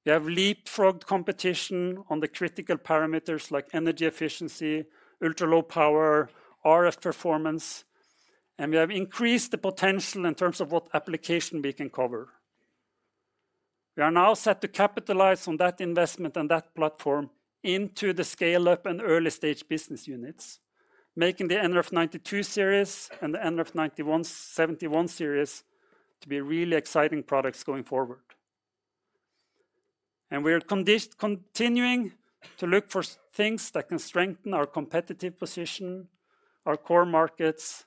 We have leapfrogged competition on the critical parameters like energy efficiency, ultra-low power, RF performance, and we have increased the potential in terms of what application we can cover. We are now set to capitalize on that investment and that platform into the scale-up and early-stage business units, making the nRF92 Series and the nRF91, nRF71 Series to be really exciting products going forward. And we are continuing to look for things that can strengthen our competitive position, our core markets,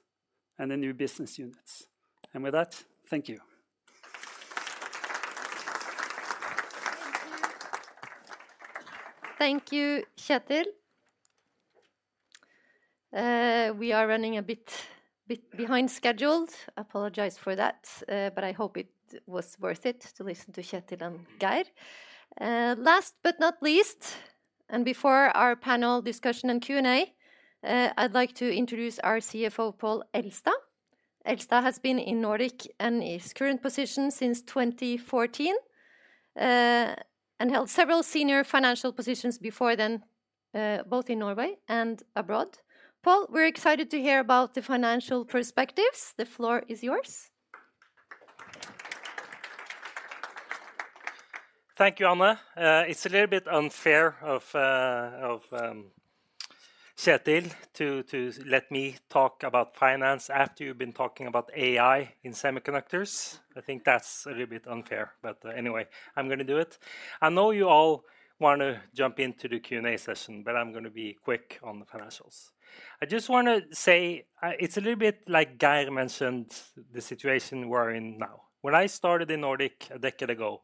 and the new business units. And with that, thank you. Thank you, Kjetil. We are running a bit behind schedule. I apologize for that, but I hope it was worth it to listen to Kjetil and Geir. Last but not least, and before our panel discussion and Q&A, I'd like to introduce our CFO, Pål Elstad. Elstad has been in Nordic, and his current position since 2014, and held several senior financial positions before then, both in Norway and abroad. Pål, we're excited to hear about the financial perspectives. The floor is yours. Thank you, Anne. It's a little bit unfair of Kjetil to let me talk about finance after you've been talking about AI in semiconductors. I think that's a little bit unfair, but anyway, I'm gonna do it. I know you all want to jump into the Q&A session, but I'm gonna be quick on the financials. I just wanna say, it's a little bit like Geir mentioned, the situation we're in now. When I started in Nordic a decade ago,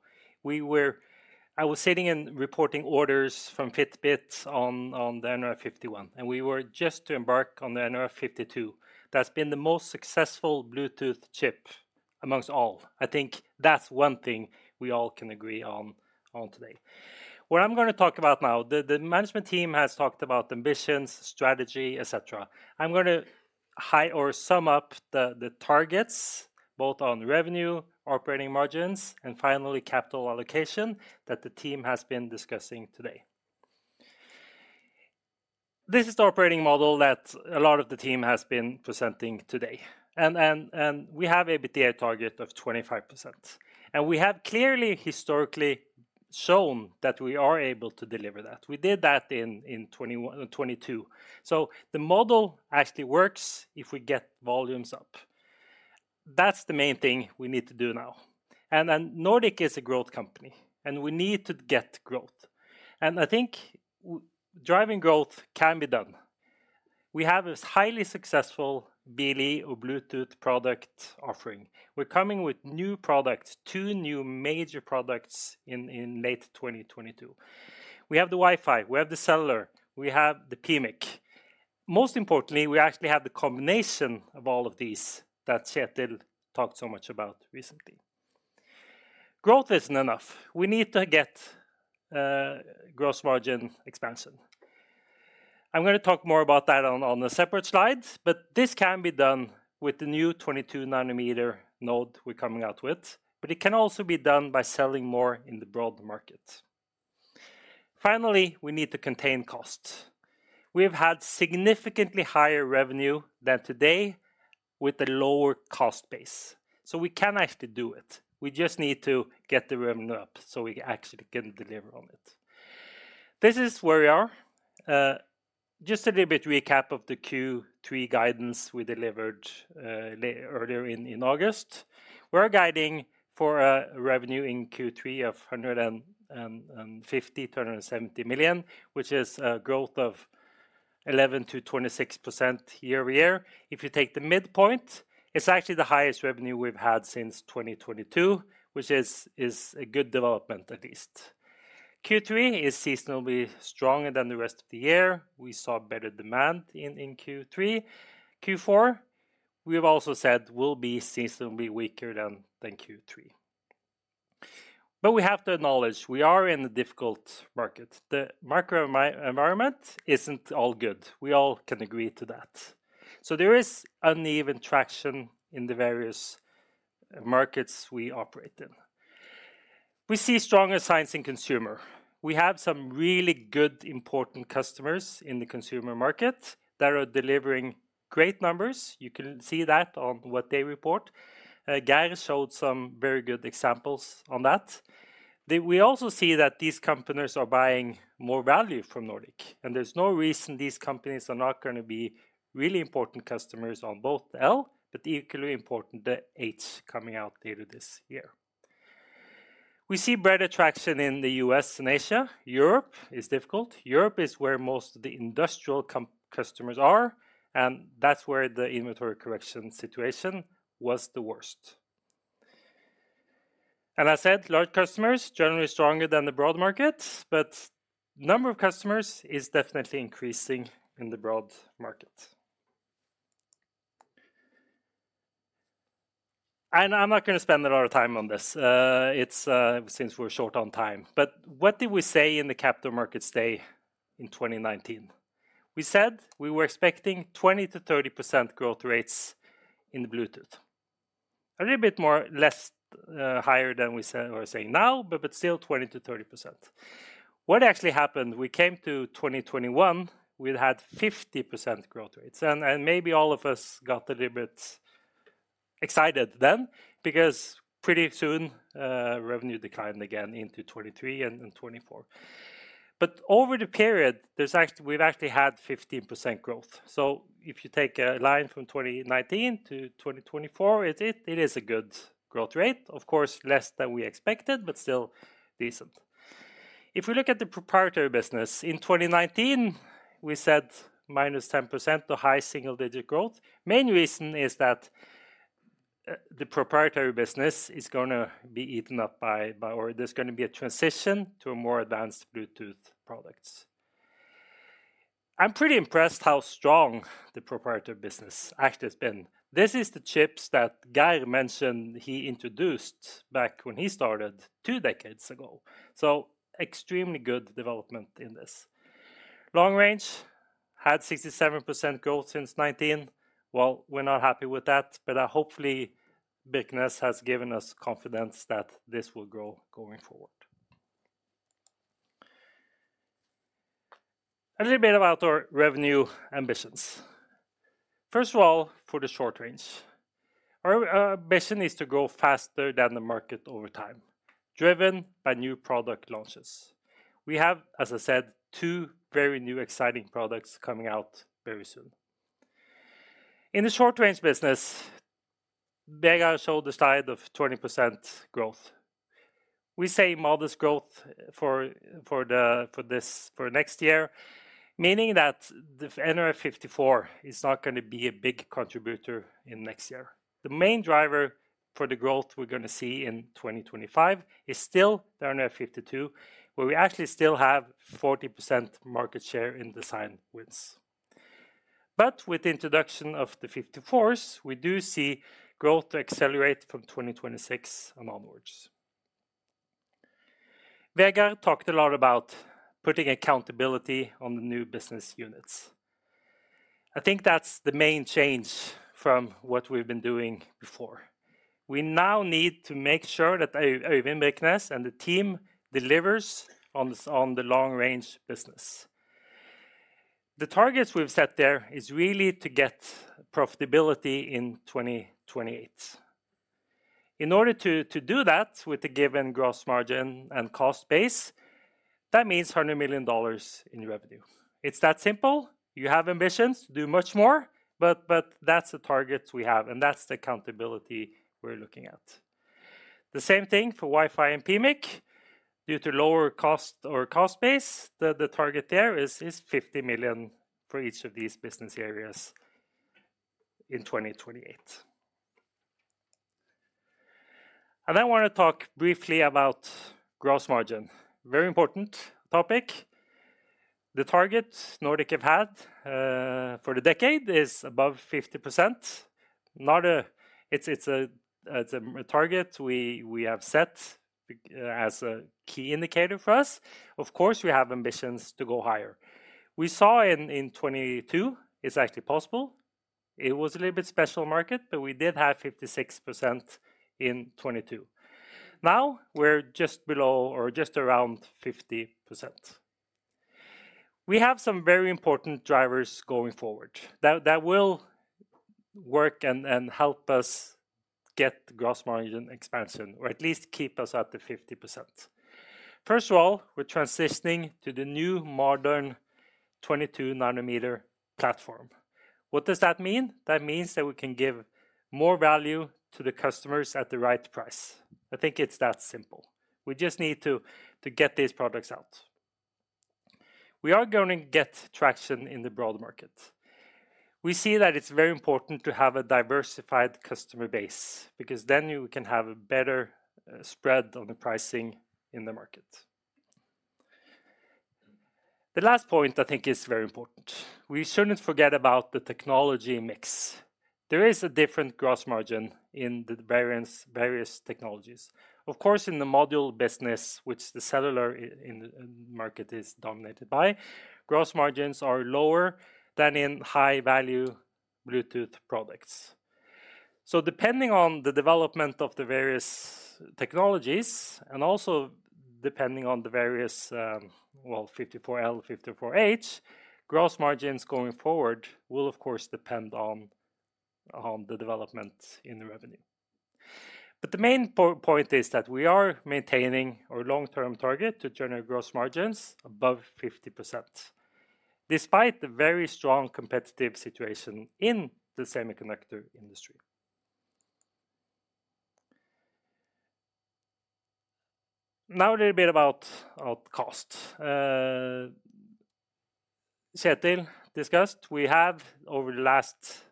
I was sitting and reporting orders from Fitbit on the nRF51, and we were just to embark on the nRF52. That's been the most successful Bluetooth chip amongst all. I think that's one thing we all can agree on today. What I'm gonna talk about now, the management team has talked about ambitions, strategy, et cetera. I'm gonna highlight or sum up the targets, both on revenue, operating margins, and finally, capital allocation that the team has been discussing today. This is the operating model that a lot of the team has been presenting today, and we have EBITDA target of 25%, and we have clearly historically shown that we are able to deliver that. We did that in 21, 22. The model actually works if we get volumes up. That's the main thing we need to do now. Nordic is a growth company, and we need to get growth, and I think driving growth can be done. We have a highly successful BLE or Bluetooth product offering. We're coming with new products, 2 new major products in late 2022. We have the Wi-Fi, we have the cellular, we have the PMIC. Most importantly, we actually have the combination of all of these that Kjetil talked so much about recently. Growth isn't enough. We need to get gross margin expansion. I'm gonna talk more about that on a separate slide, but this can be done with the new 22 nm node we're coming out with, but it can also be done by selling more in the broad market. Finally, we need to contain costs. We have had significantly higher revenue than today with a lower cost base. So we can actually do it. We just need to get the revenue up, so we actually can deliver on it. This is where we are. Just a little bit recap of the Q3 guidance we delivered earlier in August. We're guiding for a revenue in Q3 of $150 million-$170 million, which is a growth of 11%-26% year-over-year. If you take the midpoint, it's actually the highest revenue we've had since 2022, which is a good development, at least. Q3 is seasonally stronger than the rest of the year. We saw better demand in Q3. Q4, we've also said, will be seasonally weaker than Q3. But we have to acknowledge, we are in a difficult market. The macro environment isn't all good. We all can agree to that. So there is uneven traction in the various markets we operate in. We see stronger signs in consumer. We have some really good, important customers in the consumer market that are delivering great numbers. You can see that on what they report. Geir showed some very good examples on that. We also see that these companies are buying more value from Nordic, and there's no reason these companies are not gonna be really important customers on both L, but equally important, the H, coming out later this year. We see better traction in the U.S. and Asia. Europe is difficult. Europe is where most of the industrial customers are, and that's where the inventory correction situation was the worst. And I said, large customers, generally stronger than the broad market, but number of customers is definitely increasing in the broad market. And I'm not gonna spend a lot of time on this, it's, since we're short on time. But what did we say in the Capital Markets Day in 2019? We said we were expecting 20%-30% growth rates in the Bluetooth. A little bit more, less higher than we said. We're saying now, but still 20%-30%. What actually happened, we came to 2021, we'd had 50% growth rates, and maybe all of us got a little bit excited then, because pretty soon, revenue declined again into 2023 and 2024. But over the period, we've actually had 15% growth. So if you take a line from 2019 to 2024, it is a good growth rate. Of course, less than we expected, but still decent. If we look at the proprietary business, in 2019, we said -10% to high single-digit growth. Main reason is that the proprietary business is gonna be eaten up by or there's gonna be a transition to a more advanced Bluetooth products. I'm pretty impressed how strong the proprietary business actually has been. This is the chips that Geir mentioned he introduced back when he started two decades ago. So extremely good development in this. Long Range had 67% growth since 2019. Well, we're not happy with that, but hopefully Birkenes has given us confidence that this will grow going forward. A little bit about our revenue ambitions. First of all, for the Short Range, our ambition is to grow faster than the market over time, driven by new product launches. We have, as I said, two very new exciting products coming out very soon. In the Short Range business, Vegard showed a slide of 20% growth. We say modest growth for next year, meaning that the nRF54 is not gonna be a big contributor in next year. The main driver for the growth we're gonna see in 2025 is still the nRF52, where we actually still have 40% market share in design wins. But with the introduction of the nRF54s, we do see growth accelerate from 2026 and onwards. Vegard talked a lot about putting accountability on the new business units. I think that's the main change from what we've been doing before. We now need to make sure that Øyvind Birkenes and the team delivers on Long Range Business. the targets we've set there is really to get profitability in twenty twenty-eight. In order to do that with the given gross margin and cost base, that means $100 million in revenue. It's that simple. You have ambitions to do much more, but that's the targets we have, and that's the accountability we're looking at. The same thing for Wi-Fi and PMIC. Due to lower cost or cost base, the target there is 50 million for each of these business areas in 2028. I wanna talk briefly about gross margin. Very important topic. The target Nordic have had for the decade is above 50%. It's a target we have set as a key indicator for us. Of course, we have ambitions to go higher. We saw in 2022, it's actually possible. It was a little bit special market, but we did have 56% in 2022. Now, we're just below or just around 50%. We have some very important drivers going forward that will work and help us get gross margin expansion, or at least keep us at the 50%. First of all, we're transitioning to the new modern 22 nm platform. What does that mean? That means that we can give more value to the customers at the right price. I think it's that simple. We just need to get these products out. We are going to get traction in the broad market. We see that it's very important to have a diversified customer base, because then you can have a better spread on the pricing in the market. The last point, I think, is very important. We shouldn't forget about the technology mix. There is a different gross margin in various technologies. Of course, in the module business, which the cellular in the market is dominated by, gross margins are lower than in high-value Bluetooth products. So depending on the development of the various technologies, and also depending on the various, well, nRF54L, nRF54H, gross margins going forward will of course depend on the development in the revenue. But the main point is that we are maintaining our long-term target to generate gross margins above 50%, despite the very strong competitive situation in the semiconductor industry. Now, a little bit about cost. Kjetil discussed, we have, over the last five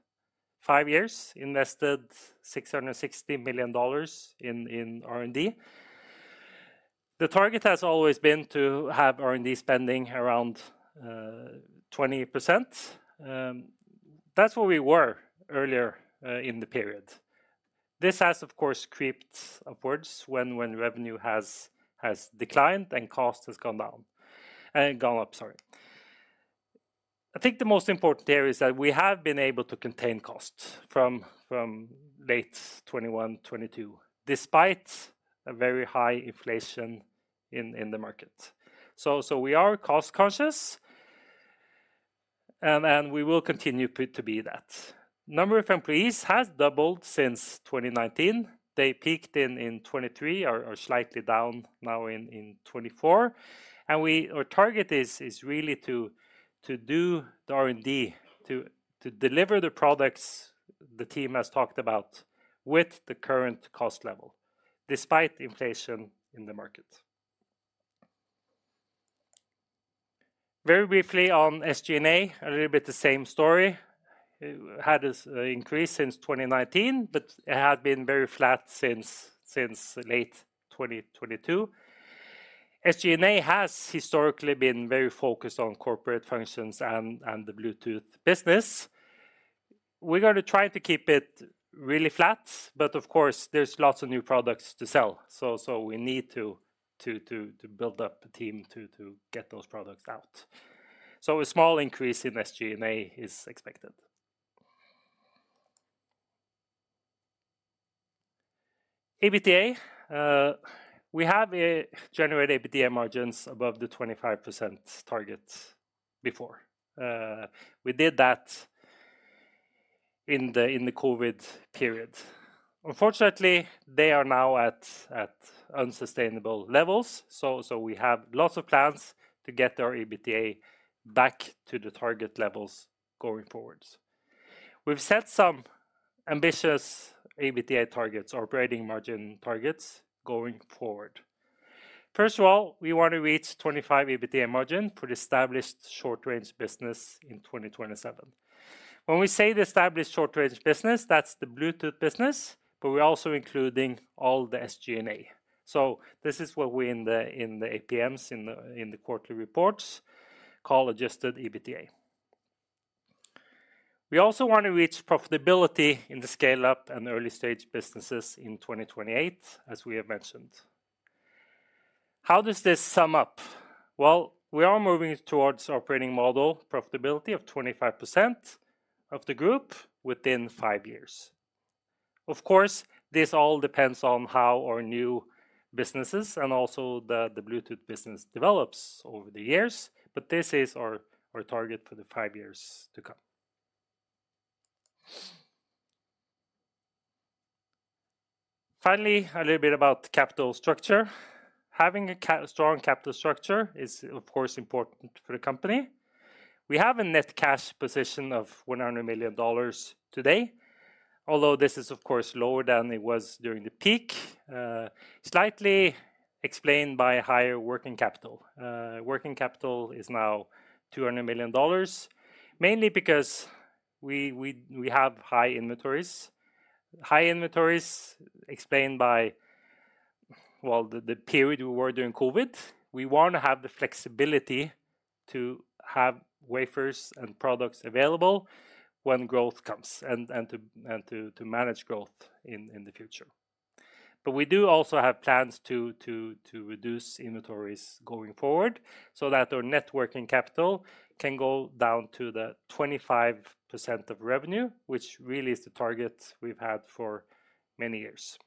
years, invested $660 million in R&D. The target has always been to have R&D spending around 20%. That's where we were earlier in the period. This has, of course, crept upwards when revenue has declined and cost has come down, gone up, sorry. I think the most important there is that we have been able to contain costs from late 2021, 2022, despite a very high inflation in the market. So we are cost-conscious, and we will continue to be that. Number of employees has doubled since 2019. They peaked in 2023, are slightly down now in 2024, and our target is really to do the R&D, to deliver the products the team has talked about with the current cost level, despite inflation in the market. Very briefly on SG&A, a little bit the same story. We had this increase since 2019, but it had been very flat since late 2022. SG&A has historically been very focused on corporate functions and the Bluetooth business. We're gonna try to keep it really flat, but of course, there's lots of new products to sell. So we need to build up a team to get those products out. So a small increase in SG&A is expected. EBITDA, we have generated EBITDA margins above the 25% target before. We did that in the COVID period. Unfortunately, they are now at unsustainable levels, so we have lots of plans to get our EBITDA back to the target levels going forward. We've set some ambitious EBITDA targets or operating margin targets going forward. First of all, we want to reach 25% EBITDA margin for the established Short Range Business in 2027. When we say the established Short Range Business, that's the Bluetooth business, but we're also including all the SG&A. So this is what we in the APMs in the quarterly reports call adjusted EBITDA. We also want to reach profitability in the scale-up and early-stage businesses in 2028, as we have mentioned. How does this sum up? Well, we are moving towards operating model profitability of 25% of the group within five years. Of course, this all depends on how our new businesses and also the Bluetooth business develops over the years, but this is our target for the five years to come. Finally, a little bit about capital structure. Having a strong capital structure is, of course, important for a company. We have a net cash position of $100 million today, although this is, of course, lower than it was during the peak, slightly explained by higher working capital. Working capital is now $200 million, mainly because we have high inventories. High inventories explained by, well, the period we were during COVID. We want to have the flexibility to have wafers and products available when growth comes, and to manage growth in the future. But we do also have plans to reduce inventories going forward so that our net working capital can go down to the 25% of revenue, which really is the target we've had for many years.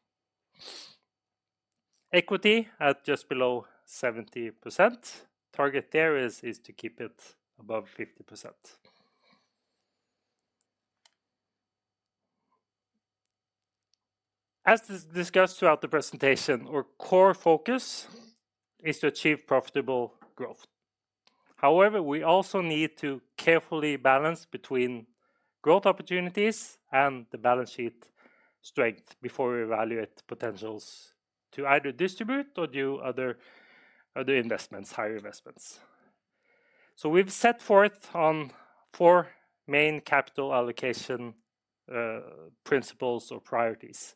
Equity at just below 70%. Target there is to keep it above 50%. As discussed throughout the presentation, our core focus is to achieve profitable growth. However, we also need to carefully balance between growth opportunities and the balance sheet strength before we evaluate potentials to either distribute or do other investments, higher investments. So we've set forth on four main capital allocation principles or priorities.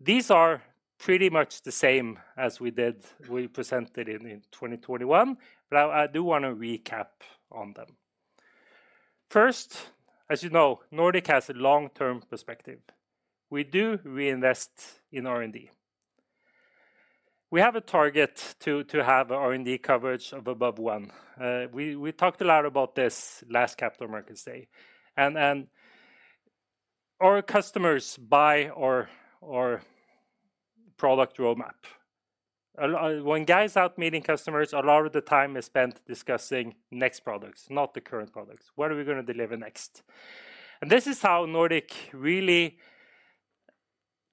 These are pretty much the same as we did we presented in 2021, but I do want to recap on them. First, as you know, Nordic has a long-term perspective. We do reinvest in R&D. We have a target to have a R&D coverage of above one. We talked a lot about this last Capital Markets Day, and our customers buy our product roadmap. When guys out meeting customers, a lot of the time is spent discussing next products, not the current products. What are we going to deliver next? This is how Nordic really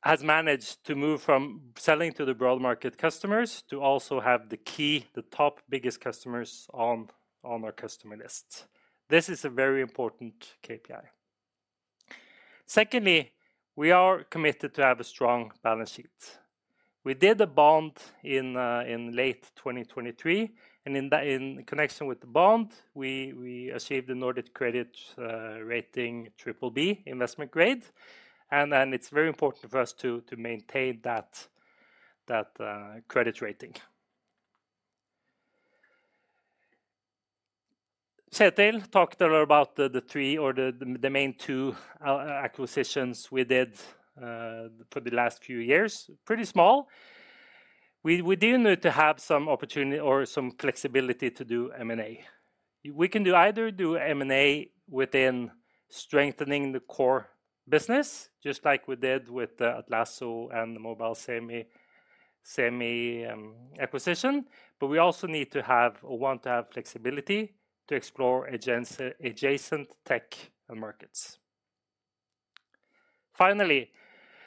has managed to move from selling to the broad market customers to also have the key, the top biggest customers on our customer list. This is a very important KPI. Secondly, we are committed to have a strong balance sheet. We did a bond in late 2023, and in connection with the bond, we achieved the Nordic credit rating triple B investment grade, and then it's very important for us to maintain that credit rating. Kjetil talked a lot about the main two acquisitions we did for the last few years, pretty small. We do need to have some opportunity or some flexibility to do M&A. We can do either do M&A within strengthening the core business, just like we did with Atlazo and the Mobile Semiconductor acquisition, but we also need to have or want to have flexibility to explore adjacent tech and markets. Finally,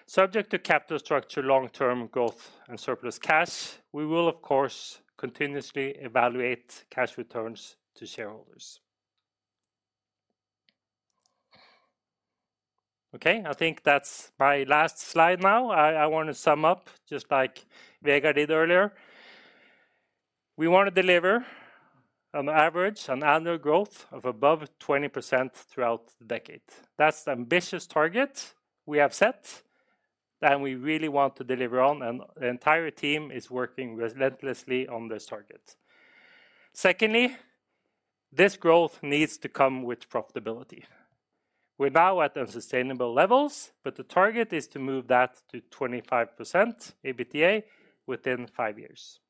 subject to capital structure, long-term growth, and surplus cash, we will, of course, continuously evaluate cash returns to shareholders. Okay, I think that's my last slide now. I want to sum up, just like Vegard did earlier. We want to deliver on average an annual growth of above 20% throughout the decade. That's the ambitious target we have set, and we really want to deliver on, and the entire team is working relentlessly on this target. Secondly, this growth needs to come with profitability. We're now at the sustainable levels, but the target is to move that to 25% EBITDA within five years.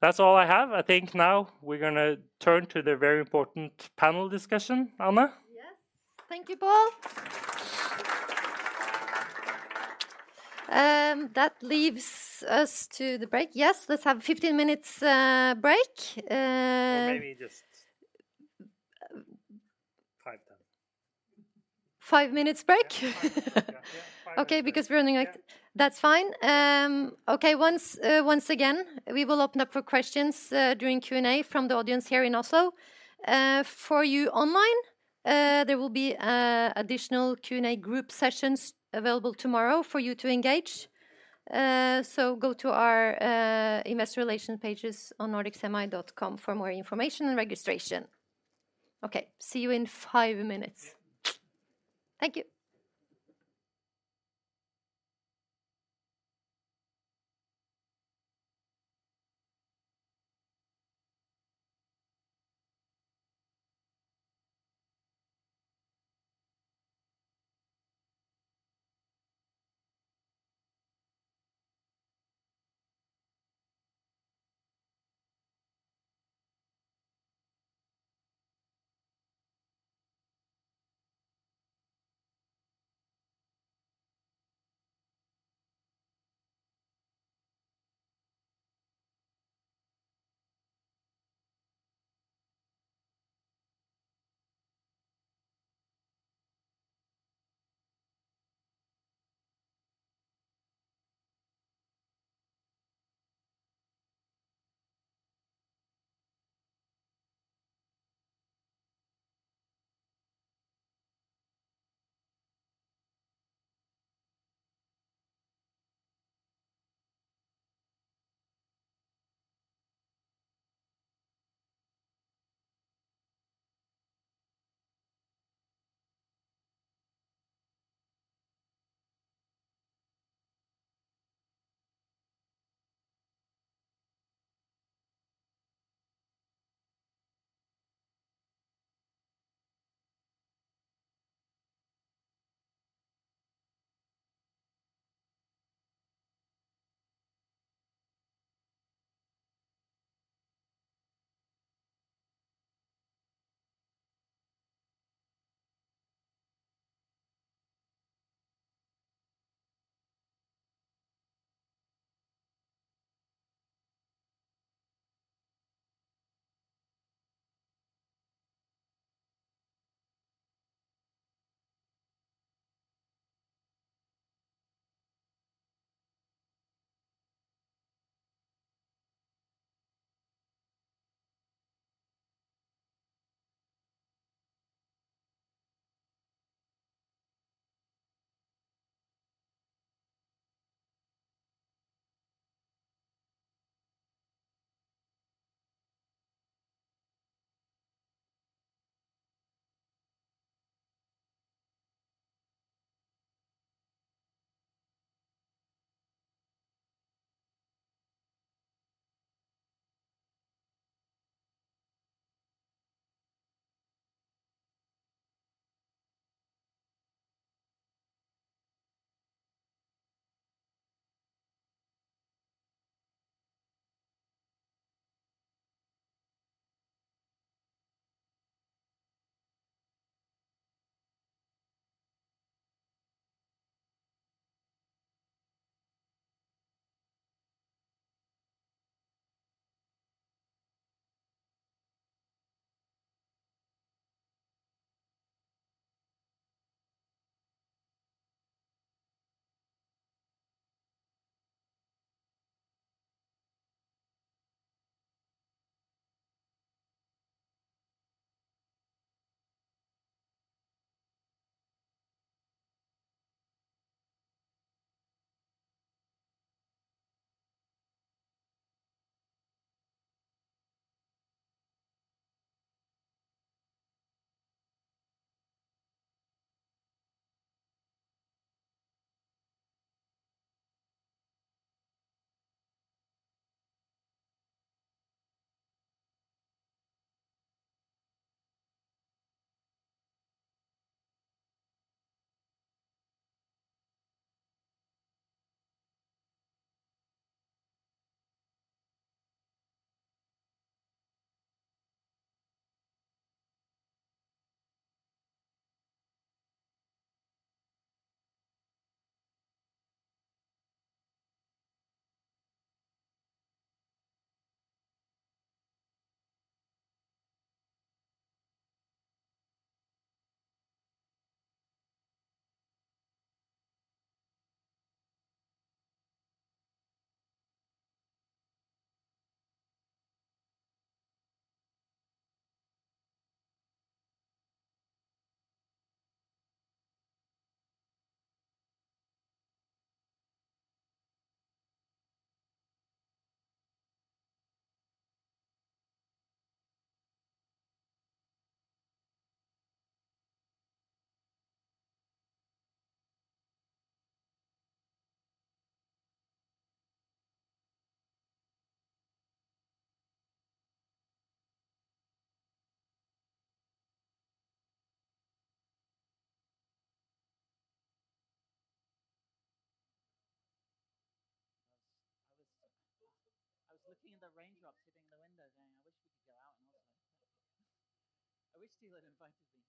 That's all I have. I think now we're gonna turn to the very important panel discussion, Anne? Yes. Thank you, Pål. That leaves us to the break. Yes, let's have fifteen minutes break. Or maybe just five then. Five minutes break? Okay, because we're running like. That's fine. Okay, once again, we will open up for questions during Q&A from the audience here in Oslo. For you online, there will be additional Q&A group sessions available tomorrow for you to engage. So go to our investor relation pages on nordicsemi.com for more information and registration. Okay, see you in five minutes. Thank you. I was looking at the raindrops hitting the windows, and I wish we could go out and also. I wish Steven had invited me.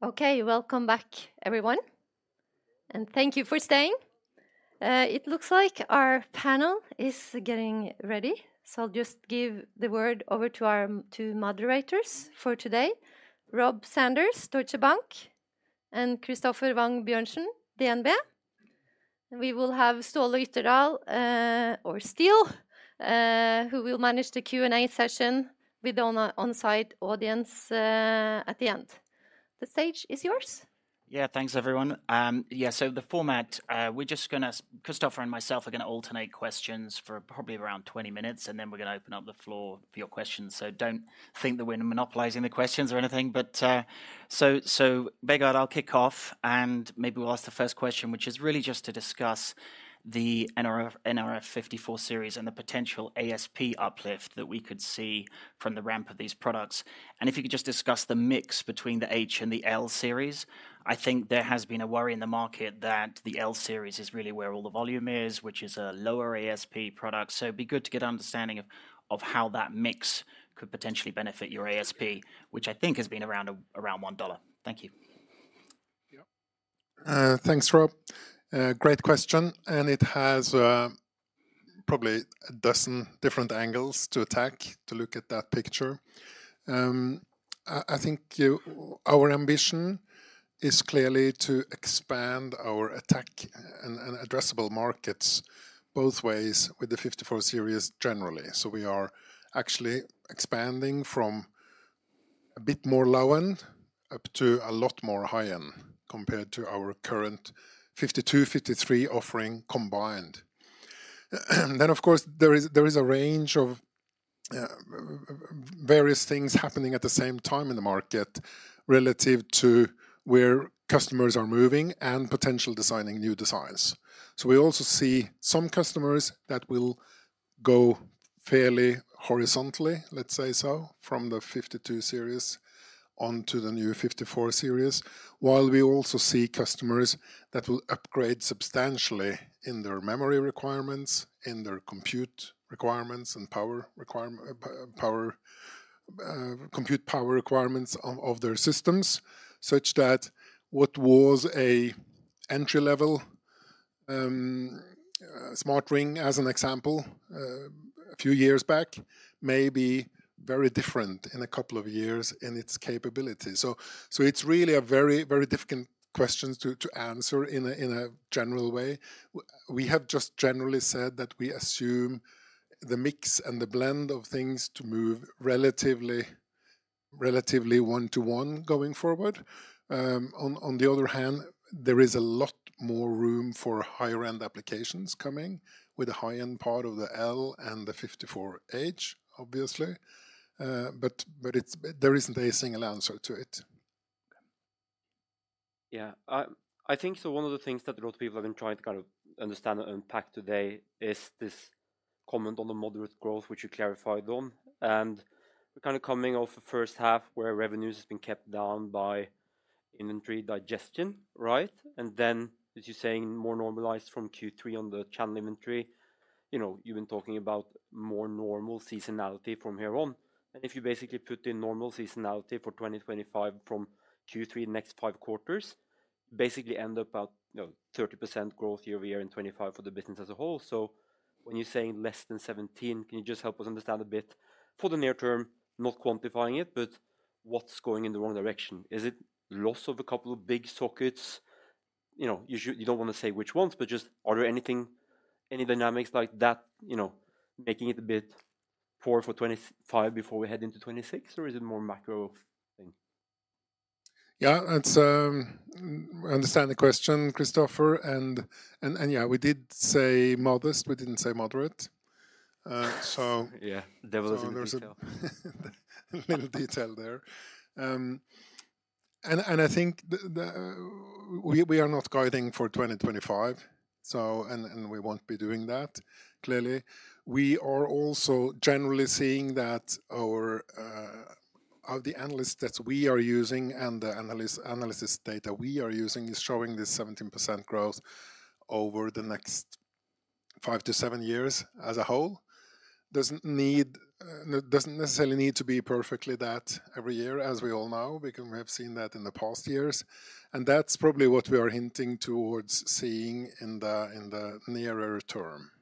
I see this. Mm, lovely. So do you, are you gonna do, you wanna do a little intro, okay? And then I'll introduce myself or... Okay. We can alternate questions, and then we'll get started. That's what. Yes, we know. Mm-hmm. Yeah. Yeah. Okay, welcome back, everyone, and thank you for staying. It looks like our panel is getting ready, so I'll just give the word over to our two moderators for today, Rob Sanders, Deutsche Bank, and Christoffer Wang Bjørnsen, DNB. We will have Ståle Ytterdal, or Steel, who will manage the Q&A session with the on-site audience at the end. The stage is yours. Yeah. Thanks, everyone. Yeah, so the format, we're just gonna Kristoffer and myself are gonna alternate questions for probably around twenty minutes, and then we're gonna open up the floor for your questions. So don't think that we're monopolizing the questions or anything. But, Vegard, I'll kick off, and maybe we'll ask the first question, which is really just to discuss the nRF54 Series and the potential ASP uplift that we could see from the ramp of these products. And if you could just discuss the mix between the H and the L Series? I think there has been a worry in the market that the L Series is really where all the volume is, which is a lower ASP product. So it'd be good to get an understanding of how that mix could potentially benefit your ASP, which I think has been around $1. Thank you. Yeah. Thanks, Rob. Great question, and it has probably a dozen different angles to attack to look at that picture. I think our ambition is clearly to expand our attack and addressable markets both ways with the nRF54 Series generally. So we are actually expanding from a bit more low-end up to a lot more high-end, compared to our current nRF52, nRF53 offering combined. Then, of course, there is a range of various things happening at the same time in the market relative to where customers are moving and potential designing new designs. So we also see some customers that will go fairly horizontally, let's say so, from the nRF52 Series onto the new nRF54 Series. While we also see customers that will upgrade substantially in their memory requirements, in their compute requirements, and power requirement, power, compute power requirements of their systems, such that what was an entry-level smart ring, as an example, a few years back, may be very different in a couple of years in its capability. So it's really a very, very difficult question to answer in a general way. We have just generally said that we assume the mix and the blend of things to move relatively, relatively one to one going forward. On the other hand, there is a lot more room for higher-end applications coming, with the high-end part of the L and the nRF54H, obviously. But it's... There isn't a single answer to it. Yeah. I think so one of the things that a lot of people have been trying to kind of understand and unpack today is this comment on the moderate growth, which you clarified on, and we're kinda coming off a first half where revenues has been kept down by inventory digestion, right? And then, as you're saying, more normalized from Q3 on the channel inventory, you know, you've been talking about more normal seasonality from here on. And if you basically put in normal seasonality for 2025 from Q3, next 5 quarters, basically end up about, you know, 30% growth year-over-year in twenty-five for the business as a whole. So when you're saying less than 17%, can you just help us understand a bit for the near term, not quantifying it, but what's going in the wrong direction? Is it loss of a couple of big sockets? You know, you don't wanna say which ones, but just are there anything, any dynamics like that, you know, making it a bit poor for 2025 before we head into 2026, or is it more macro thing? Yeah. It's. I understand the question, Christoffer. And yeah, we did say modest, we didn't say moderate. So- Yeah, there was a little detail. Little detail there, and I think we are not guiding for 2025, so and we won't be doing that, clearly. We are also generally seeing that our use of the analysts that we are using and the analysis data we are using is showing this 17% growth over the next five to seven years as a whole. Doesn't necessarily need to be perfectly that every year, as we all know, because we have seen that in the past years, and that's probably what we are hinting towards seeing in the nearer term.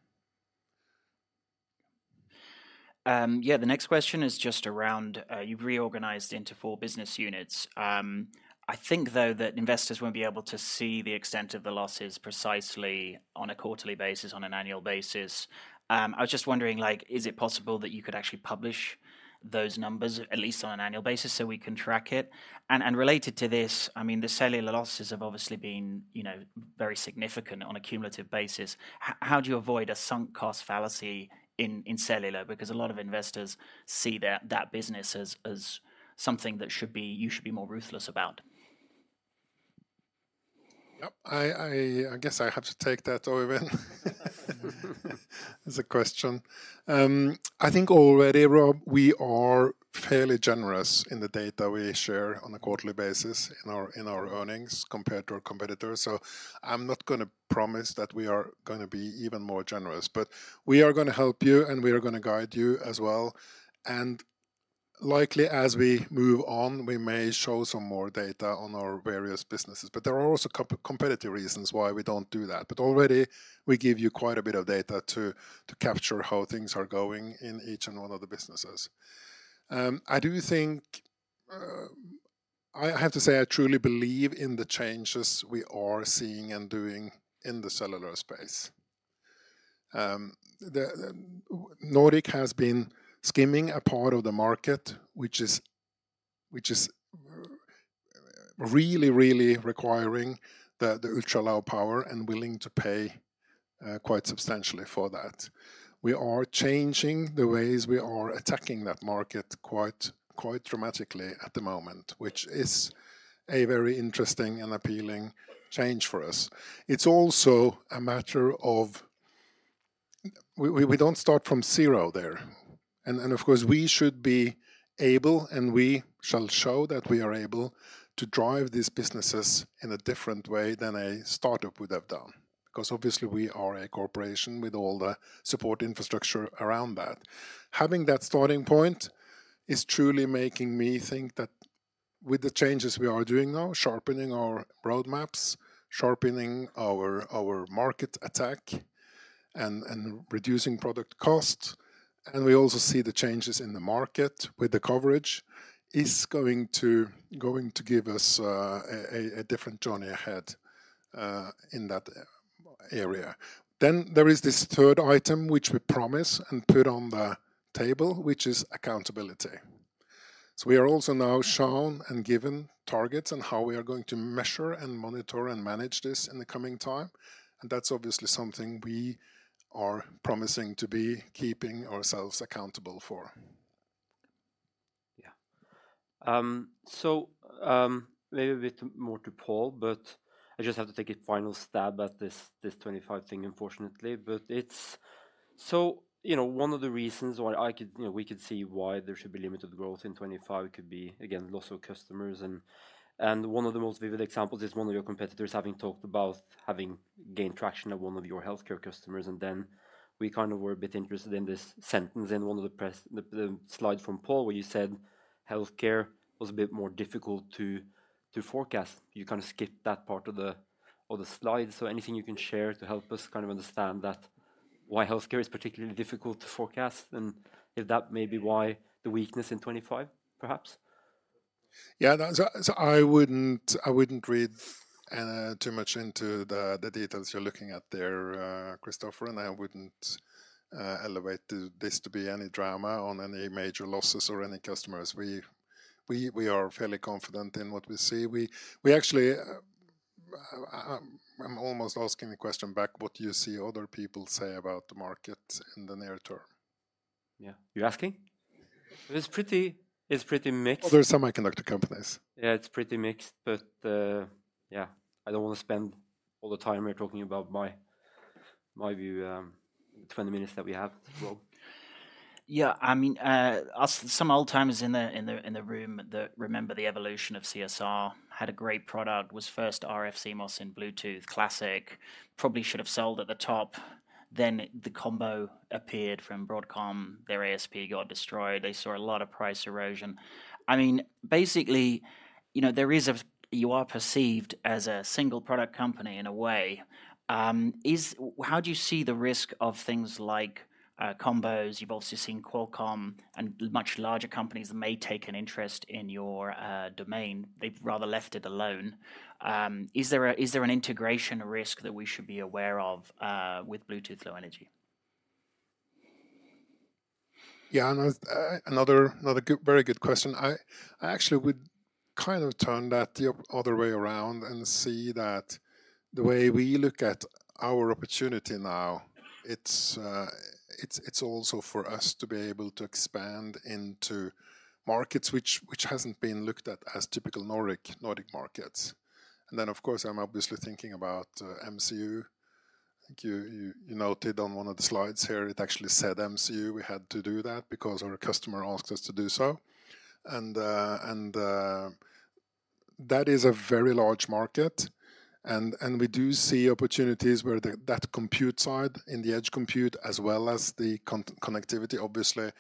Yeah, the next question is just around, you've reorganized into four business units. I think, though, that investors won't be able to see the extent of the losses precisely on a quarterly basis, on an annual basis. I was just wondering, like, is it possible that you could actually publish those numbers, at least on an annual basis, so we can track it? And related to this, I mean, the cellular losses have obviously been, you know, very significant on a cumulative basis. How do you avoid a sunk cost fallacy in cellular? Because a lot of investors see that business as something that should be. You should be more ruthless about. Yep, I guess I have to take that over, as a question. I think already, Rob, we are fairly generous in the data we share on a quarterly basis in our earnings, compared to our competitors. So I'm not gonna promise that we are gonna be even more generous, but we are gonna help you, and we are gonna guide you as well. Likely, as we move on, we may show some more data on our various businesses, but there are also competitive reasons why we don't do that. Already, we give you quite a bit of data to capture how things are going in each and all of the businesses. I do think I have to say, I truly believe in the changes we are seeing and doing in the cellular space. Nordic has been skimming a part of the market, which is really requiring the ultra-low power and willing to pay quite substantially for that. We are changing the ways we are attacking that market quite dramatically at the moment, which is a very interesting and appealing change for us. It's also a matter of. We don't start from zero there. And of course, we should be able, and we shall show that we are able to drive these businesses in a different way than a startup would have done. Because obviously we are a corporation with all the support infrastructure around that. Having that starting point is truly making me think that with the changes we are doing now, sharpening our roadmaps, sharpening our market attack, and reducing product cost, and we also see the changes in the market with the coverage, is going to give us a different journey ahead in that area. Then there is this third item, which we promise and put on the table, which is accountability. So we are also now shown and given targets on how we are going to measure and monitor and manage this in the coming time, and that's obviously something we are promising to be keeping ourselves accountable for. Yeah. So, maybe a bit more to Paul, but I just have to take a final stab at this 2025 thing, unfortunately. But it's. So, you know, one of the reasons why I could, you know, we could see why there should be limited growth in 2025 could be, again, loss of customers, and one of the most vivid examples is one of your competitors having talked about having gained traction at one of your healthcare customers, and then we kind of were a bit interested in this sentence in one of the press. The slide from Paul, where you said healthcare was a bit more difficult to forecast. You kind of skipped that part of the slide. So anything you can share to help us kind of understand that, why healthcare is particularly difficult to forecast, and if that may be why the weakness in 2025, perhaps? Yeah, that's. So I wouldn't read too much into the details you're looking at there, Christoffer, and I wouldn't elevate this to be any drama on any major losses or any customers. We are fairly confident in what we see. We actually, I'm almost asking the question back, what do you see other people say about the market in the near term? Yeah. You're asking? It's pretty mixed. Other semiconductor companies. Yeah, it's pretty mixed, but yeah, I don't want to spend all the time here talking about my view, the twenty minutes that we have. Rob? Yeah, I mean, some old timers in the room that remember the evolution of CSR, had a great product, was first RFCMOS in Bluetooth Classic. Probably should have sold at the top. Then the combo appeared from Broadcom. Their ASP got destroyed. They saw a lot of price erosion. I mean, basically, you know, there is a you are perceived as a single product company in a way. How do you see the risk of things like combos? You've also seen Qualcomm and much larger companies that may take an interest in your domain. They've rather left it alone. Is there an integration risk that we should be aware of with Bluetooth Low Energy? Yeah, and another good question. I actually would kind of turn that the other way around and see that the way we look at our opportunity now, it's also for us to be able to expand into markets which hasn't been looked at as typical Nordic markets. And then, of course, I'm obviously thinking about MCU. I think you noted on one of the slides here, it actually said MCU. We had to do that because our customer asked us to do so. And that is a very large market, and we do see opportunities where that compute side, in the edge compute, as well as the connectivity, obviously,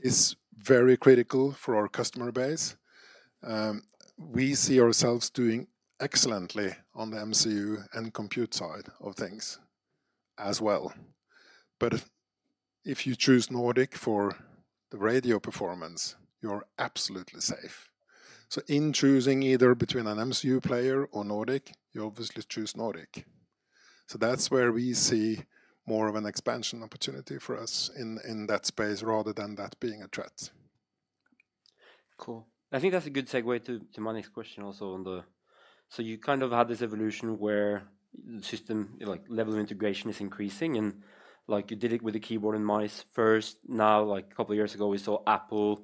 is very critical for our customer base. We see ourselves doing excellently on the MCU and compute side of things as well. But if you choose Nordic for the radio performance, you're absolutely safe. So in choosing either between an MCU player or Nordic, you obviously choose Nordic. So that's where we see more of an expansion opportunity for us in that space, rather than that being a threat. Cool. I think that's a good segue to my next question also on the... So you kind of had this evolution where system, like, level of integration is increasing, and, like, you did it with the keyboard and mice first. Now, like, a couple of years ago, we saw Apple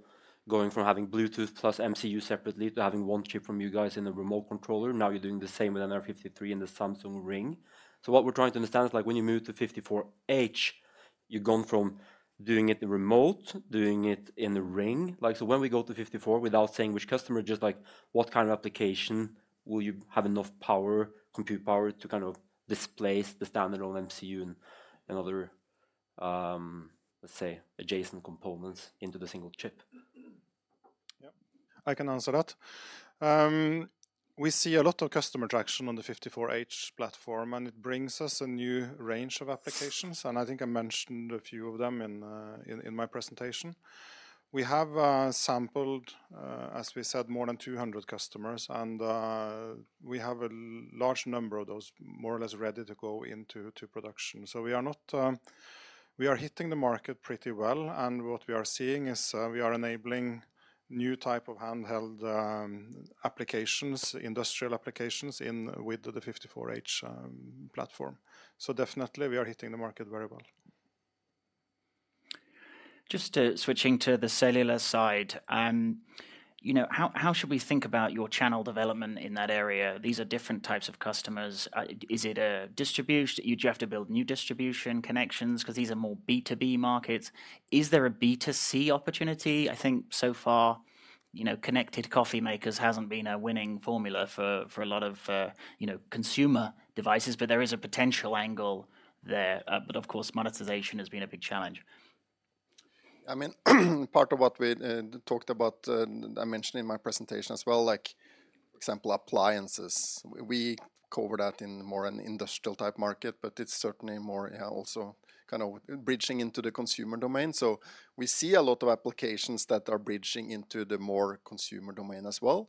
going from having Bluetooth plus MCU separately to having one chip from you guys in a remote controller. Now you're doing the same with nRF53 in the Samsung Ring. So what we're trying to understand is, like, when you move to nRF54H, you've gone from doing it in remote, doing it in a ring. Like, so when we go to nRF54, without saying which customer, just, like, what kind of application will you have enough power, compute power to kind of displace the standard old MCU and other, let's say, adjacent components into the single chip? Yep, I can answer that. We see a lot of customer traction on the nRF54H platform, and it brings us a new range of applications, and I think I mentioned a few of them in my presentation. We have sampled, as we said, more than 200 customers, and we have a large number of those more or less ready to go into production. So we are hitting the market pretty well, and what we are seeing is we are enabling new type of handheld applications, industrial applications with the nRF54H platform. So definitely, we are hitting the market very well. Just to switching to the cellular side, you know, how should we think about your channel development in that area? These are different types of customers. Is it a distribution? You'd have to build new distribution connections 'cause these are more B2B markets. Is there a B2C opportunity? I think so far, you know, connected coffee makers hasn't been a winning formula for a lot of, you know, consumer devices, but there is a potential angle there. But of course, monetization has been a big challenge. I mean, part of what we talked about, I mentioned in my presentation as well, like, example, appliances. We cover that in more an industrial type market, but it's certainly more, yeah, also kind of bridging into the consumer domain. So we see a lot of applications that are bridging into the more consumer domain as well.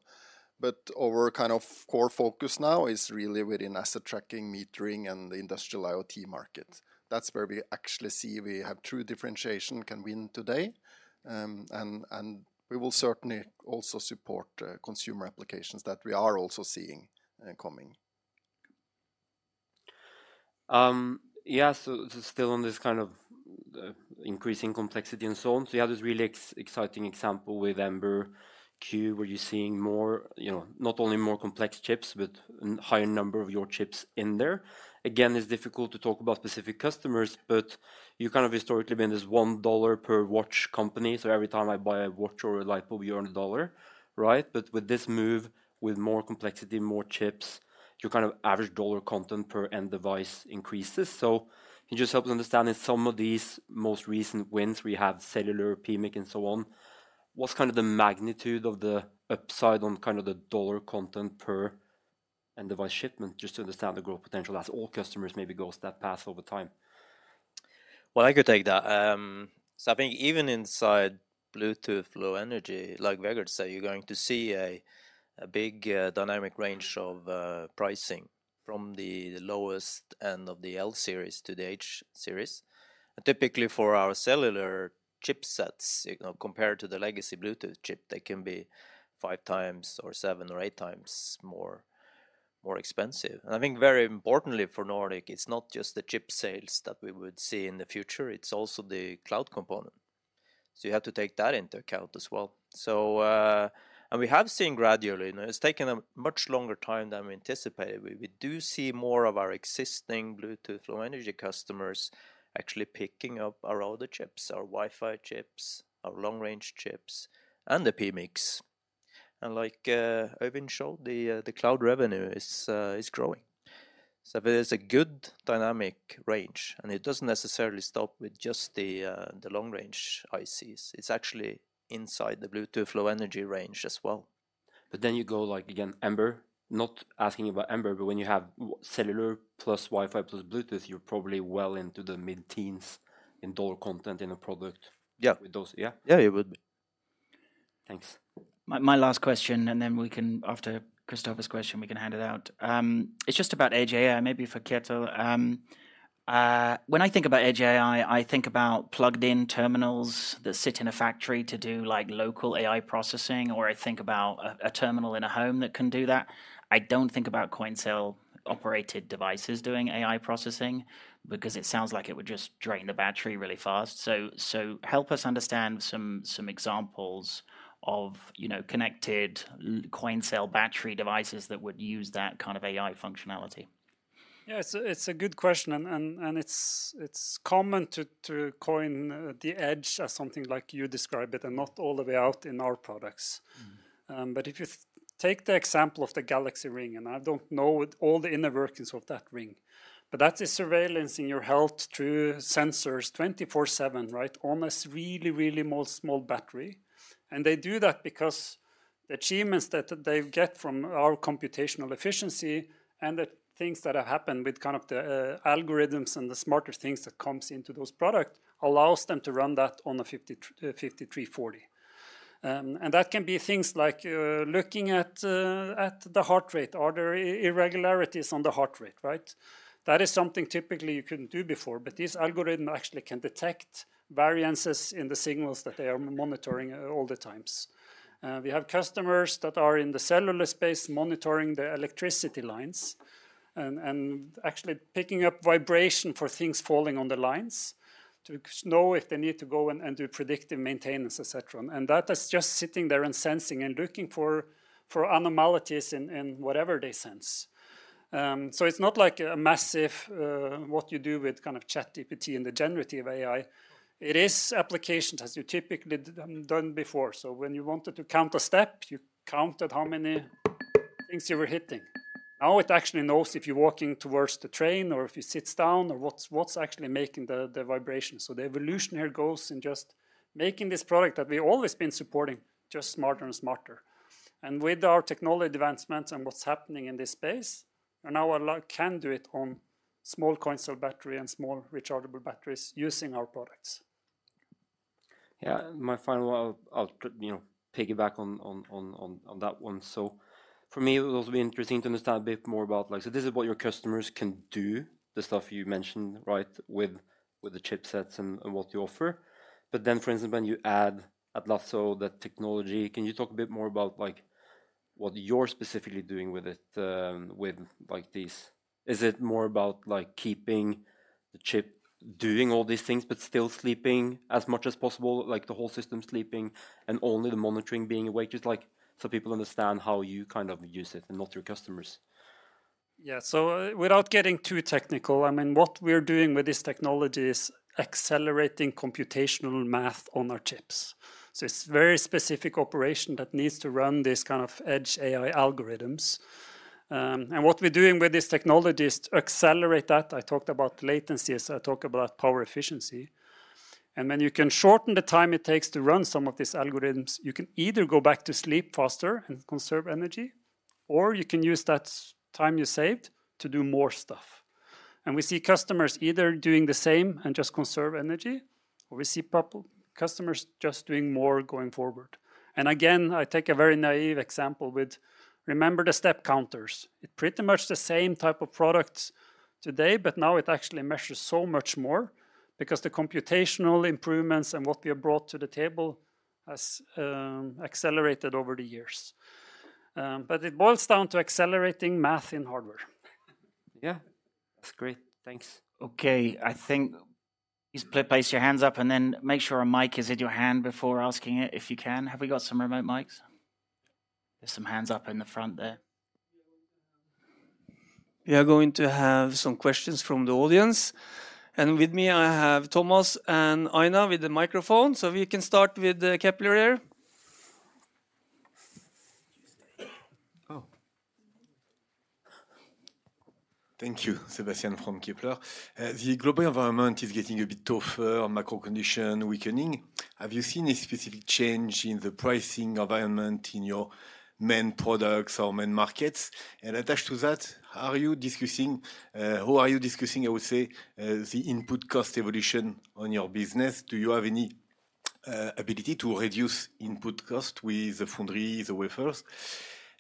But our kind of core focus now is really asset tracking, metering, and the Industrial IoT market. That's where we actually see we have true differentiation can win today. And we will certainly also support consumer applications that we are also seeing coming. Yeah, so still on this kind of increasing complexity and so on. So you have this really exciting example with Ember Cube, where you're seeing more, you know, not only more complex chips but a higher number of your chips in there. Again, it's difficult to talk about specific customers, but you kind of historically been this $1 per watch company, so every time I buy a watch or a light bulb, you earn a dollar, right? But with this move, with more complexity, more chips, your kind of average dollar content per end device increases. So it just helps understand in some of these most recent wins, we have cellular, PMIC, and so on. What's kind of the magnitude of the upside on kind of the dollar content per end device shipment, just to understand the growth potential as all customers maybe goes that path over time? I could take that. So I think even inside Bluetooth Low Energy, like Vegard said, you're going to see a big dynamic range of pricing from the lowest end of the L Series to the H Series. And typically, for our cellular chipsets, you know, compared to the legacy Bluetooth chip, they can be five times or seven or eight times more expensive. And I think very importantly for Nordic, it's not just the chip sales that we would see in the future, it's also the cloud component. So you have to take that into account as well. So, and we have seen gradually, you know, it's taken a much longer time than we anticipated. We do see more of our existing Bluetooth Low Energy customers actually picking up our other chips, our Wi-Fi chips, our Long Range chips, and the PMICs. And like, Øyvind showed, the cloud revenue is growing. So there's a good dynamic range, and it doesn't necessarily stop with just the Long Range ICs. It's actually inside the Bluetooth Low Energy range as well. But then you go, like, again, Ember. Not asking you about Ember, but when you have cellular plus Wi-Fi plus Bluetooth, you're probably well into the mid-teens in dollar content in a product- Yeah with those. Yeah? Yeah, it would be. Thanks. My last question, and then we can, after Christoffer's question, we can hand it out. It's just about Edge AI, maybe for Kjetil. When I think about Edge AI, I think about plugged-in terminals that sit in a factory to do, like, local AI processing, or I think about a terminal in a home that can do that. I don't think about coin-cell-operated devices doing AI processing because it sounds like it would just drain the battery really fast. So help us understand some examples of, you know, connected coin-cell battery devices that would use that kind of AI functionality. Yeah, it's a good question, and it's common to coin the edge as something like you describe it and not all the way out in our products. But if you take the example of the Galaxy Ring, and I don't know what all the inner workings of that ring, but that is surveillance in your health through sensors twenty-four seven, right? On a really, really more small battery. And they do that because the achievements that they get from our computational efficiency and the things that have happened with kind of the algorithms and the smarter things that comes into those product, allows them to run that on a nRF5340. And that can be things like looking at the heart rate. Are there irregularities on the heart rate, right? That is something typically you couldn't do before, but this algorithm actually can detect variances in the signals that they are monitoring all the times. We have customers that are in the cellular space, monitoring the electricity lines and actually picking up vibration for things falling on the lines to know if they need to go and do predictive maintenance, et cetera. And that is just sitting there and sensing and looking for anomalies in whatever they sense. So it's not like a massive what you do with kind of ChatGPT and the generative AI. It is applications as you typically done before. So when you wanted to count a step, you counted how many things you were hitting. Now, it actually knows if you're walking towards the train or if you sits down or what's actually making the vibration. So the evolution here goes in just making this product that we've always been supporting, just smarter and smarter. With our technology advancements and what's happening in this space, and now a lot can do it on small coin-cell battery and small rechargeable batteries using our products. Yeah, my final one. I'll, you know, piggyback on that one. So for me, it would also be interesting to understand a bit more about, like, so this is what your customers can do, the stuff you mentioned, right, with the chipsets and what you offer. But then, for instance, when you add Atlazo, that technology, can you talk a bit more about, like, how, what you're specifically doing with it, with like this. Is it more about, like, keeping the chip doing all these things, but still sleeping as much as possible, like the whole system sleeping, and only the monitoring being awake? Just like, so people understand how you kind of use it and not your customers. Yeah. So without getting too technical, I mean, what we're doing with this technology is accelerating computational math on our chips. So it's very specific operation that needs to run this kind of edge AI algorithms. And what we're doing with this technology is to accelerate that. I talked about latency, as I talk about power efficiency. And when you can shorten the time it takes to run some of these algorithms, you can either go back to sleep faster and conserve energy, or you can use that time you saved to do more stuff. And we see customers either doing the same and just conserve energy, or we see customers just doing more going forward. And again, I take a very naive example with... Remember the step counters. It's pretty much the same type of products today, but now it actually measures so much more because the computational improvements and what we have brought to the table has accelerated over the years. But it boils down to accelerating math in hardware. Yeah, that's great. Thanks. Okay, I think please place your hands up, and then make sure a mic is in your hand before asking it, if you can. Have we got some remote mics? There's some hands up in the front there. We are going to have some questions from the audience, and with me, I have Thomas and Anne with the microphone, so we can start with the Kepler here. Oh. Thank you. Sebastian from Kepler. The global environment is getting a bit tougher, macro condition weakening. Have you seen a specific change in the pricing environment in your main products or main markets? And attached to that, how are you discussing, I would say, the input cost evolution on your business? Do you have any ability to reduce input cost with the foundry, the wafers?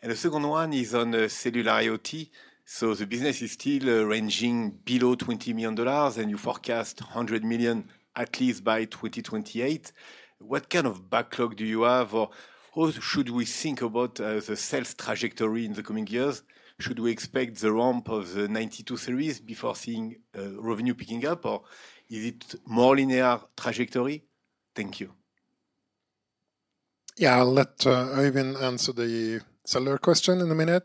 And the second one is on the Cellular IoT. So the business is still ranging below $20 million, and you forecast $100 million at least by 2028. What kind of backlog do you have, or how should we think about the sales trajectory in the coming years? Should we expect the ramp of the nRF92 Series before seeing revenue picking up, or is it more linear trajectory? Thank you. Yeah, I'll let Øyvind answer the cellular question in a minute.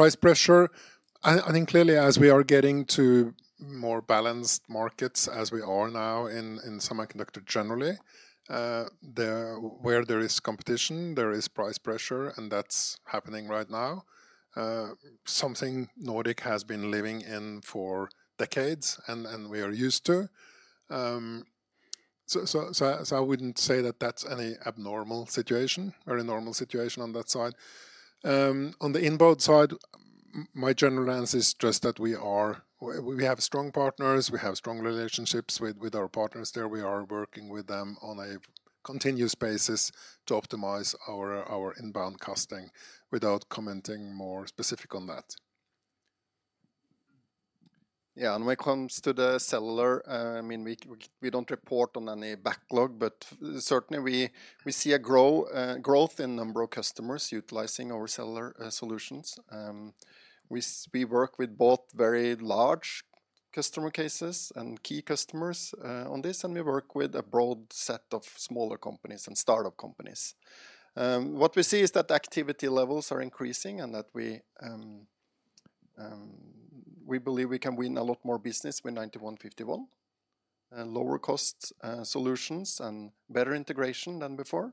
Price pressure, I think clearly, as we are getting to more balanced markets, as we are now in semiconductor generally, where there is competition, there is price pressure, and that's happening right now. Something Nordic has been living in for decades, and we are used to. So I wouldn't say that that's any abnormal situation or a normal situation on that side. On the inbound side, my general answer is just that we have strong partners, we have strong relationships with our partners there. We are working with them on a continuous basis to optimize our inbound costing without commenting more specific on that. Yeah, and when it comes to the cellular, I mean, we don't report on any backlog, but certainly, we see a growth in number of customers utilizing our cellular solutions. We work with both very large customer cases and key customers on this, and we work with a broad set of smaller companies and startup companies. What we see is that activity levels are increasing and that we believe we can win a lot more business with nRF9151, lower costs solutions, and better integration than before.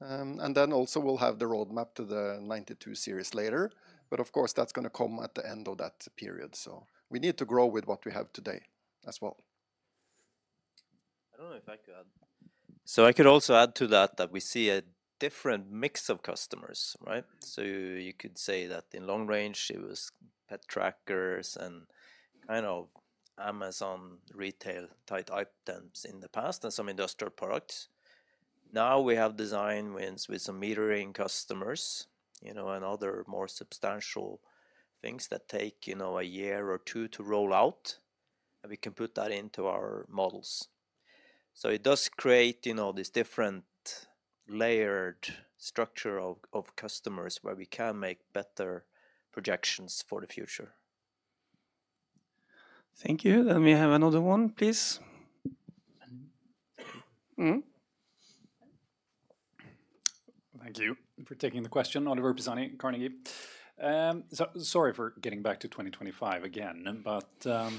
And then also we'll have the roadmap to the nRF92 Series later, but of course, that's gonna come at the end of that period, so we need to grow with what we have today as well. I don't know if I could add. So I could also add to that, that we see a different mix of customers, right? So you could say that in Long Range, it was pet trackers and kind of Amazon retail type items in the past and some industrial products. Now, we have design wins with some metering customers, you know, and other more substantial things that take, you know, a year or two to roll out, and we can put that into our models. So it does create, you know, this different layered structure of customers where we can make better projections for the future. Thank you. Then we have another one, please. Thank you for taking the question. Oliver Pisani, Carnegie. So sorry for getting back to 2025 again, but, I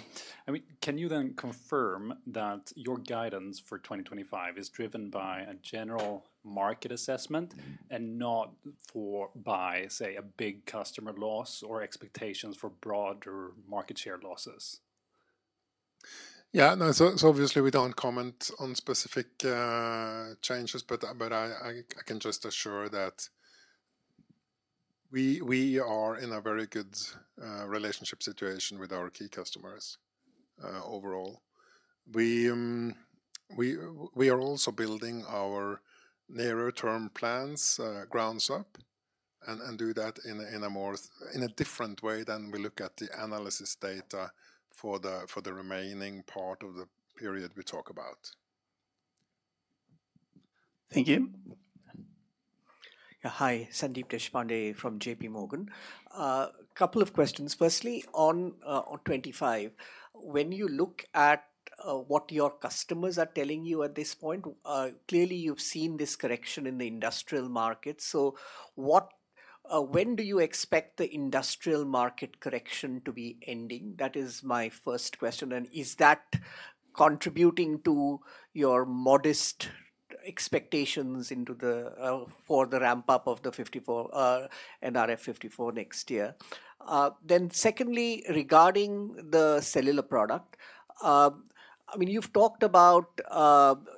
mean, can you then confirm that your guidance for 2025 is driven by a general market assessment and not by, say, a big customer loss or expectations for broader market share losses? Yeah, no, so obviously, we don't comment on specific changes, but I can just assure that we are in a very good relationship situation with our key customers overall. We are also building our near-term plans ground up and do that in a different way than we look at the analysis data for the remaining part of the period we talk about. Thank you. Yeah, hi, Sandeep Deshpande from JPMorgan. Couple of questions. Firstly, on 2025, when you look at what your customers are telling you at this point, clearly you've seen this correction in the industrial market. So when do you expect the industrial market correction to be ending? That is my first question. And is that contributing to your modest expectations into the for the ramp up of the nRF54 next year? Then secondly, regarding the cellular product, I mean, you've talked about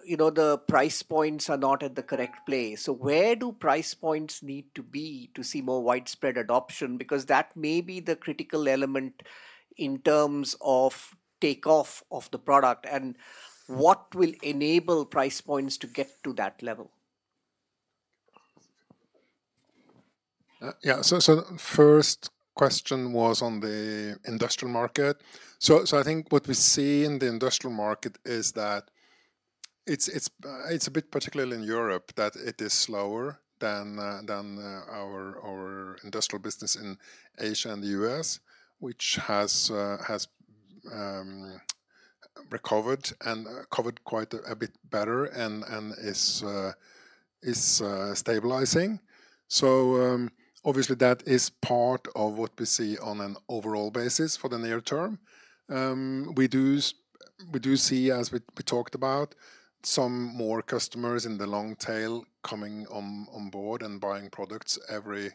you know, the price points are not at the correct place. So where do price points need to be to see more widespread adoption? Because that may be the critical element in terms of takeoff of the product, and what will enable price points to get to that level? Yeah, so first question was on the industrial market. So I think what we see in the industrial market is that it's a bit, particularly in Europe, that it is slower than our industrial business in Asia and the U.S., which has recovered quite a bit better and is stabilizing. So, obviously, that is part of what we see on an overall basis for the near term. We do see, as we talked about, some more customers in the long tail coming on board and buying products every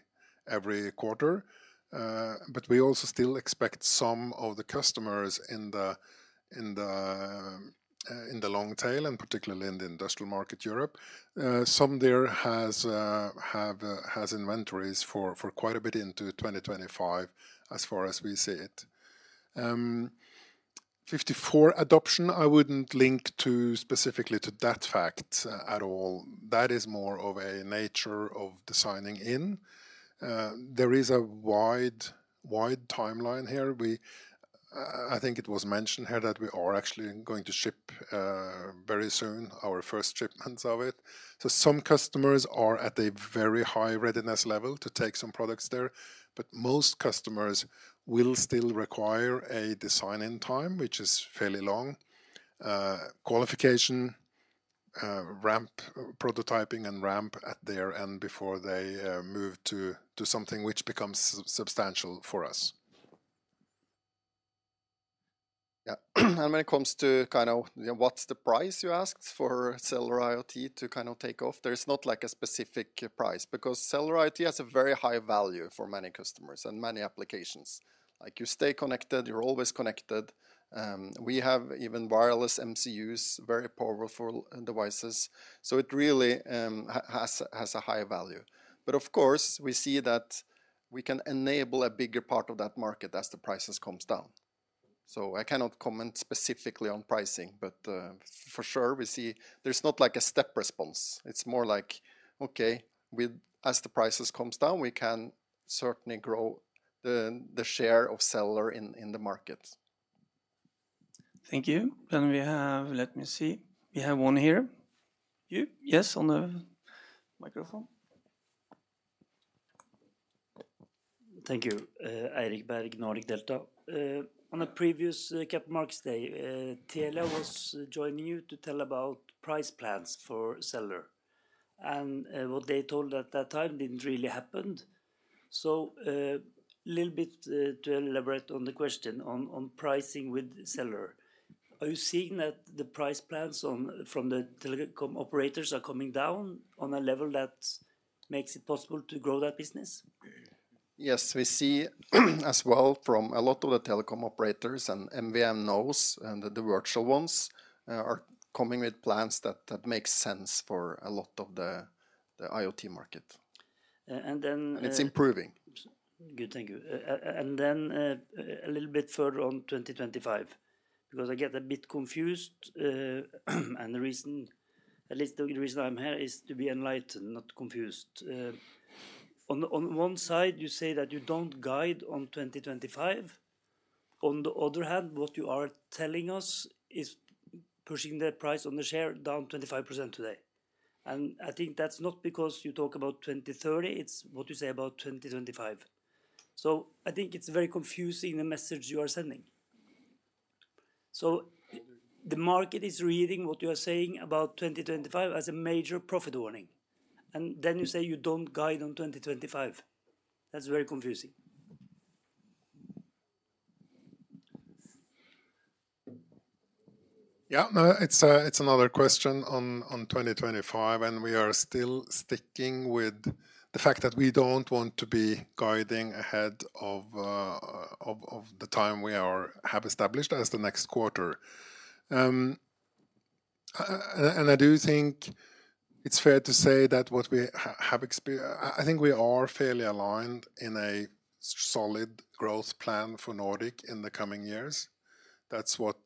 quarter. But we also still expect some of the customers in the long tail, and particularly in the industrial market, Europe. Some there have inventories for quite a bit into 2025, as far as we see it. 54 adoption, I wouldn't link that specifically to that fact at all. That is more of a nature of designing in. There is a wide timeline here. I think it was mentioned here that we are actually going to ship very soon our first shipments of it. So some customers are at a very high readiness level to take some products there, but most customers will still require a design-in time, which is fairly long. Qualification, ramp prototyping, and ramp at their end before they move to something which becomes substantial for us. Yeah. And when it comes to kind of, you know, what's the price you asked for Cellular IoT to kind of take off? There is not, like, a specific price, because Cellular IoT has a very high value for many customers and many applications. Like, you stay connected, you're always connected, we have even wireless MCUs, very powerful devices, so it really has a high value. But of course, we see that we can enable a bigger part of that market as the prices comes down. So I cannot comment specifically on pricing, but, for sure, we see there's not like a step response. It's more like, okay, as the prices comes down, we can certainly grow the share of cellular in the market. Thank you. Then we have... Let me see. We have one here. You. Yes, on the microphone. Thank you. Eirik Berg, Nordic Delta. On a previous Capital Markets Day, Telia was joining you to tell about price plans for cellular. What they told at that time didn't really happened. A little bit to elaborate on the question on pricing with cellular. Are you seeing that the price plans on from the telecom operators are coming down on a level that makes it possible to grow that business? Yes, we see as well from a lot of the telecom operators, and MVNOs, and the virtual ones are coming with plans that makes sense for a lot of the IoT market. And then- It's improving. Good. Thank you. And then, a little bit further on 2025, because I get a bit confused, and the reason, at least the reason I'm here, is to be enlightened, not confused. On one side you say that you don't guide on 2025. On the other hand, what you are telling us is pushing the price on the share down 25% today. And I think that's not because you talk about 2030, it's what you say about 2025. So I think it's very confusing, the message you are sending. So the market is reading what you are saying about 2025 as a major profit warning, and then you say you don't guide on 2025. That's very confusing. Yeah. No, it's another question on 2025, and we are still sticking with the fact that we don't want to be guiding ahead of the time we have established as the next quarter. I do think it's fair to say that I think we are fairly aligned in a solid growth plan for Nordic in the coming years. That's what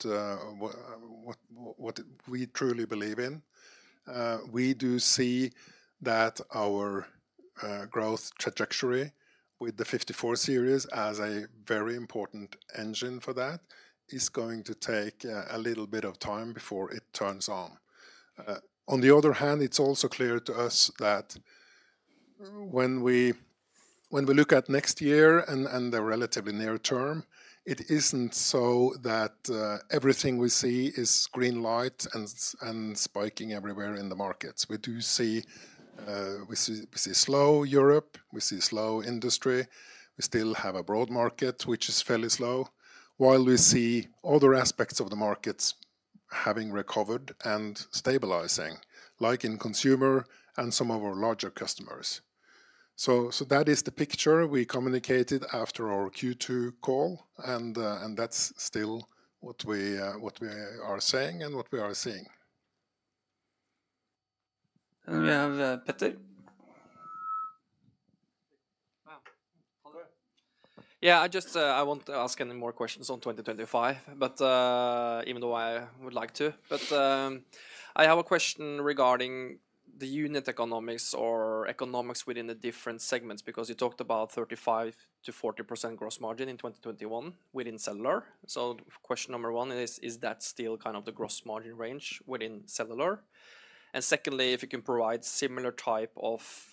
we truly believe in. We do see that our growth trajectory with the nRF54 Series as a very important engine for that is going to take a little bit of time before it turns on. On the other hand, it's also clear to us that when we look at next year and the relatively near term, it isn't so that everything we see is green light and spiking everywhere in the markets. We do see slow Europe, we see slow industry. We still have a broad market, which is fairly slow, while we see other aspects of the markets having recovered and stabilizing, like in consumer and some of our larger customers. So that is the picture we communicated after our Q2 call, and that's still what we are saying and what we are seeing. And we have, Petter. Yeah, I just I won't ask any more questions on 2025, but even though I would like to. But I have a question regarding the unit economics or economics within the different segments, because you talked about 35%-40% gross margin in 2021 within cellular. So question number one is: Is that still kind of the gross margin range within cellular? And secondly, if you can provide similar type of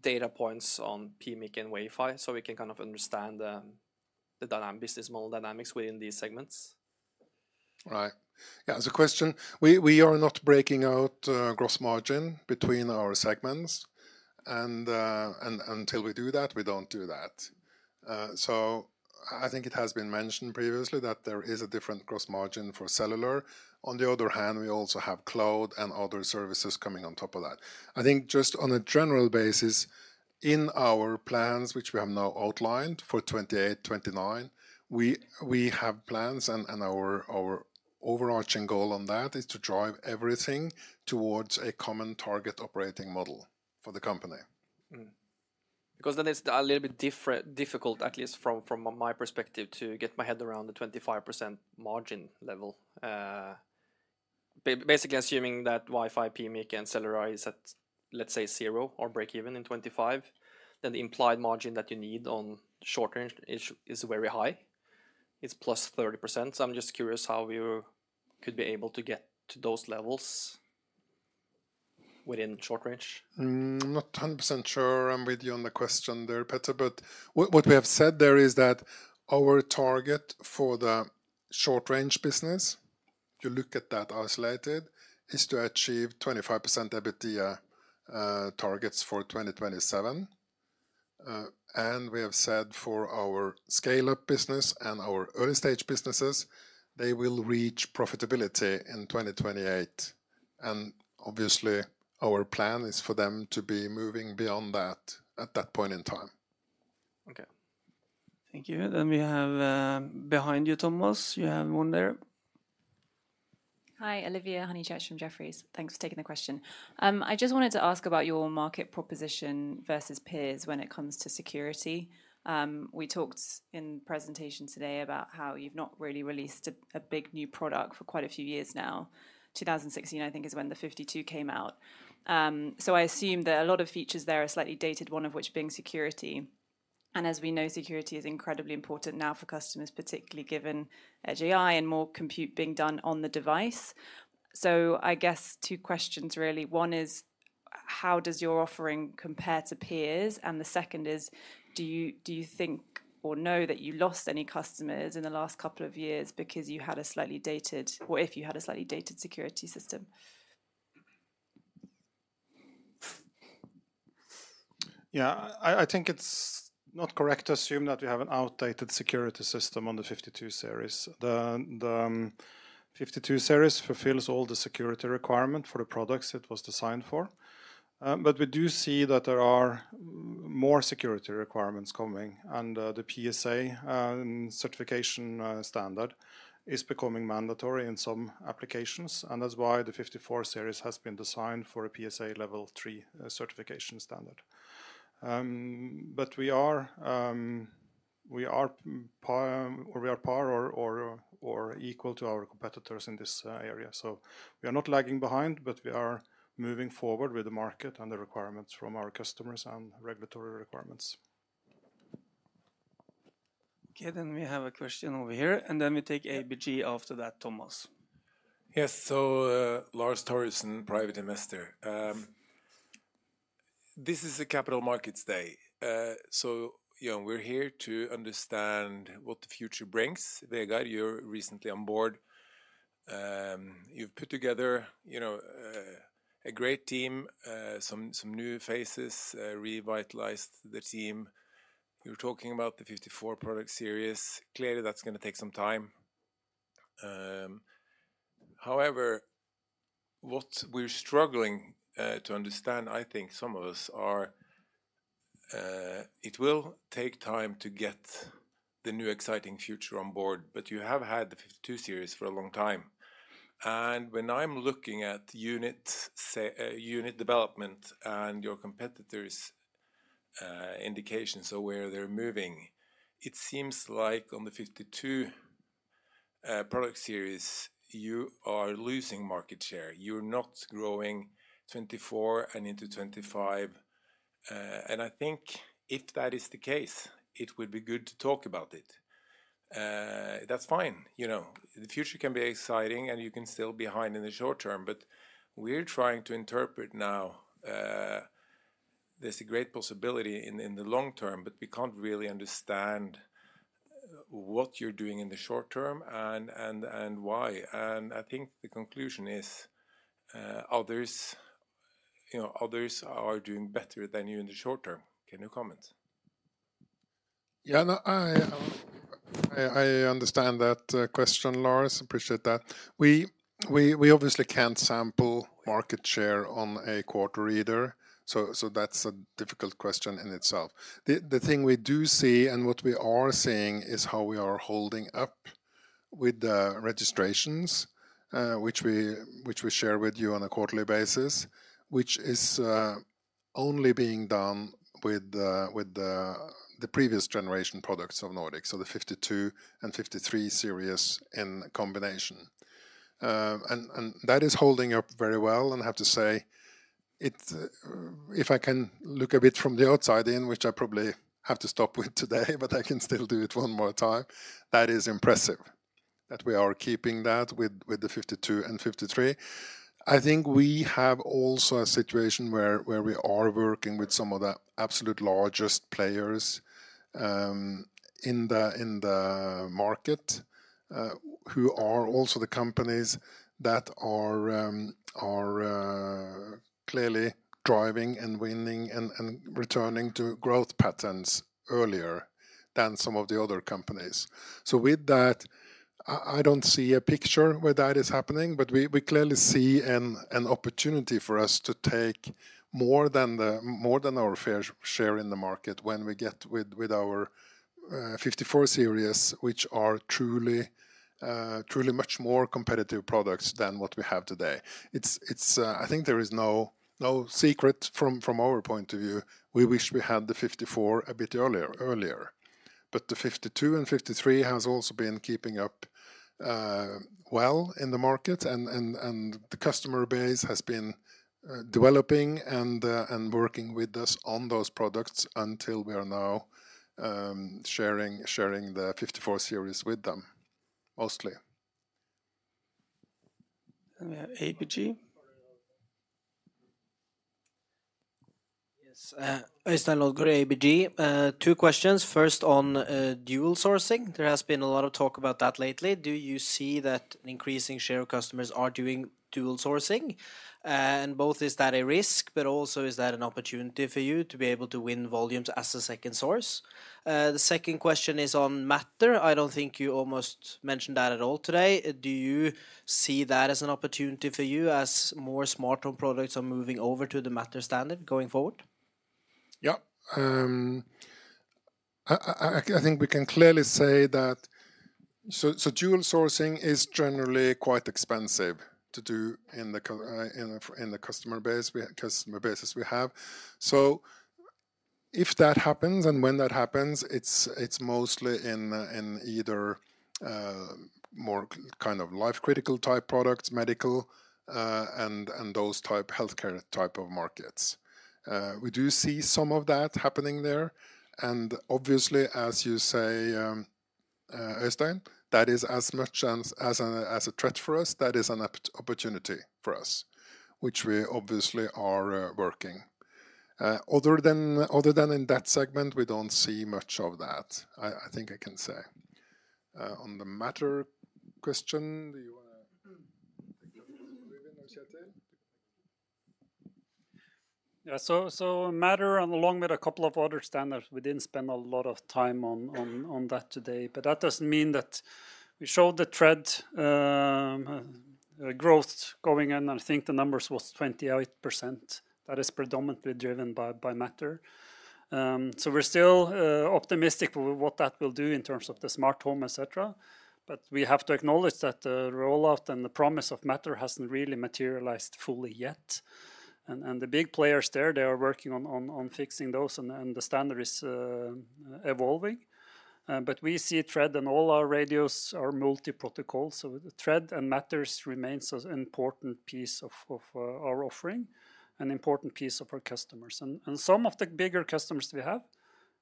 data points on PMIC and Wi-Fi, so we can kind of understand the business model dynamics within these segments. Right. Yeah, as a question, we are not breaking out gross margin between our segments, and until we do that, we don't do that. So I think it has been mentioned previously that there is a different gross margin for cellular. On the other hand, we also have cloud and other services coming on top of that. I think just on a general basis, in our plans, which we have now outlined for 2028, 2029, we have plans, and our overarching goal on that is to drive everything towards a common target operating model for the company. Mm-hmm. Because then it's a little bit different, difficult, at least from my perspective, to get my head around the 25% margin level. Basically, assuming that Wi-Fi, PMIC, and cellular is at, let's say, zero or breakeven in 2025, then the implied margin that you need on Short Range is very high. It's plus 30%, so I'm just curious how you could be able to get to those levels within Short Range. I'm not 100% sure I'm with you on the question there, Petter, but what we have said there is that our target for the Short Range Business, you look at that isolated, is to achieve 25% EBITDA targets for 2027. And we have said for our scale-up business and our early-stage businesses, they will reach profitability in 2028, and obviously, our plan is for them to be moving beyond that at that point in time. Okay. Thank you. Then we have, behind you, Thomas, you have one there. Hi, Olivia Honeychurch from Jefferies. Thanks for taking the question. I just wanted to ask about your market proposition versus peers when it comes to security. We talked in presentation today about how you've not really released a big new product for quite a few years now. 2016, I think, is when the nRF52 came out. So I assume that a lot of features there are slightly dated, one of which being security. And as we know, security is incredibly important now for customers, particularly given Edge AI and more compute being done on the device. So I guess two questions, really. One is: How does your offering compare to peers? And the second is: Do you think or know that you lost any customers in the last couple of years because you had a slightly dated, or if you had a slightly dated security system? Yeah. I think it's not correct to assume that we have an outdated security system on the nRF52 Series. The nRF52 Series fulfills all the security requirement for the products it was designed for. But we do see that there are more security requirements coming, and the PSA certification standard is becoming mandatory in some applications, and that's why the nRF54 Series has been designed for a PSA Level 3 certification standard. But we are on par or equal to our competitors in this area. So we are not lagging behind, but we are moving forward with the market and the requirements from our customers and regulatory requirements. Okay, then we have a question over here, and then we take ABG after that, Thomas. Yes, so, Lars Thoresen, private investor. This is a capital markets day. So, you know, we're here to understand what the future brings. Vegard, you're recently on board. You've put together, you know, a great team, some new faces, revitalized the team. You're talking about the 54 product series. Clearly, that's gonna take some time. However, what we're struggling to understand, I think some of us are, it will take time to get the new exciting future on board, but you have had the nRF52 Series for a long time. And when I'm looking at unit development and your competitors indications of where they're moving. It seems like on the nRF52 product series, you are losing market share. You're not growing 2024 and into 2025. And I think if that is the case, it would be good to talk about it. That's fine, you know. The future can be exciting, and you can still be behind in the short term, but we're trying to interpret now. There's a great possibility in the long term, but we can't really understand what you're doing in the short term and why. And I think the conclusion is, others, you know, others are doing better than you in the short term. Can you comment? Yeah. No, I understand that question, Lars. Appreciate that. We obviously can't sample market share on a quarterly basis, so that's a difficult question in itself. The thing we do see, and what we are seeing, is how we are holding up with the registrations, which we share with you on a quarterly basis, which is only being done with the previous generation products of Nordic, so the nRF52 and fifty-three series in combination. And that is holding up very well, and I have to say, it... If I can look a bit from the outside in, which I probably have to stop with today, but I can still do it one more time, that is impressive that we are keeping that with the nRF52 and nRF53. I think we have also a situation where we are working with some of the absolute largest players in the market who are also the companies that are clearly driving and winning and returning to growth patterns earlier than some of the other companies. So with that, I don't see a picture where that is happening, but we clearly see an opportunity for us to take more than more than our fair share in the market when we get with our nRF54 Series, which are truly truly much more competitive products than what we have today. It's. I think there is no secret from our point of view, we wish we had the nRF54 a bit earlier. But the nRF52 and fifty-three has also been keeping up well in the market, and the customer base has been developing and working with us on those products until we are now sharing the nRF54 Series with them, mostly. Then we have ABG. Yes, Øystein Lodgaard, ABG. Two questions. First, on dual sourcing, there has been a lot of talk about that lately. Do you see that an increasing share of customers are doing dual sourcing? And both, is that a risk, but also is that an opportunity for you to be able to win volumes as a second source? The second question is on Matter. I don't think you almost mentioned that at all today. Do you see that as an opportunity for you as more smart home products are moving over to the Matter standard going forward? Yeah. I think we can clearly say that. So dual sourcing is generally quite expensive to do in the customer bases we have. So if that happens, and when that happens, it's mostly in either more kind of life-critical type products, medical, and those type, healthcare type of markets. We do see some of that happening there, and obviously, as you say, Øystein, that is as much as a threat for us, that is an opportunity for us, which we obviously are working. Other than in that segment, we don't see much of that, I think I can say. On the Matter question, do you wanna take that, Ruben or Kjetil? Yeah. So, Matter, and along with a couple of other standards, we didn't spend a lot of time on that today, but that doesn't mean that we showed the Thread growth going in, and I think the numbers was 28%. That is predominantly driven by Matter. So we're still optimistic with what that will do in terms of the smart home, et cetera, but we have to acknowledge that the rollout and the promise of Matter hasn't really materialized fully yet. And the big players there, they are working on fixing those, and the standard is evolving. But we see Thread, and all our radios are multi-protocol, so the Thread and Matter remains as an important piece of our offering, an important piece of our customers. Some of the bigger customers we have,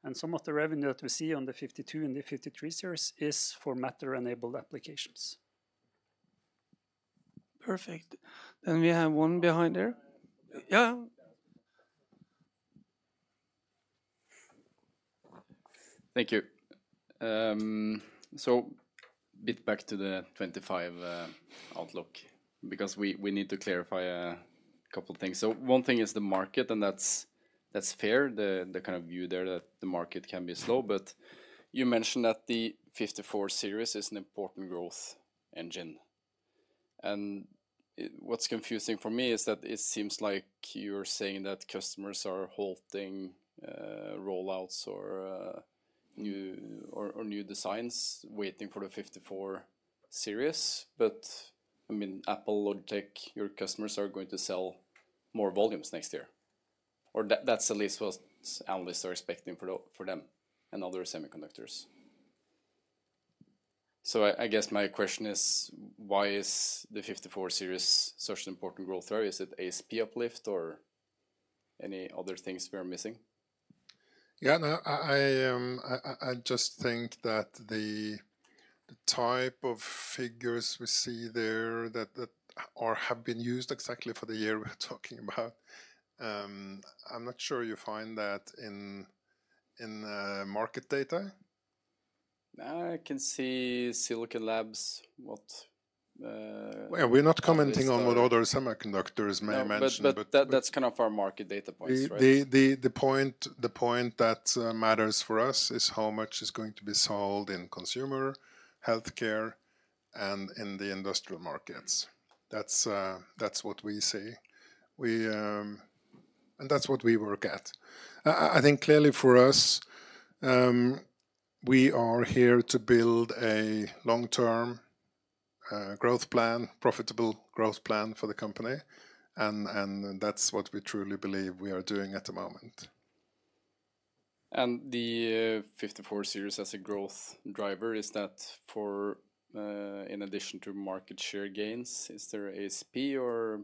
and some of the revenue that we see on the nRF52 and the nRF54 Series, is for Matter-enabled applications. Perfect. Then we have one behind there. Yeah. Thank you. So a bit back to the 2025 outlook, because we need to clarify a couple of things. So one thing is the market, and that's fair, the kind of view there that the market can be slow, but you mentioned that the nRF54 Series is an important growth engine. And it... What's confusing for me is that it seems like you're saying that customers are halting rollouts or new designs waiting for the nRF54 Series. But, I mean, Apple, Logitech, your customers are going to sell more volumes next year, or that's at least what analysts are expecting for them and other semiconductors. So I guess my question is: Why is the nRF54 Series such an important growth area? Is it ASP uplift or any other things we are missing? Yeah, no, I just think that the type of figures we see there that or have been used exactly for the year we're talking about. I'm not sure you find that in market data. I can see Silicon Labs, what- We're not commenting on what other semiconductors may mention- No, but that's kind of our market data points, right? The point that matters for us is how much is going to be sold in consumer, healthcare, and in the industrial markets. That's what we see. And that's what we work at. I think clearly for us, we are here to build a long-term growth plan, profitable growth plan for the company, and that's what we truly believe we are doing at the moment. And the nRF54 Series as a growth driver, is that for, in addition to market share gains, is there ASP or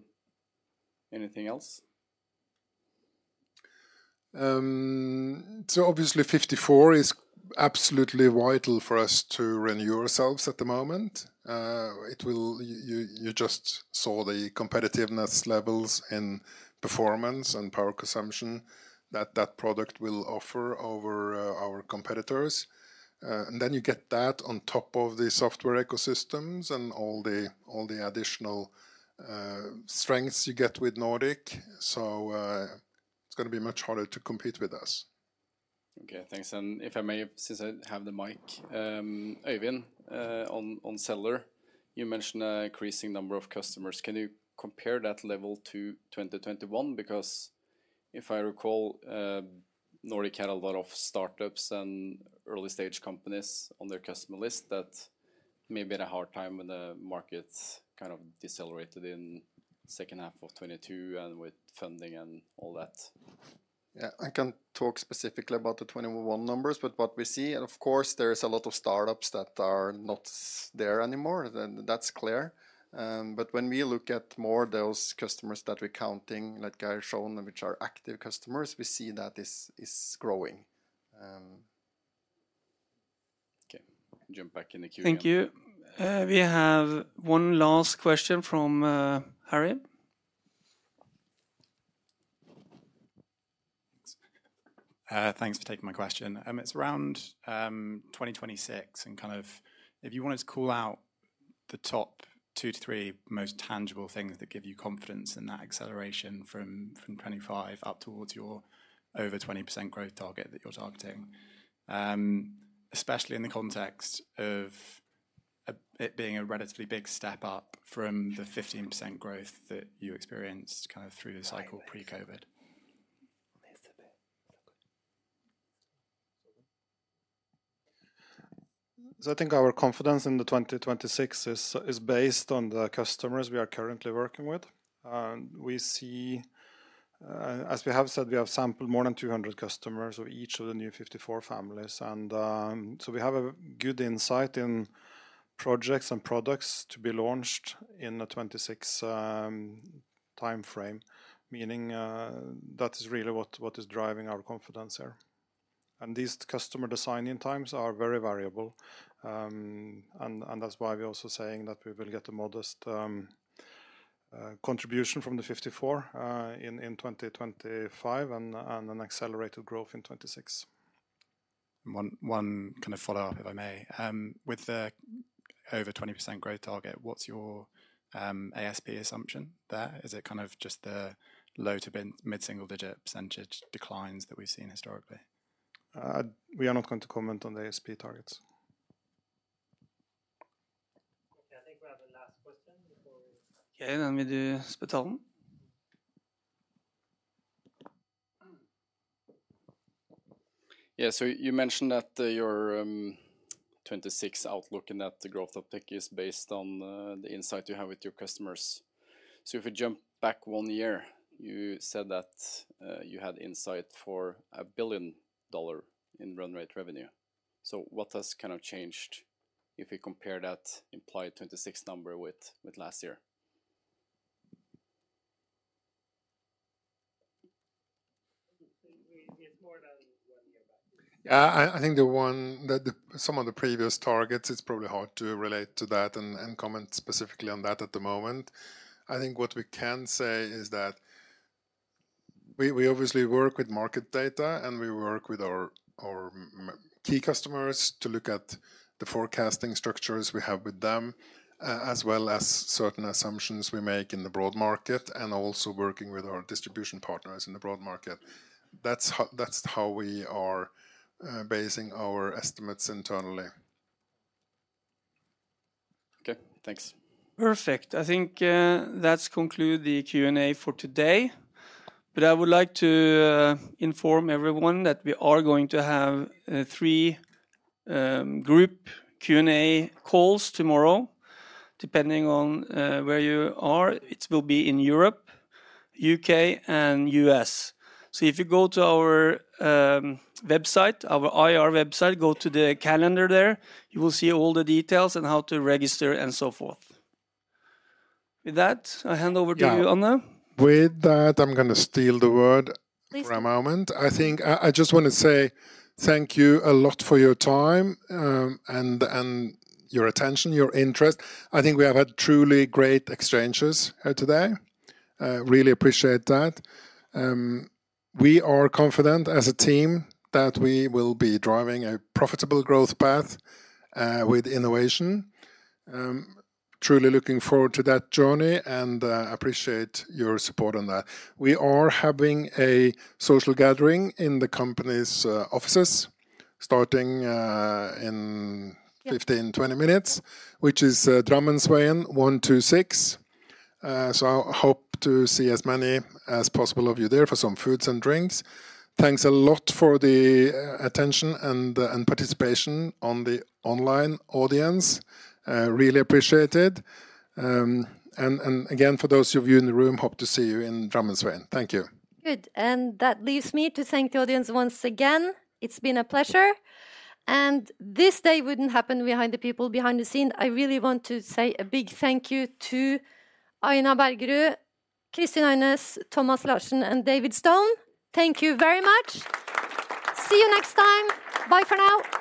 anything else? So obviously, 54 is absolutely vital for us to renew ourselves at the moment. You just saw the competitiveness levels in performance and power consumption that that product will offer over our competitors. And then you get that on top of the software ecosystems and all the additional strengths you get with Nordic. So, it's gonna be much harder to compete with us. Okay, thanks. And if I may, since I have the mic, Øyvind, on cellular, you mentioned an increasing number of customers. Can you compare that level to 2021? Because if I recall, Nordic had a lot of startups and early-stage companies on their customer list that maybe had a hard time when the markets kind of decelerated in second half of 2022 and with funding and all that. Yeah, I can talk specifically about the 2021 numbers, but what we see, and of course, there is a lot of startups that are not there anymore. Then, that's clear. But when we look at more those customers that we're counting, like Geir showed, which are active customers, we see that this is growing. Okay, jump back in the queue again. Thank you. We have one last question from Harry. Thanks. Thanks for taking my question. It's around 2026, and kind of if you wanted to call out the top two to three most tangible things that give you confidence in that acceleration from 2025 up towards your over 20% growth target that you're targeting, especially in the context of it being a relatively big step up from the 15% growth that you experienced, kind of through the cycle pre-COVID. So I think our confidence in the 2026 is based on the customers we are currently working with. We see, as we have said, we have sampled more than 200 customers of each of the new nRF54 families, and so we have a good insight in projects and products to be launched in the 2026 timeframe. Meaning, that is really what is driving our confidence here. And these customer design-in times are very variable, and that's why we're also saying that we will get a modest contribution from the nRF54, in 2025, and an accelerated growth in 2026. One kind of follow-up, if I may. With the over 20% growth target, what's your ASP assumption there? Is it kind of just the low- to mid-single-digit percentage declines that we've seen historically? We are not going to comment on the ASP targets. Okay, I think we have the last question. Okay, and we do Spetalen. Yeah, so you mentioned that your 2026 outlook and that the growth uptake is based on the insight you have with your customers. So if we jump back one year, you said that you had insight for $1 billion in run rate revenue. So what has kind of changed if we compare that implied 2026 number with last year? It's more than one year back. Yeah, I think that some of the previous targets, it's probably hard to relate to that and comment specifically on that at the moment. I think what we can say is that we obviously work with market data, and we work with our key customers to look at the forecasting structures we have with them, as well as certain assumptions we make in the broad market, and also working with our distribution partners in the broad market. That's how we are basing our estimates internally. Okay, thanks. Perfect. I think, that's conclude the Q&A for today. But I would like to inform everyone that we are going to have three group Q&A calls tomorrow. Depending on where you are, it will be in Europe, U.K., and U.S. So if you go to our website, our IR website, go to the calendar there, you will see all the details and how to register, and so forth. With that, I hand over to you, Anne. Yeah. With that, I'm gonna steal the word- Please -for a moment. I think I just wanna say thank you a lot for your time, and your attention, your interest. I think we have had truly great exchanges today. Really appreciate that. We are confident as a team that we will be driving a profitable growth path with innovation. Truly looking forward to that journey, and appreciate your support on that. We are having a social gathering in the company's offices, starting in 15- Yeah 20 minutes, which is Drammensveien 126. So I hope to see as many as possible of you there for some foods and drinks. Thanks a lot for the attention and participation on the online audience. Really appreciate it, and again, for those of you in the room, hope to see you in Drammensveien. Thank you. Good, and that leaves me to thank the audience once again. It's been a pleasure, and this day wouldn't happen behind the people behind the scene. I really want to say a big thank you to Aina Bergerud, Christine Einars, Thomas Larsen, and David Stone. Thank you very much. See you next time. Bye for now.